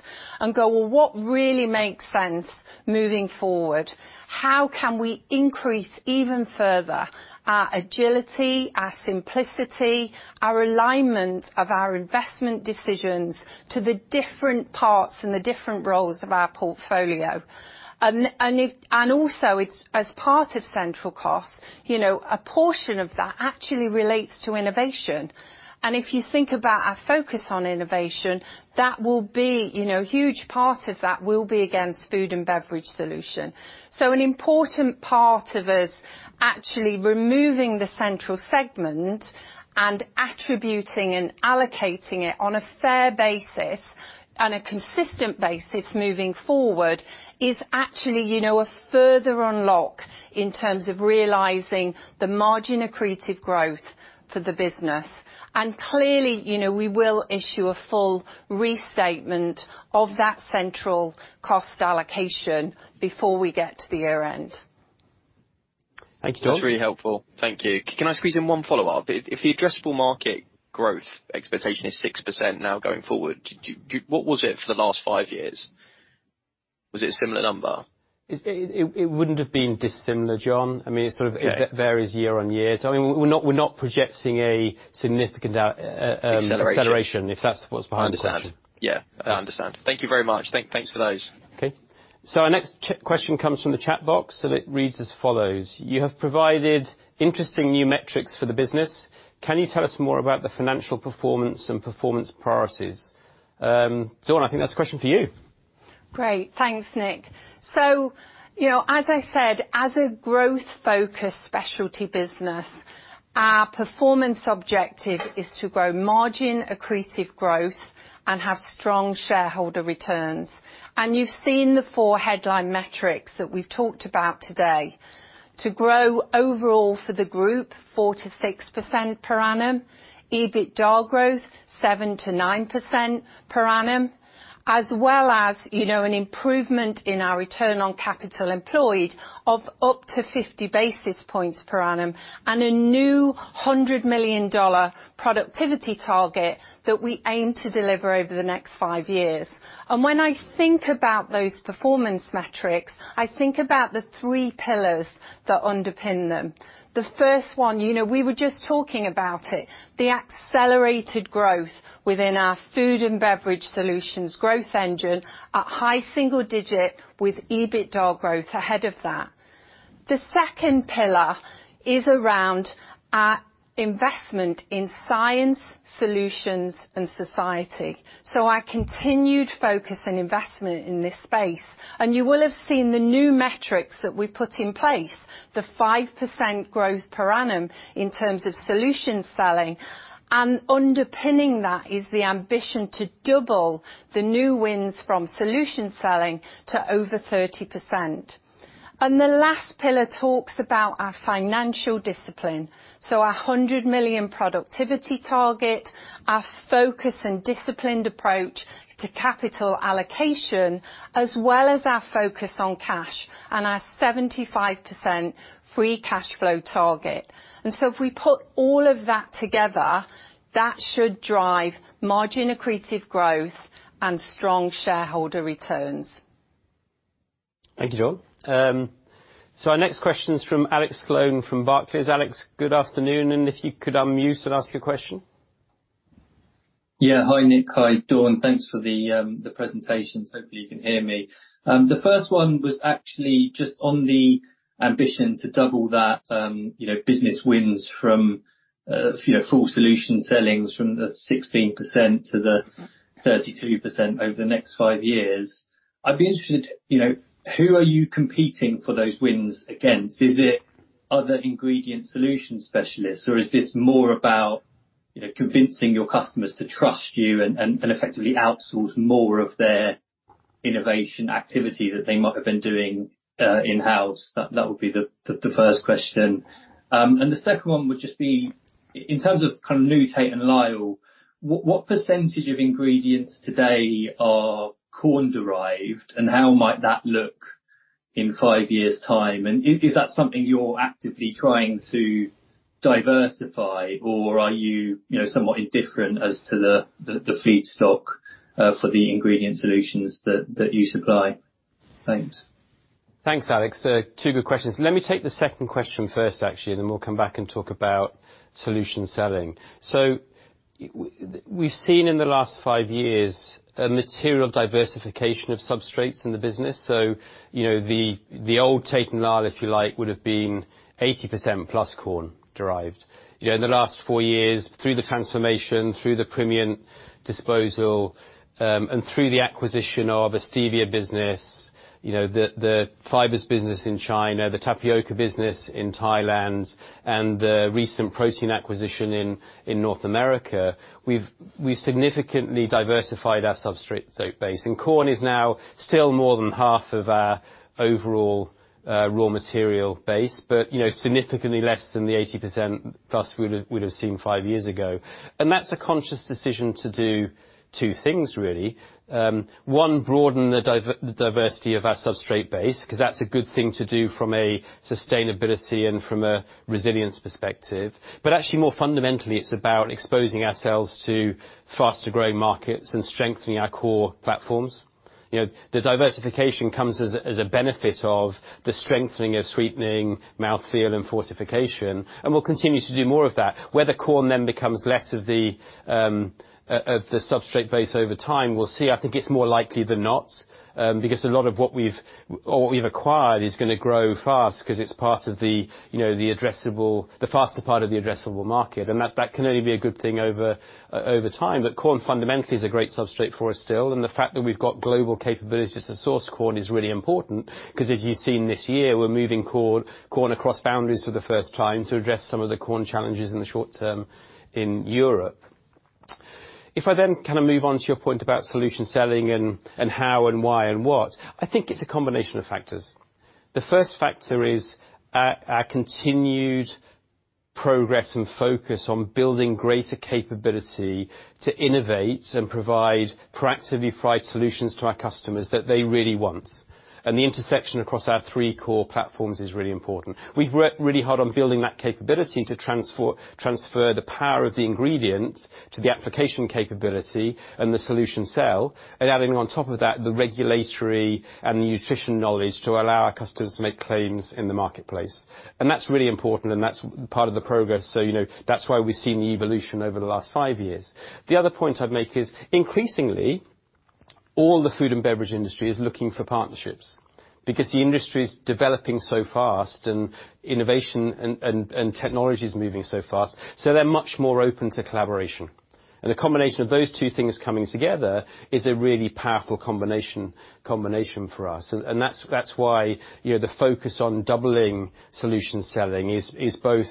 and go, "Well, what really makes sense moving forward? How can we increase even further our agility, our simplicity, our alignment of our investment decisions to the different parts and the different roles of our portfolio?" Also it's, as part of central cost, you know, a portion of that actually relates to innovation. If you think about our focus on innovation, that will be, you know, a huge part of that will be against Food & Beverage Solutions. An important part of us actually removing the central segment and attributing and allocating it on a fair basis on a consistent basis moving forward is actually, you know, a further unlock in terms of realizing the margin accretive growth for the business. Clearly, you know, we will issue a full restatement of that central cost allocation before we get to the year-end. Thank you, Dawn. That's really helpful. Thank you. Can I squeeze in one follow-up? If the addressable market growth expectation is 6% now going forward, what was it for the last five years? Was it a similar number? It wouldn't have been dissimilar, John. I mean. Yeah It varies year on year. I mean, we're not projecting a significant. Acceleration Acceleration, if that's what's behind the question. Understood. Yeah, I understand. Thank you very much. Thanks for those. Okay. Our next question comes from the chat box, and it reads as follows. You have provided interesting new metrics for the business. Can you tell us more about the financial performance and performance priorities? Dawn, I think that's a question for you. Great. Thanks, Nick. You know, as I said, as a growth-focused specialty business, our performance objective is to grow margin accretive growth and have strong shareholder returns. You've seen the four headline metrics that we've talked about today. To grow overall for the group, 4%-6% per annum. EBITDA growth, 7%-9% per annum, as well as, you know, an improvement in our return on capital employed of up to 50 basis points per annum, and a new $100 million productivity target that we aim to deliver over the next five years. When I think about those performance metrics, I think about the three pillars that underpin them. The first one, you know, we were just talking about it, the accelerated growth within our Food & Beverage Solutions growth engine at high single digit with EBITDA growth ahead of that. The second pillar is around our investment in science, solutions and society. Our continued focus and investment in this space. You will have seen the new metrics that we've put in place, the 5% growth per annum in terms of solution selling. Underpinning that is the ambition to double the new wins from solution selling to over 30%. The last pillar talks about our financial discipline. Our 100 million productivity target, our focus and disciplined approach to capital allocation, as well as our focus on cash and our 75% free cash flow target. If we put all of that together, that should drive margin accretive growth and strong shareholder returns. Thank you, Dawn. Our next question's from Alex Sloane from Barclays. Alex, good afternoon. If you could unmute and ask your question. Yeah. Hi, Nick. Hi, Dawn. Thanks for the presentations. Hopefully you can hear me. The first one was actually just on the ambition to double that, you know, business wins from, you know, full solution sellings from the 16% to the 32% over the next five years. I'd be interested, you know, who are you competing for those wins against? Is it other ingredient solution specialists, or is this more about, you know, convincing your customers to trust you and effectively outsource more of their innovation activity that they might have been doing in-house? That would be the first question. The second one would just be in terms of, kind of, new Tate & Lyle, what percentage of ingredients today are corn derived, and how might that look in five years' time? Is that something you're actively trying to diversify or are you know, somewhat indifferent as to the feedstock for the ingredient solutions that you supply? Thanks. Thanks, Alex. Two good questions. Let me take the second question first, actually, then we'll come back and talk about solution selling. We've seen in the last five years a material diversification of substrates in the business. You know, the old Tate & Lyle, if you like, would have been 80% plus corn derived. You know, in the last four years, through the transformation, through the Primient disposal, through the acquisition of a stevia business, you know, the fibers business in China, the tapioca business in Thailand and the recent protein acquisition in North America, we've significantly diversified our substrate base. Corn is now still more than half of our overall raw material base, but you know, significantly less than the 80% plus we would have seen five years ago. That's a conscious decision to do two things really. one, broaden the diversity of our substrate base, 'cause that's a good thing to do from a sustainability and from a resilience perspective. Actually more fundamentally, it's about exposing ourselves to faster-growing markets and strengthening our core platforms. You know, the diversification comes as a benefit of the strengthening of sweetening mouthfeel and fortification, and we'll continue to do more of that. Whether corn then becomes less of the substrate base over time, we'll see. I think it's more likely than not, because a lot of what we've acquired is gonna grow fast 'cause it's part of the, you know, the addressable, the faster part of the addressable market. That can only be a good thing over time. Corn fundamentally is a great substrate for us still. The fact that we've got global capabilities to source corn is really important, 'cause as you've seen this year, we're moving corn across boundaries for the first time to address some of the corn challenges in the short term in Europe. If I kind of move on to your point about solution selling and how and why and what, I think it's a combination of factors. The first factor is our continued progress and focus on building greater capability to innovate and provide proactively solutions to our customers that they really want. The intersection across our three core platforms is really important. We've worked really hard on building that capability to transfer the power of the ingredient to the application capability and the solution sell, adding on top of that, the regulatory and the nutrition knowledge to allow our customers to make claims in the marketplace. That's really important, that's part of the progress. You know, that's why we've seen the evolution over the last five years. The other point I'd make is, increasingly, all the food and beverage industry is looking for partnerships because the industry is developing so fast and innovation and technology is moving so fast, they're much more open to collaboration. The combination of those two things coming together is a really powerful combination for us. That's why, you know, the focus on doubling solution selling is both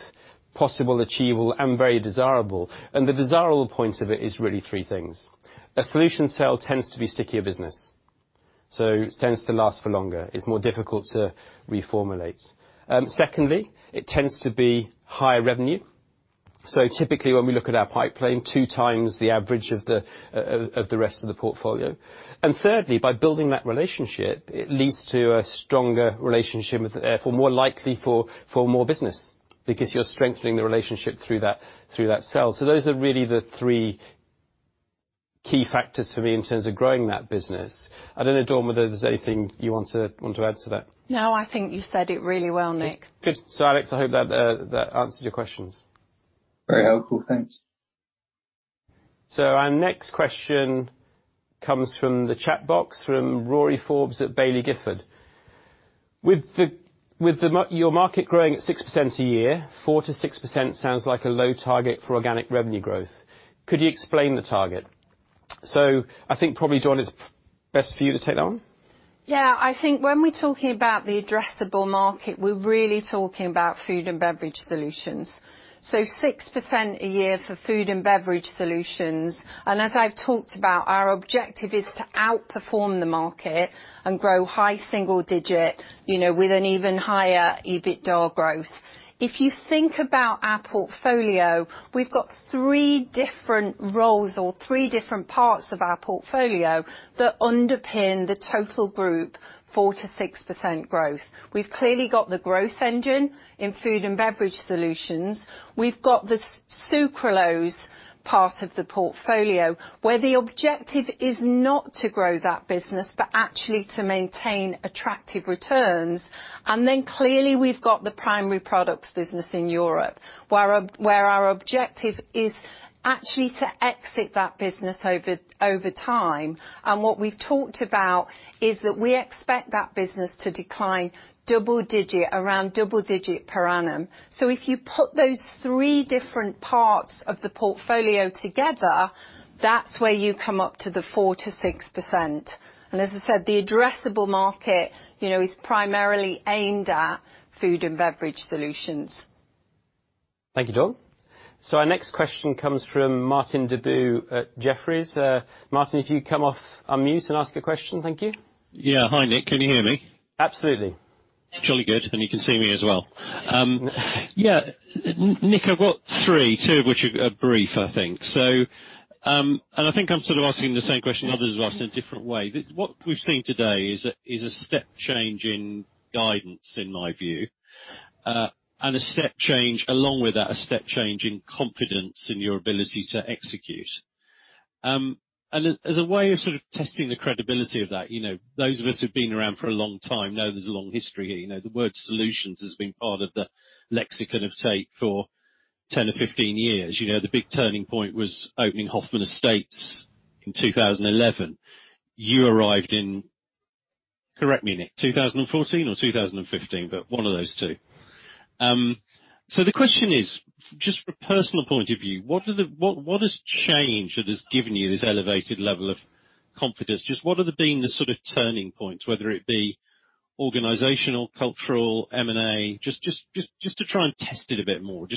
possible, achievable and very desirable. The desirable point of it is really three things. A solution sell tends to be stickier business, so it tends to last for longer. It's more difficult to reformulate. Secondly, it tends to be higher revenue. Typically when we look at our pipeline, 2x the average of the rest of the portfolio. Thirdly, by building that relationship, it leads to a stronger relationship with the, therefore more likely for more business because you're strengthening the relationship through that sell. Those are really the three key factors for me in terms of growing that business. I don't know, Dawn, whether there's anything you want to add to that. No, I think you said it really well, Nick. Good. Alex, I hope that answered your questions. Very helpful. Thanks. Our next question comes from the chat box from Rory Forbes at Baillie Gifford. With your market growing at 6% a year, 4%-6% sounds like a low target for organic revenue growth. Could you explain the target? I think probably, Dawn, it's best for you to take that one. Yeah. I think when we're talking about the addressable market, we're really talking about Food & Beverage Solutions. Six percent a year for Food & Beverage Solutions. As I've talked about, our objective is to outperform the market and grow high single digit, you know, with an even higher EBITDA growth. If you think about our portfolio, we've got three different roles or three different parts of our portfolio that underpin the total group 4%-6% growth. We've clearly got the growth engine in Food & Beverage Solutions. We've got the sucralose part of the portfolio where the objective is not to grow that business, but actually to maintain attractive returns. Then clearly, we've got the Primary Products Europe business in Europe, where our objective is actually to exit that business over time. What we've talked about is that we expect that business to decline double-digit, around double-digit per annum. If you put those three different parts of the portfolio together, that's where you come up to the 4%-6%. As I said, the addressable market, you know, is primarily aimed at Food & Beverage Solutions. Thank you, Dawn. Our next question comes from Martin Deboo at Jefferies. Martin, if you'd come off unmute and ask your question. Thank you. Yeah. Hi, Nick. Can you hear me? Absolutely. Jolly good. You can see me as well. Yeah, Nick, I've got three, two of which are brief, I think. I think I'm sort of asking the same question others have asked in a different way. What we've seen today is a step change in guidance, in my view. A step change, along with that, a step change in confidence in your ability to execute. As a way of sort of testing the credibility of that, you know, those of us who've been around for a long time know there's a long history here. You know, the word solutions has been part of the lexicon of Tate for 10-15 years. You know, the big turning point was opening Hoffman Estates in 2011. You arrived in, correct me, Nick, 2014 or 2015? One of those two. The question is, just from a personal point of view, what has changed that has given you this elevated level of confidence? Just been the sort of turning points, whether it be organizational, cultural, M&A. Just to try and test it a bit more.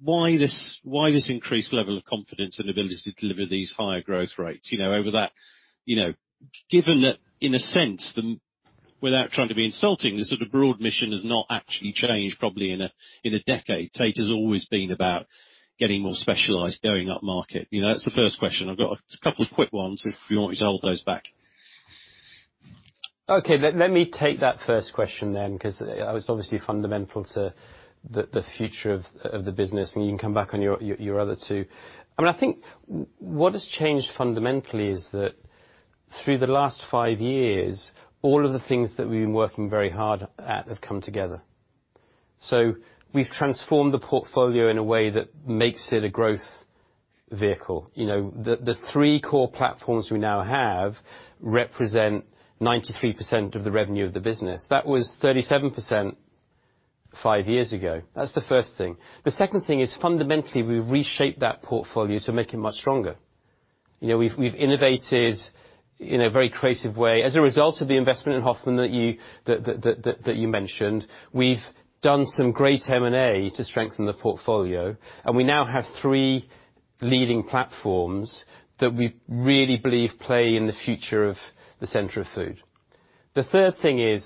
Why this increased level of confidence and ability to deliver these higher growth rates, you know, over that, you know, given that in a sense the without trying to be insulting, the sort of broad mission has not actually changed probably in a, in a decade. Tate has always been about getting more specialized, going upmarket. You know, that's the first question. I've got a couple of quick ones if you want me to hold those back. Okay. Let me take that first question then, 'cause it's obviously fundamental to the future of the business, and you can come back on your other two. I mean, I think what has changed fundamentally is that through the last five years, all of the things that we've been working very hard at have come together. We've transformed the portfolio in a way that makes it a growth vehicle. You know, the three core platforms we now have represent 93% of the revenue of the business. That was 37% five years ago. That's the first thing. The second thing is, fundamentally, we've reshaped that portfolio to make it much stronger. You know, we've innovated in a very creative way. As a result of the investment in Hoffman that you mentioned, we've done some great M&A to strengthen the portfolio, and we now have three leading platforms that we really believe play in the future of the center of food. The third thing is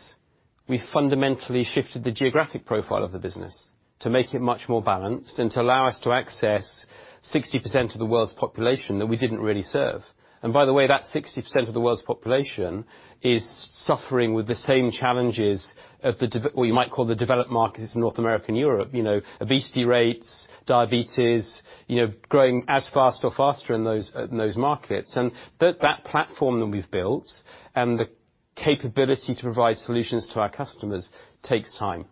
we fundamentally shifted the geographic profile of the business to make it much more balanced and to allow us to access 60% of the world's population that we didn't really serve. By the way, that 60% of the world's population is suffering with the same challenges of what you might call the developed markets in North America and Europe, you know, obesity rates, diabetes, you know, growing as fast or faster in those, in those markets. That platform that we've built and the capability to provide solutions to our customers takes time.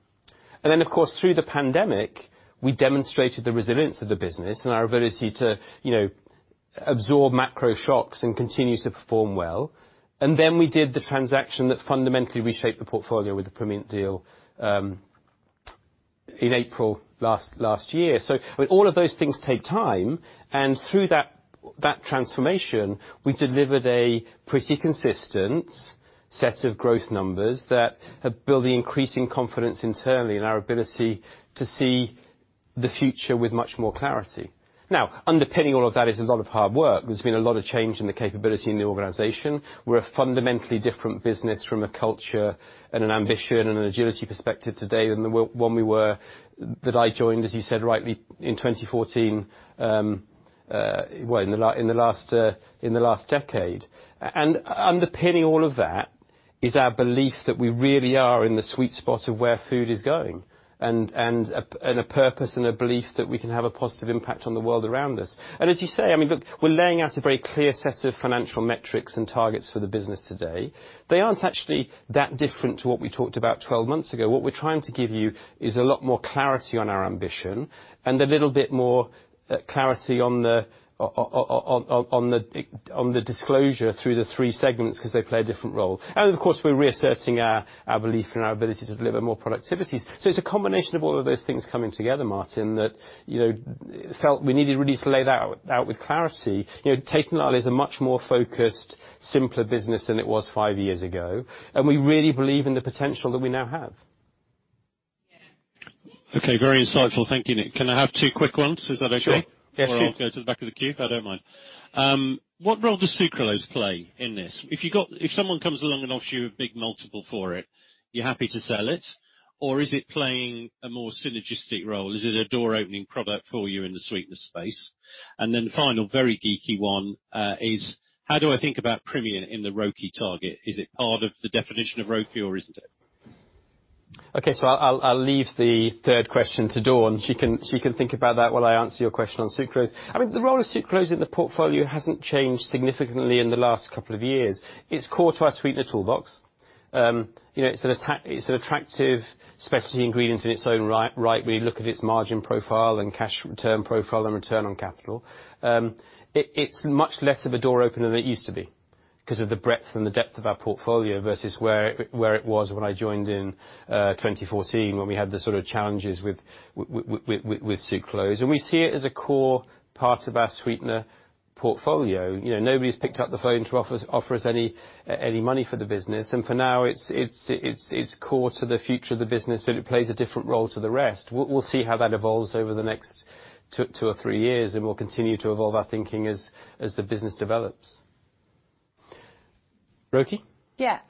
Of course, through the pandemic, we demonstrated the resilience of the business and our ability to, you know, absorb macro shocks and continue to perform well. We did the transaction that fundamentally reshaped the portfolio with the Primient deal in April last year. All of those things take time, and through that transformation, we delivered a pretty consistent set of growth numbers that have built the increasing confidence internally in our ability to see the future with much more clarity. Underpinning all of that is a lot of hard work. There's been a lot of change in the capability in the organization. We're a fundamentally different business from a culture and an ambition and an agility perspective today than the one we were, that I joined, as you said rightly, in 2014, in the last decade. Underpinning all of that is our belief that we really are in the sweet spot of where food is going, and a purpose and a belief that we can have a positive impact on the world around us. As you say, I mean, look, we're laying out a very clear set of financial metrics and targets for the business today. They aren't actually that different to what we talked about 12 months ago. What we're trying to give you is a lot more clarity on our ambition and a little bit more clarity on the disclosure through the three segments, 'cause they play a different role. Of course, we're reasserting our belief in our ability to deliver more productivities. It's a combination of all of those things coming together, Martin, that, you know, felt we needed really to lay that out with clarity. You know, Tate & Lyle is a much more focused, simpler business than it was five years ago, and we really believe in the potential that we now have. Okay, very insightful. Thank you, Nick. Can I have two quick ones? Is that okay? Sure. Yes, sure. I'll go to the back of the queue? I don't mind. What role does sucralose play in this? If someone comes along and offers you a big multiple for it, you're happy to sell it? Is it playing a more synergistic role? Is it a door-opening product for you in the sweetener space? Final, very geeky one, is how do I think about Primient in the ROCE target? Is it part of the definition of ROCE or isn't it? Okay, I'll leave the third question to Dawn Allen. She can think about that while I answer your question on sucralose. I mean, the role of sucralose in the portfolio hasn't changed significantly in the last couple of years. It's core to our sweetener toolbox. You know, it's an attractive specialty ingredient in its own right? We look at its margin profile and cash return profile and return on capital. It's much less of a door opener than it used to be 'cause of the breadth and the depth of our portfolio versus where it was when I joined in 2014, when we had the sort of challenges with sucralose. We see it as a core part of our sweetener portfolio. You know, nobody's picked up the phone to offer us any money for the business. For now, it's core to the future of the business, but it plays a different role to the rest. We'll see how that evolves over the next two or three years, and we'll continue to evolve our thinking as the business develops. ROCE? Yeah.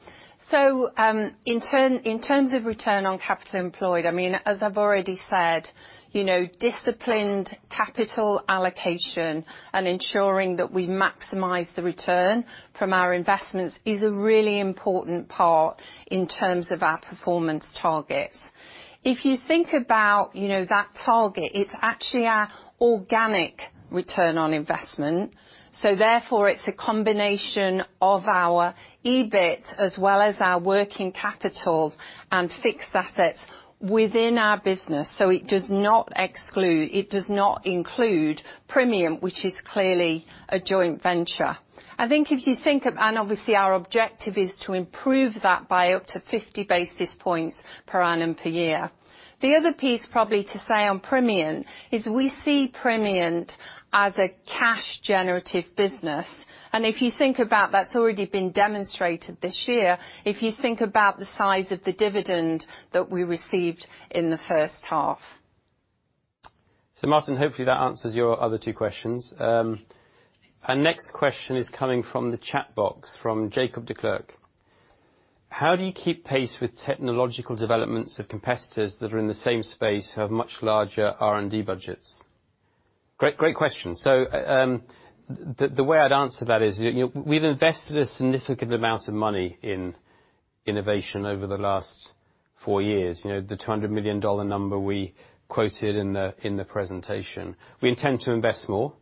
In terms of return on capital employed, I mean, as I've already said, you know, disciplined capital allocation and ensuring that we maximize the return from our investments is a really important part in terms of our performance targets. If you think about, you know, that target, it's actually our organic return on investment. Therefore, it's a combination of our EBIT as well as our working capital and fixed assets within our business. It does not exclude, it does not include Primient, which is clearly a joint venture. Obviously, our objective is to improve that by up to 50 basis points per annum, per year. The other piece probably to say on Primient is we see Primient as a cash generative business. If you think about that's already been demonstrated this year, if you think about the size of the dividend that we received in the first half. Martin, hopefully that answers your other two questions. Our next question is coming from the chat box from Jacob de Klerk. How do you keep pace with technological developments of competitors that are in the same space who have much larger R&D budgets? Great question. The way I'd answer that is, you know, we've invested a significant amount of money in innovation over the last four years. You know, the $200 million number we quoted in the presentation. We intend to invest more,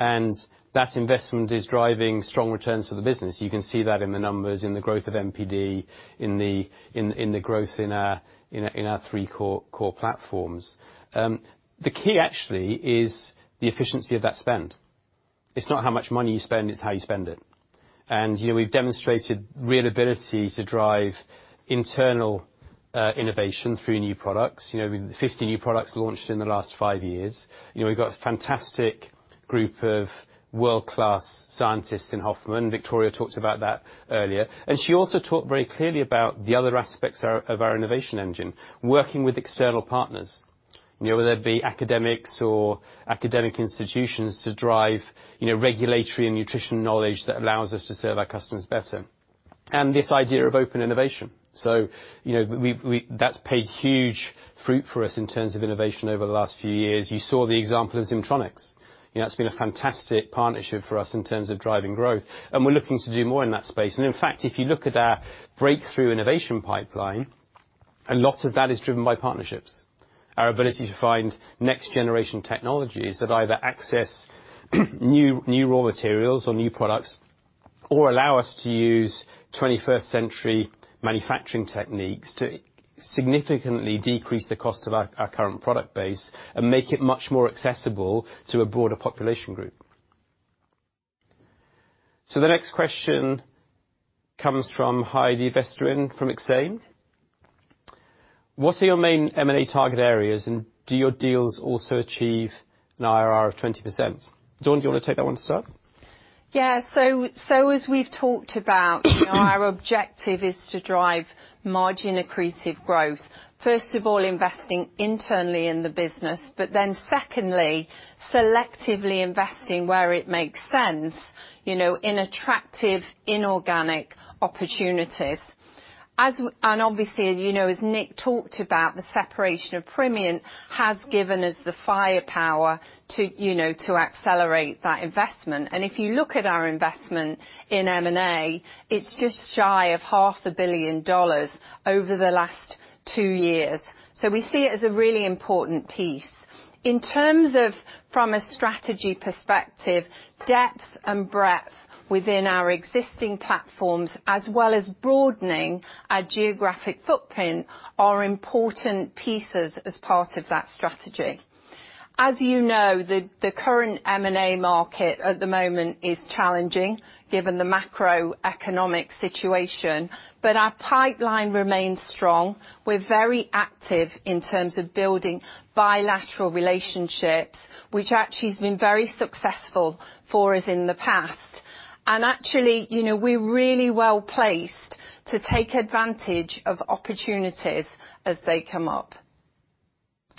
and that investment is driving strong returns for the business. You can see that in the numbers, in the growth of MPD, in the growth in our three core platforms. The key actually is the efficiency of that spend. It's not how much money you spend, it's how you spend it. You know, we've demonstrated real ability to drive internal innovation through new products. You know, with 50 new products launched in the last 5five years. You know, we've got a fantastic group of world-class scientists in Hoffman. Victoria talked about that earlier. She also talked very clearly about the other aspects of our innovation engine, working with external partners. You know, whether it be academics or academic institutions to drive, you know, regulatory and nutrition knowledge that allows us to serve our customers better. This idea of open innovation. You know, that's paid huge fruit for us in terms of innovation over the last few years. You saw the example of Zymtronix. You know, it's been a fantastic partnership for us in terms of driving growth, we're looking to do more in that space. In fact, if you look at our breakthrough innovation pipeline, a lot of that is driven by partnerships. Our ability to find next-generation technologies that either access new raw materials or new products, or allow us to use 21st century manufacturing techniques to significantly decrease the cost of our current product base and make it much more accessible to a broader population group. The next question comes from Heidi Vesterinen from Exane. What are your main M&A target areas, and do your deals also achieve an IRR of 20%? Dawn, do you wanna take that one to start? As we've talked about, our objective is to drive margin accretive growth, first of all, investing internally in the business, then secondly, selectively investing where it makes sense, you know, in attractive inorganic opportunities. Obviously, you know, as Nick talked about, the separation of Primient has given us the firepower, you know, to accelerate that investment. If you look at our investment in M&A, it's just shy of half a billion dollars over the last two years. We see it as a really important piece. In terms of from a strategy perspective, depth and breadth within our existing platforms, as well as broadening our geographic footprint, are important pieces as part of that strategy. As you know, the current M&A market at the moment is challenging given the macroeconomic situation, our pipeline remains strong. We're very active in terms of building bilateral relationships, which actually has been very successful for us in the past. Actually, you know, we're really well-placed to take advantage of opportunities as they come up.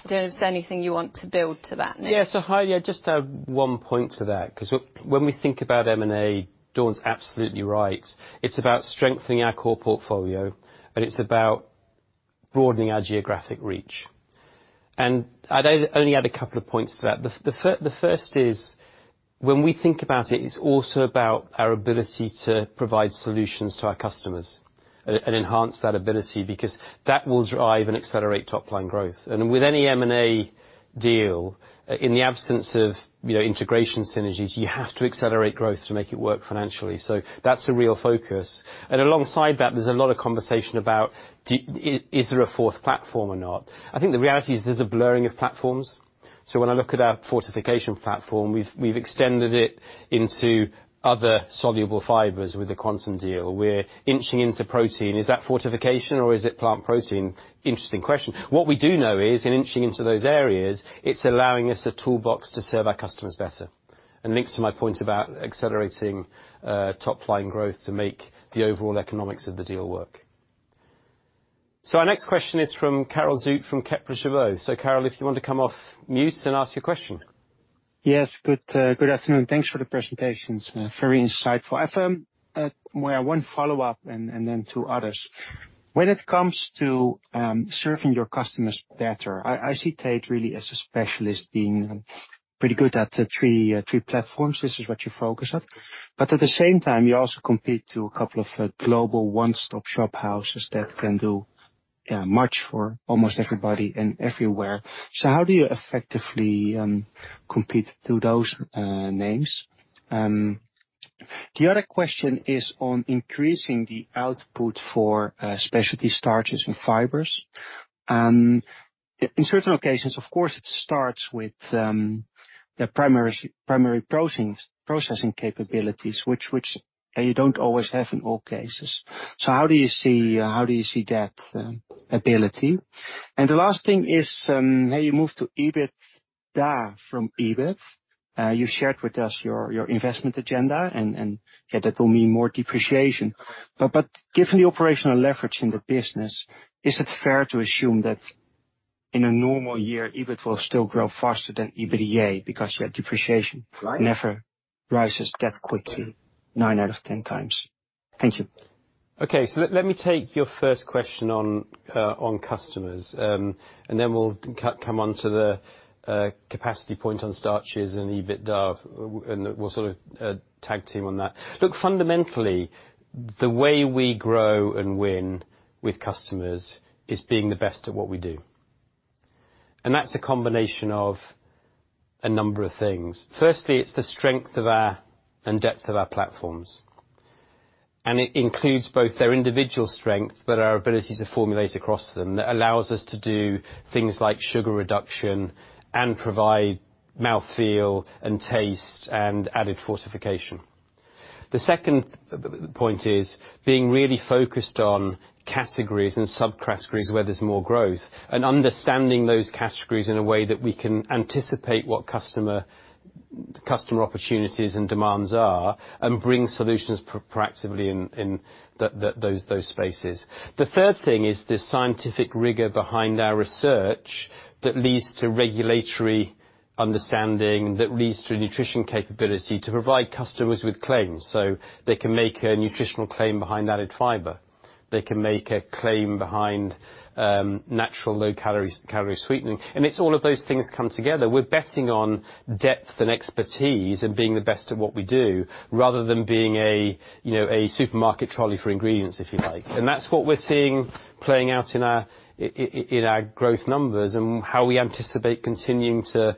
Don't know if there's anything you want to build to that, Nick. Yeah. Heidi, I just add 1 point to that 'cause when we think about M&A, Dawn's absolutely right. It's about strengthening our core portfolio, and it's about broadening our geographic reach. I'd only add a couple of points to that. The first is when we think about it's also about our ability to provide solutions to our customers and enhance that ability because that will drive and accelerate top-line growth. With any M&A deal, in the absence of, you know, integration synergies, you have to accelerate growth to make it work financially. That's a real focus. Alongside that, there's a lot of conversation about is there a fourth platform or not? I think the reality is there's a blurring of platforms. When I look at our fortification platform, we've extended it into other soluble fibers with the Quantum deal. We're inching into protein. Is that fortification or is it plant protein? Interesting question. What we do know is in inching into those areas, it's allowing us a toolbox to serve our customers better, and links to my point about accelerating top-line growth to make the overall economics of the deal work. Our next question is from Karel Zoete from Kepler Cheuvreux. Karel, if you want to come off mute and ask your question. Yes. Good, good afternoon. Thanks for the presentations. Very insightful. I've, well, one follow-up and then two others. When it comes to serving your customers better, I see Tate really as a specialist being pretty good at the three platforms. This is what you focus on. At the same time, you also compete to a couple of global one-stop shop houses that can do much for almost everybody and everywhere. How do you effectively compete to those names? The other question is on increasing the output for specialty starches and fibers. In certain occasions, of course, it starts with the processing capabilities, which you don't always have in all cases. How do you see that ability? The last thing is, how you move to EBITDA from EBIT. You shared with us your investment agenda, and, yeah, that will mean more depreciation. Given the operational leverage in the business, is it fair to assume that in a normal year, EBIT will still grow faster than EBITDA because your depreciation never rises that quickly nine out of 10 times? Thank you. Okay. Let me take your first question on customers, and then we'll come on to the capacity point on starches and EBITDA, and we'll sort of tag team on that. Look, fundamentally, the way we grow and win with customers is being the best at what we do. That's a combination of a number of things. Firstly, it's the strength of our and depth of our platforms, and it includes both their individual strength, but our ability to formulate across them that allows us to do things like sugar reduction and provide mouth feel and taste and added fortification. The second point is being really focused on categories and subcategories where there's more growth, and understanding those categories in a way that we can anticipate what the customer opportunities and demands are, and bring solutions proactively in those spaces. The third thing is the scientific rigor behind our research that leads to regulatory understanding, that leads to nutrition capability to provide customers with claims. They can make a nutritional claim behind added fiber. They can make a claim behind natural low-calorie sweetening. It's all of those things come together. We're betting on depth and expertise and being the best at what we do rather than being a, you know, a supermarket trolley for ingredients, if you like. That's what we're seeing playing out in our growth numbers and how we anticipate continuing to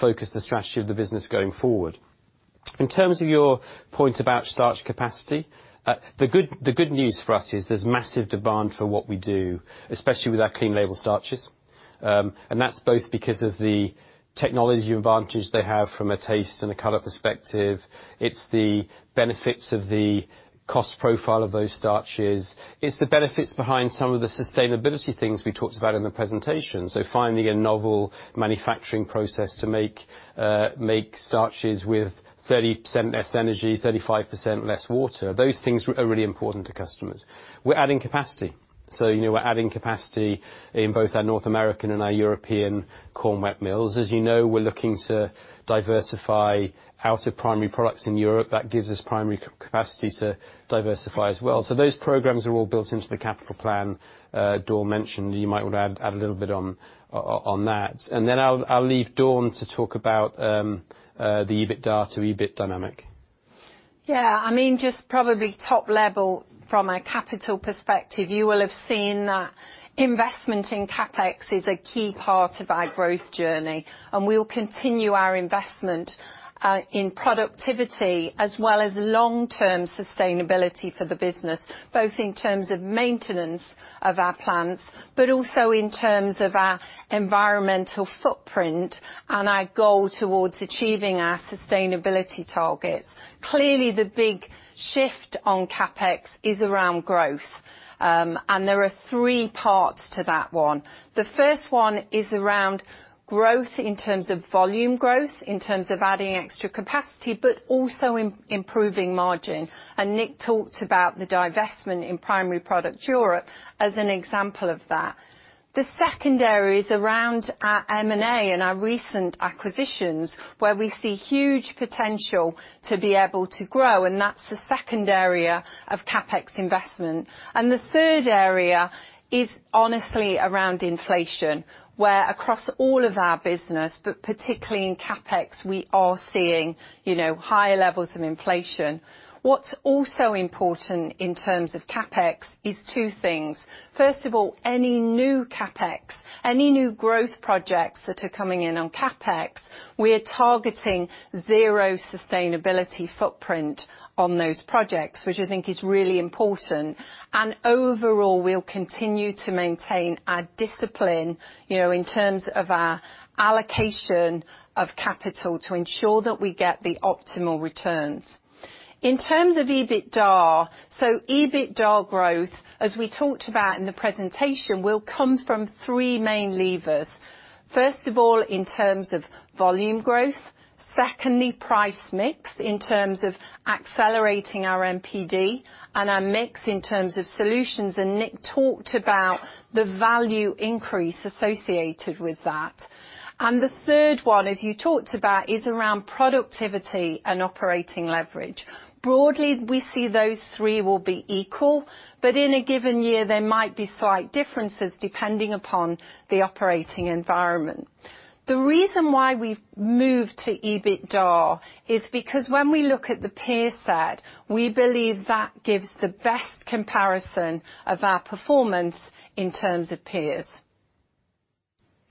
focus the strategy of the business going forward. In terms of your point about starch capacity, the good news for us is there's massive demand for what we do, especially with our clean label starches. That's both because of the technology advantage they have from a taste and a color perspective. It's the benefits of the cost profile of those starches. It's the benefits behind some of the sustainability things we talked about in the presentation. Finding a novel manufacturing process to make starches with 30% less energy, 35% less water, those things are really important to customers. We're adding capacity. You know, we're adding capacity in both our North American and our European corn wet mills. As you know, we're looking to diversify out of Primary Products in Europe, that gives us primary capacity to diversify as well. Those programs are all built into the capital plan Dawn mentioned. You might want to add a little bit on that. I'll leave Dawn to talk about the EBITDA to EBIT dynamic. Yeah. I mean, just probably top level from a capital perspective, you will have seen that investment in CapEx is a key part of our growth journey, and we'll continue our investment in productivity as well as long-term sustainability for the business, both in terms of maintenance of our plants, but also in terms of our environmental footprint and our goal towards achieving our sustainability targets. Clearly, the big shift on CapEx is around growth. There are three parts to that one. The first one is around growth in terms of volume growth, in terms of adding extra capacity, but also improving margin. Nick talked about the divestment in Primary Products Europe as an example of that. The second area is around our M&A and our recent acquisitions, where we see huge potential to be able to grow, and that's the second area of CapEx investment. The third area is honestly around inflation, where across all of our business, but particularly in CapEx, we are seeing, you know, higher levels of inflation. What's also important in terms of CapEx is two things. First of all, any new CapEx, any new growth projects that are coming in on CapEx, we are targeting zero sustainability footprint on those projects, which I think is really important. Overall, we'll continue to maintain our discipline, you know, in terms of our allocation of capital to ensure that we get the optimal returns. In terms of EBITDA growth, as we talked about in the presentation, will come from three main levers. First of all, in terms of volume growth, secondly, price mix in terms of accelerating our MPD and our mix in terms of solutions. Nick talked about the value increase associated with that. The third one, as you talked about, is around productivity and operating leverage. Broadly, we see those three will be equal, but in a given year, there might be slight differences depending upon the operating environment. The reason why we've moved to EBITDA is because when we look at the peer set, we believe that gives the best comparison of our performance in terms of peers.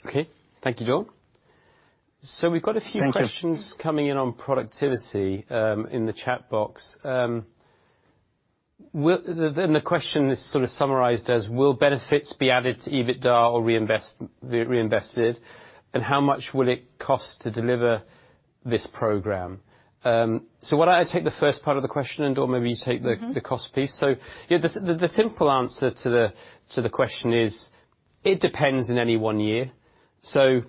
Okay. Thank you, Dawn. Thank you. Questions coming in on productivity, in the chat box. Then the question is sort of summarized as will benefits be added to EBITDA or be it reinvested, and how much will it cost to deliver this program? Why don't I take the first part of the question and, Dawn, maybe you take the. The cost piece. You know, the simple answer to the question is, it depends in any one year. You know,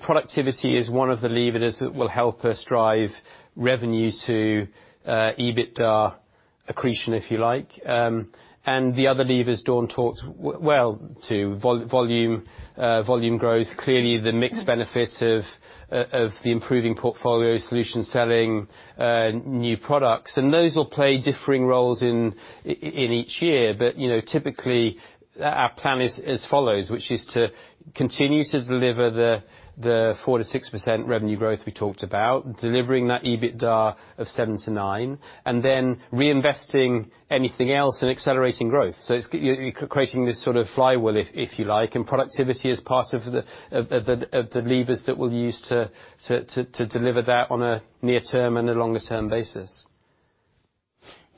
productivity is one of the levers that will help us drive revenue to EBITDA accretion, if you like. The other levers Dawn talked well to, volume growth, clearly the mixed benefit of the improving portfolio solution selling, new products. Those will play differing roles in each year. You know, typically, our plan is as follows, which is to continue to deliver the 4%-6% revenue growth we talked about, delivering that EBITDA of 7%-9%, and then reinvesting anything else and accelerating growth. It's you're creating this sort of flywheel, if you like, and productivity is part of the levers that we'll use to deliver that on a near term and a longer term basis.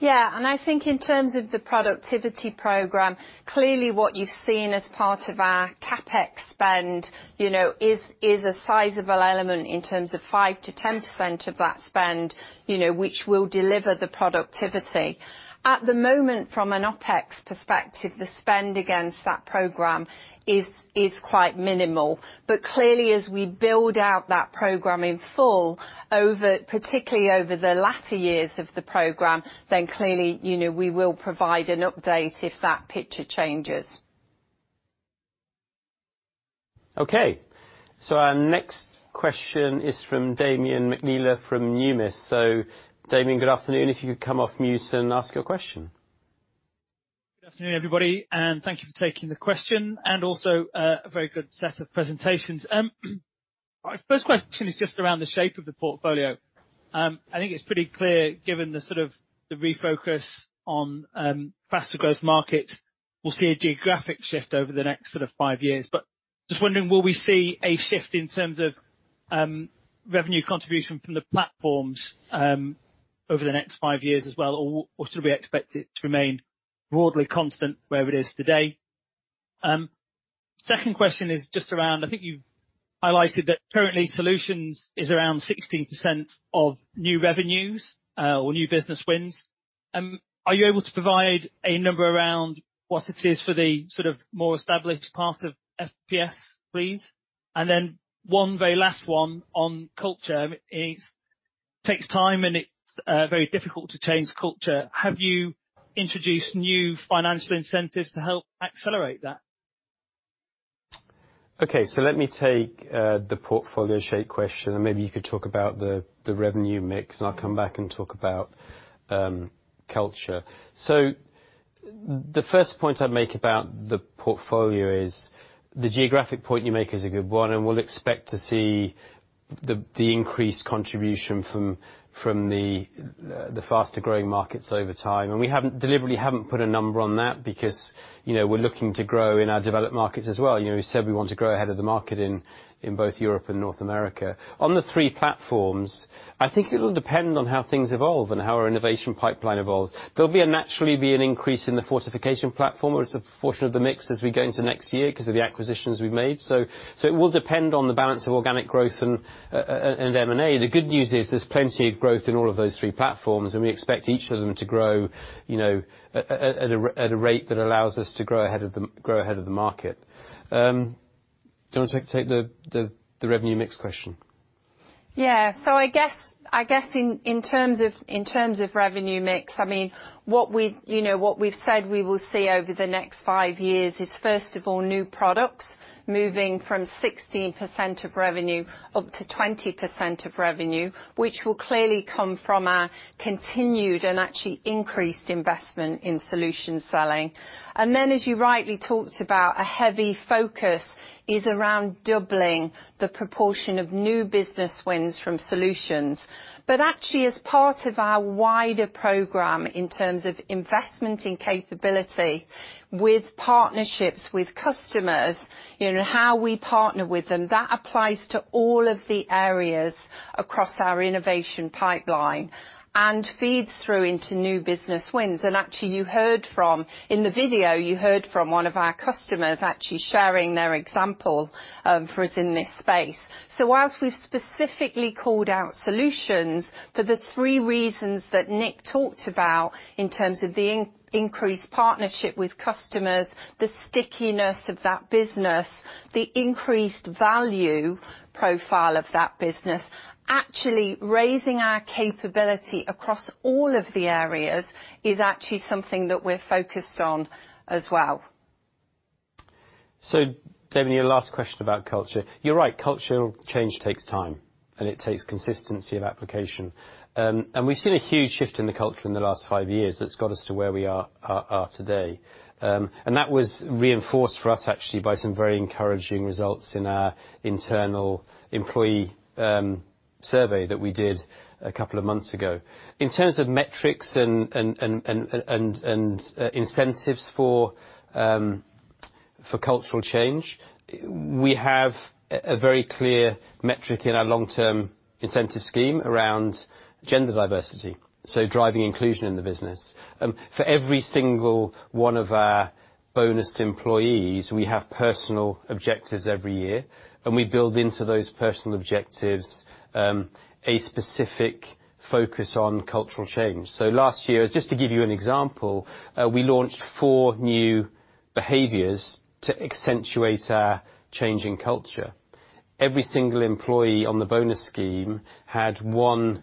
Yeah. I think in terms of the productivity program, clearly what you've seen as part of our CapEx spend, you know, is a sizable element in terms of 5%-10% of that spend, you know, which will deliver the productivity. At the moment from an OpEx perspective, the spend against that program is quite minimal. Clearly, as we build out that program in full, over, particularly over the latter years of the program, clearly, you know, we will provide an update if that picture changes. Okay. Our next question is from Damian McNeela from Numis. Damian, good afternoon. If you could come off mute and ask your question. Good afternoon, everybody, thank you for taking the question and also, a very good set of presentations. Our first question is just around the shape of the portfolio. I think it's pretty clear given the sort of the refocus on faster growth market. We'll see a geographic shift over the next sort of five years, but just wondering, will we see a shift in terms of revenue contribution from the platforms over the next five years as well, or should we expect it to remain broadly constant where it is today? Second question is just around. I think you've highlighted that currently solutions is around 16% of new revenues or new business wins. Are you able to provide a number around what it is for the sort of more established part of FPS, please? One very last one on culture. It takes time, and it's very difficult to change culture. Have you introduced new financial incentives to help accelerate that? Okay. Let me take the portfolio shape question, and maybe you could talk about the revenue mix, and I'll come back and talk about culture. The first point I'd make about the portfolio is the geographic point you make is a good one, and we'll expect to see the increased contribution from the faster-growing markets over time. We deliberately haven't put a number on that because, you know, we're looking to grow in our developed markets as well. You know, we said we want to grow ahead of the market in both Europe and North America. On the three platforms, I think it'll depend on how things evolve and how our innovation pipeline evolves. There'll naturally be an increase in the fortification platform. It's a proportion of the mix as we go into next year because of the acquisitions we've made. It will depend on the balance of organic growth and M&A. The good news is there's plenty of growth in all of those three platforms, and we expect each of them to grow, you know, at a rate that allows us to grow ahead of the market. Do you want to take the revenue mix question? Yeah. I guess in terms of revenue mix, I mean, what we, you know what we've said we will see over the next five years is, first of all, new products moving from 16% of revenue up to 20% of revenue, which will clearly come from our continued and actually increased investment in solution selling. Then, as you rightly talked about, a heavy focus is around doubling the proportion of new business wins from solutions. Actually, as part of our wider program in terms of investment in capability with partnerships with customers, you know how we partner with them, that applies to all of the areas across our innovation pipeline and feeds through into new business wins. Actually, you heard from. In the video, you heard from one of our customers actually sharing their example for us in this space. Whilst we've specifically called out solutions for the three reasons that Nick talked about in terms of the increased partnership with customers, the stickiness of that business, the increased value profile of that business, actually raising our capability across all of the areas is actually something that we're focused on as well. Damian, your last question about culture. You're right, cultural change takes time, and it takes consistency of application. We've seen a huge shift in the culture in the last five years that's got us to where we are today. That was reinforced for us actually by some very encouraging results in our internal employee survey that we did a couple of months ago. In terms of metrics and incentives for cultural change, we have a very clear metric in our long-term incentive scheme around gender diversity, so driving inclusion in the business. For every single one of our bonused employees, we have personal objectives every year, and we build into those personal objectives a specific focus on cultural change. Last year, just to give you an example, we launched four new behaviors to accentuate our change in culture. Every single employee on the bonus scheme had one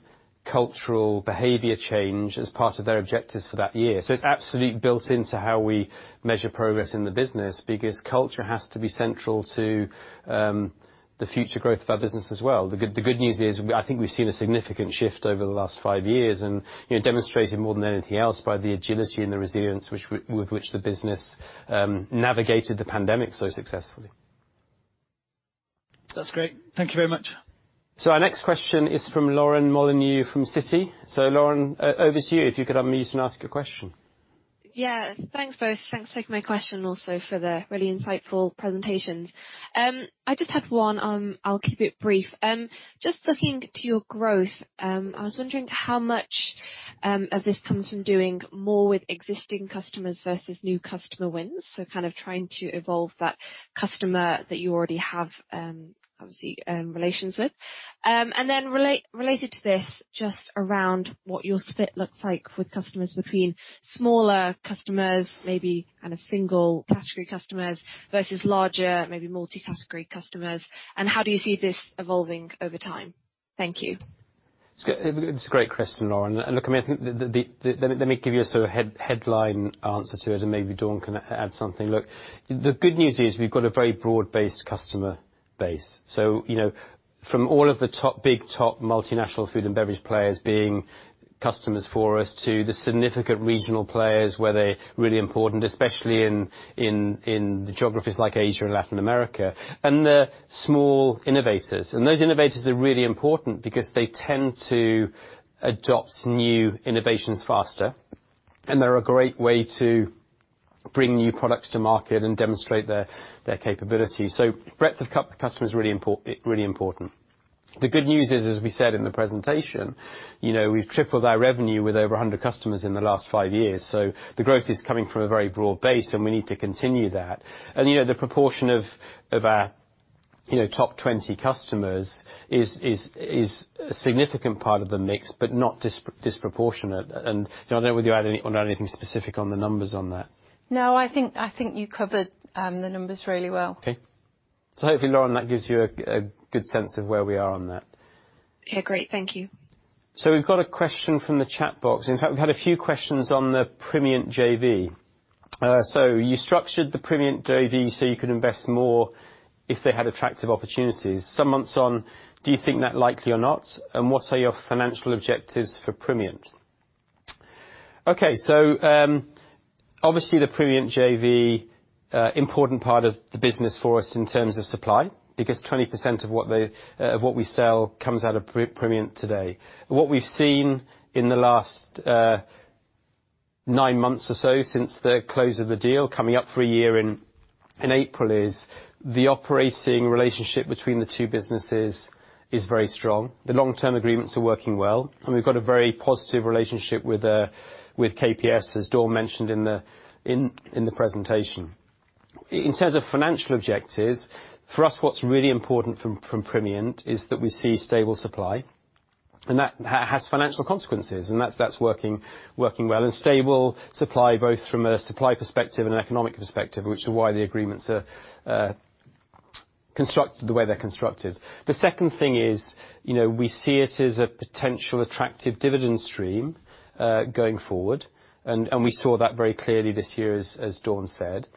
cultural behavior change as part of their objectives for that year. It's absolutely built into how we measure progress in the business because culture has to be central to the future growth of our business as well. The good news is I think we've seen a significant shift over the last five years and, you know, demonstrated more than anything else by the agility and the resilience with which the business navigated the pandemic so successfully. That's great. Thank you very much. Our next question is from Lauren Molyneux from Citi. Lauren, over to you, if you could unmute and ask your question. Yeah. Thanks, both. Thanks for taking my question, also for the really insightful presentations. I just had one. I'll keep it brief. Just looking to your growth, I was wondering how much of this comes from doing more with existing customers versus new customer wins. Kind of trying to evolve that customer that you already have, obviously, relations with. Then related to this, just around what your split looks like with customers between smaller customers, maybe kind of single category customers versus larger, maybe multi-category customers, and how do you see this evolving over time? Thank you. It's a great question, Lauren. Look, I mean, I think, let me give you a sort of head-headline answer to it, and maybe Dawn can add something. The good news is we've got a very broad-based customer base. You know, from all of the top, big top multinational Food & Beverage players being customers for us to the significant regional players where they're really important, especially in the geographies like Asia and Latin America. The small innovators, and those innovators are really important because they tend to adopt new innovations faster, and they're a great way to bring new products to market and demonstrate their capability. Breadth of customers is really important. The good news is, as we said in the presentation, you know, we've tripled our revenue with over 100 customers in the last five years. The growth is coming from a very broad base, and we need to continue that. The proportion of our, you know, top 20 customers is a significant part of the mix, but not disproportionate. I don't know whether you had anything specific on the numbers on that. I think you covered the numbers really well. Hopefully, Lauren, that gives you a good sense of where we are on that. Yeah, great. Thank you. We've got a question from the chat box. In fact, we've had a few questions on the Primient JV. You structured the Primient JV, so you could invest more if they had attractive opportunities. Some months on, do you think that likely or not? What are your financial objectives for Primient? Obviously, the Primient JV, important part of the business for us in terms of supply, because 20% of what they of what we sell comes out of Primient today. What we've seen in the last nine months or so since the close of the deal, coming up for a year in April is the operating relationship between the two businesses is very strong. The long-term agreements are working well. We've got a very positive relationship with KPS, as Dawn mentioned in the presentation. In terms of financial objectives, for us, what's really important from Primient is that we see stable supply, and that has financial consequences, and that's working well, and stable supply, both from a supply perspective and an economic perspective, which is why the agreements are constructed the way they're constructed. The second thing is, you know, we see it as a potential attractive dividend stream going forward, and we saw that very clearly this year, as Dawn said.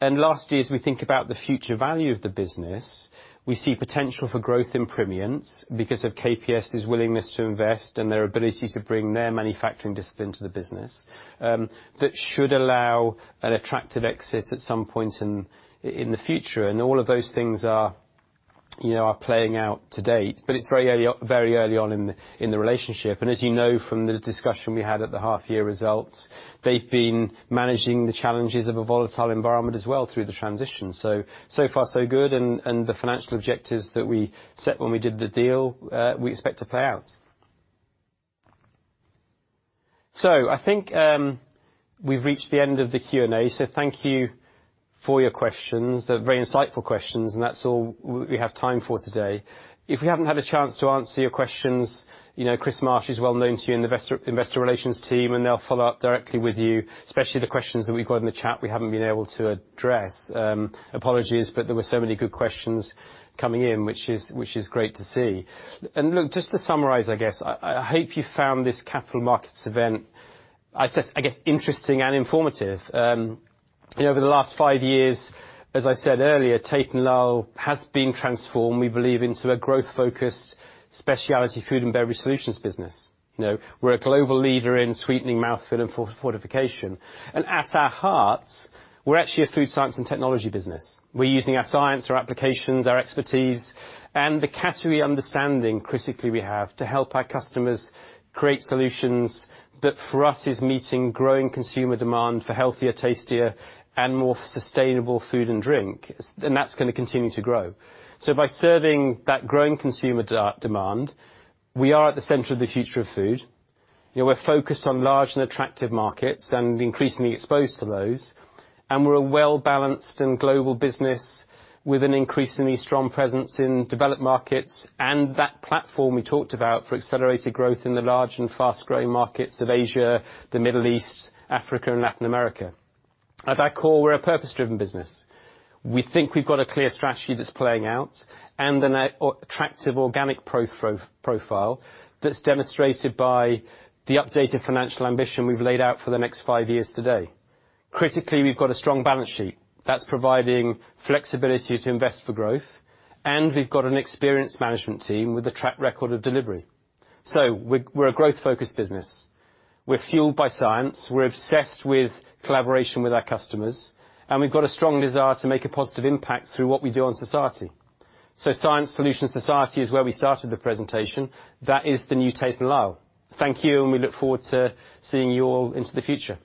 Lastly, as we think about the future value of the business, we see potential for growth in Primient because of KPS's willingness to invest and their ability to bring their manufacturing discipline to the business. That should allow an attractive exit at some point in the future. All of those things are, you know, are playing out to date, but it's very early on in the relationship. As you know from the discussion we had at the half-year results, they've been managing the challenges of a volatile environment as well through the transition. So far so good, and the financial objectives that we set when we did the deal, we expect to play out. I think, we've reached the end of the Q&A. Thank you for your questions. They're very insightful questions, and that's all we have time for today. If we haven't had a chance to answer your questions, you know, Chris Marsh is well known to you in the Vesto-Investor Relations team, they'll follow up directly with you, especially the questions that we got in the chat we haven't been able to address. Apologies, there were so many good questions coming in, which is great to see. Look, just to summarize, I guess, I hope you found this capital markets event, I guess, interesting and informative. You know, over the last five years, as I said earlier, Tate & Lyle has been transformed, we believe, into a growth-focused specialty food and beverage solutions business. You know, we're a global leader in sweetening mouthfeel and for fortification. At our heart, we're actually a food science and technology business. We're using our science, our applications, our expertise, and the category understanding, critically, we have to help our customers create solutions that, for us, is meeting growing consumer demand for healthier, tastier, and more sustainable food and drink. That's gonna continue to grow. By serving that growing consumer demand, we are at the center of the future of food. You know, we're focused on large and attractive markets and increasingly exposed to those. We're a well-balanced and global business with an increasingly strong presence in developed markets and that platform we talked about for accelerated growth in the large and fast-growing markets of Asia, the Middle East, Africa, and Latin America. At our core, we're a purpose-driven business. We think we've got a clear strategy that's playing out and an attractive organic profile that's demonstrated by the updated financial ambition we've laid out for the next five years today. Critically, we've got a strong balance sheet that's providing flexibility to invest for growth, and we've got an experienced management team with a track record of delivery. We're a growth-focused business. We're fueled by science. We're obsessed with collaboration with our customers, and we've got a strong desire to make a positive impact through what we do in society. Science, solutions, society is where we started the presentation. That is the new Tate & Lyle. Thank you, and we look forward to seeing you all into the future.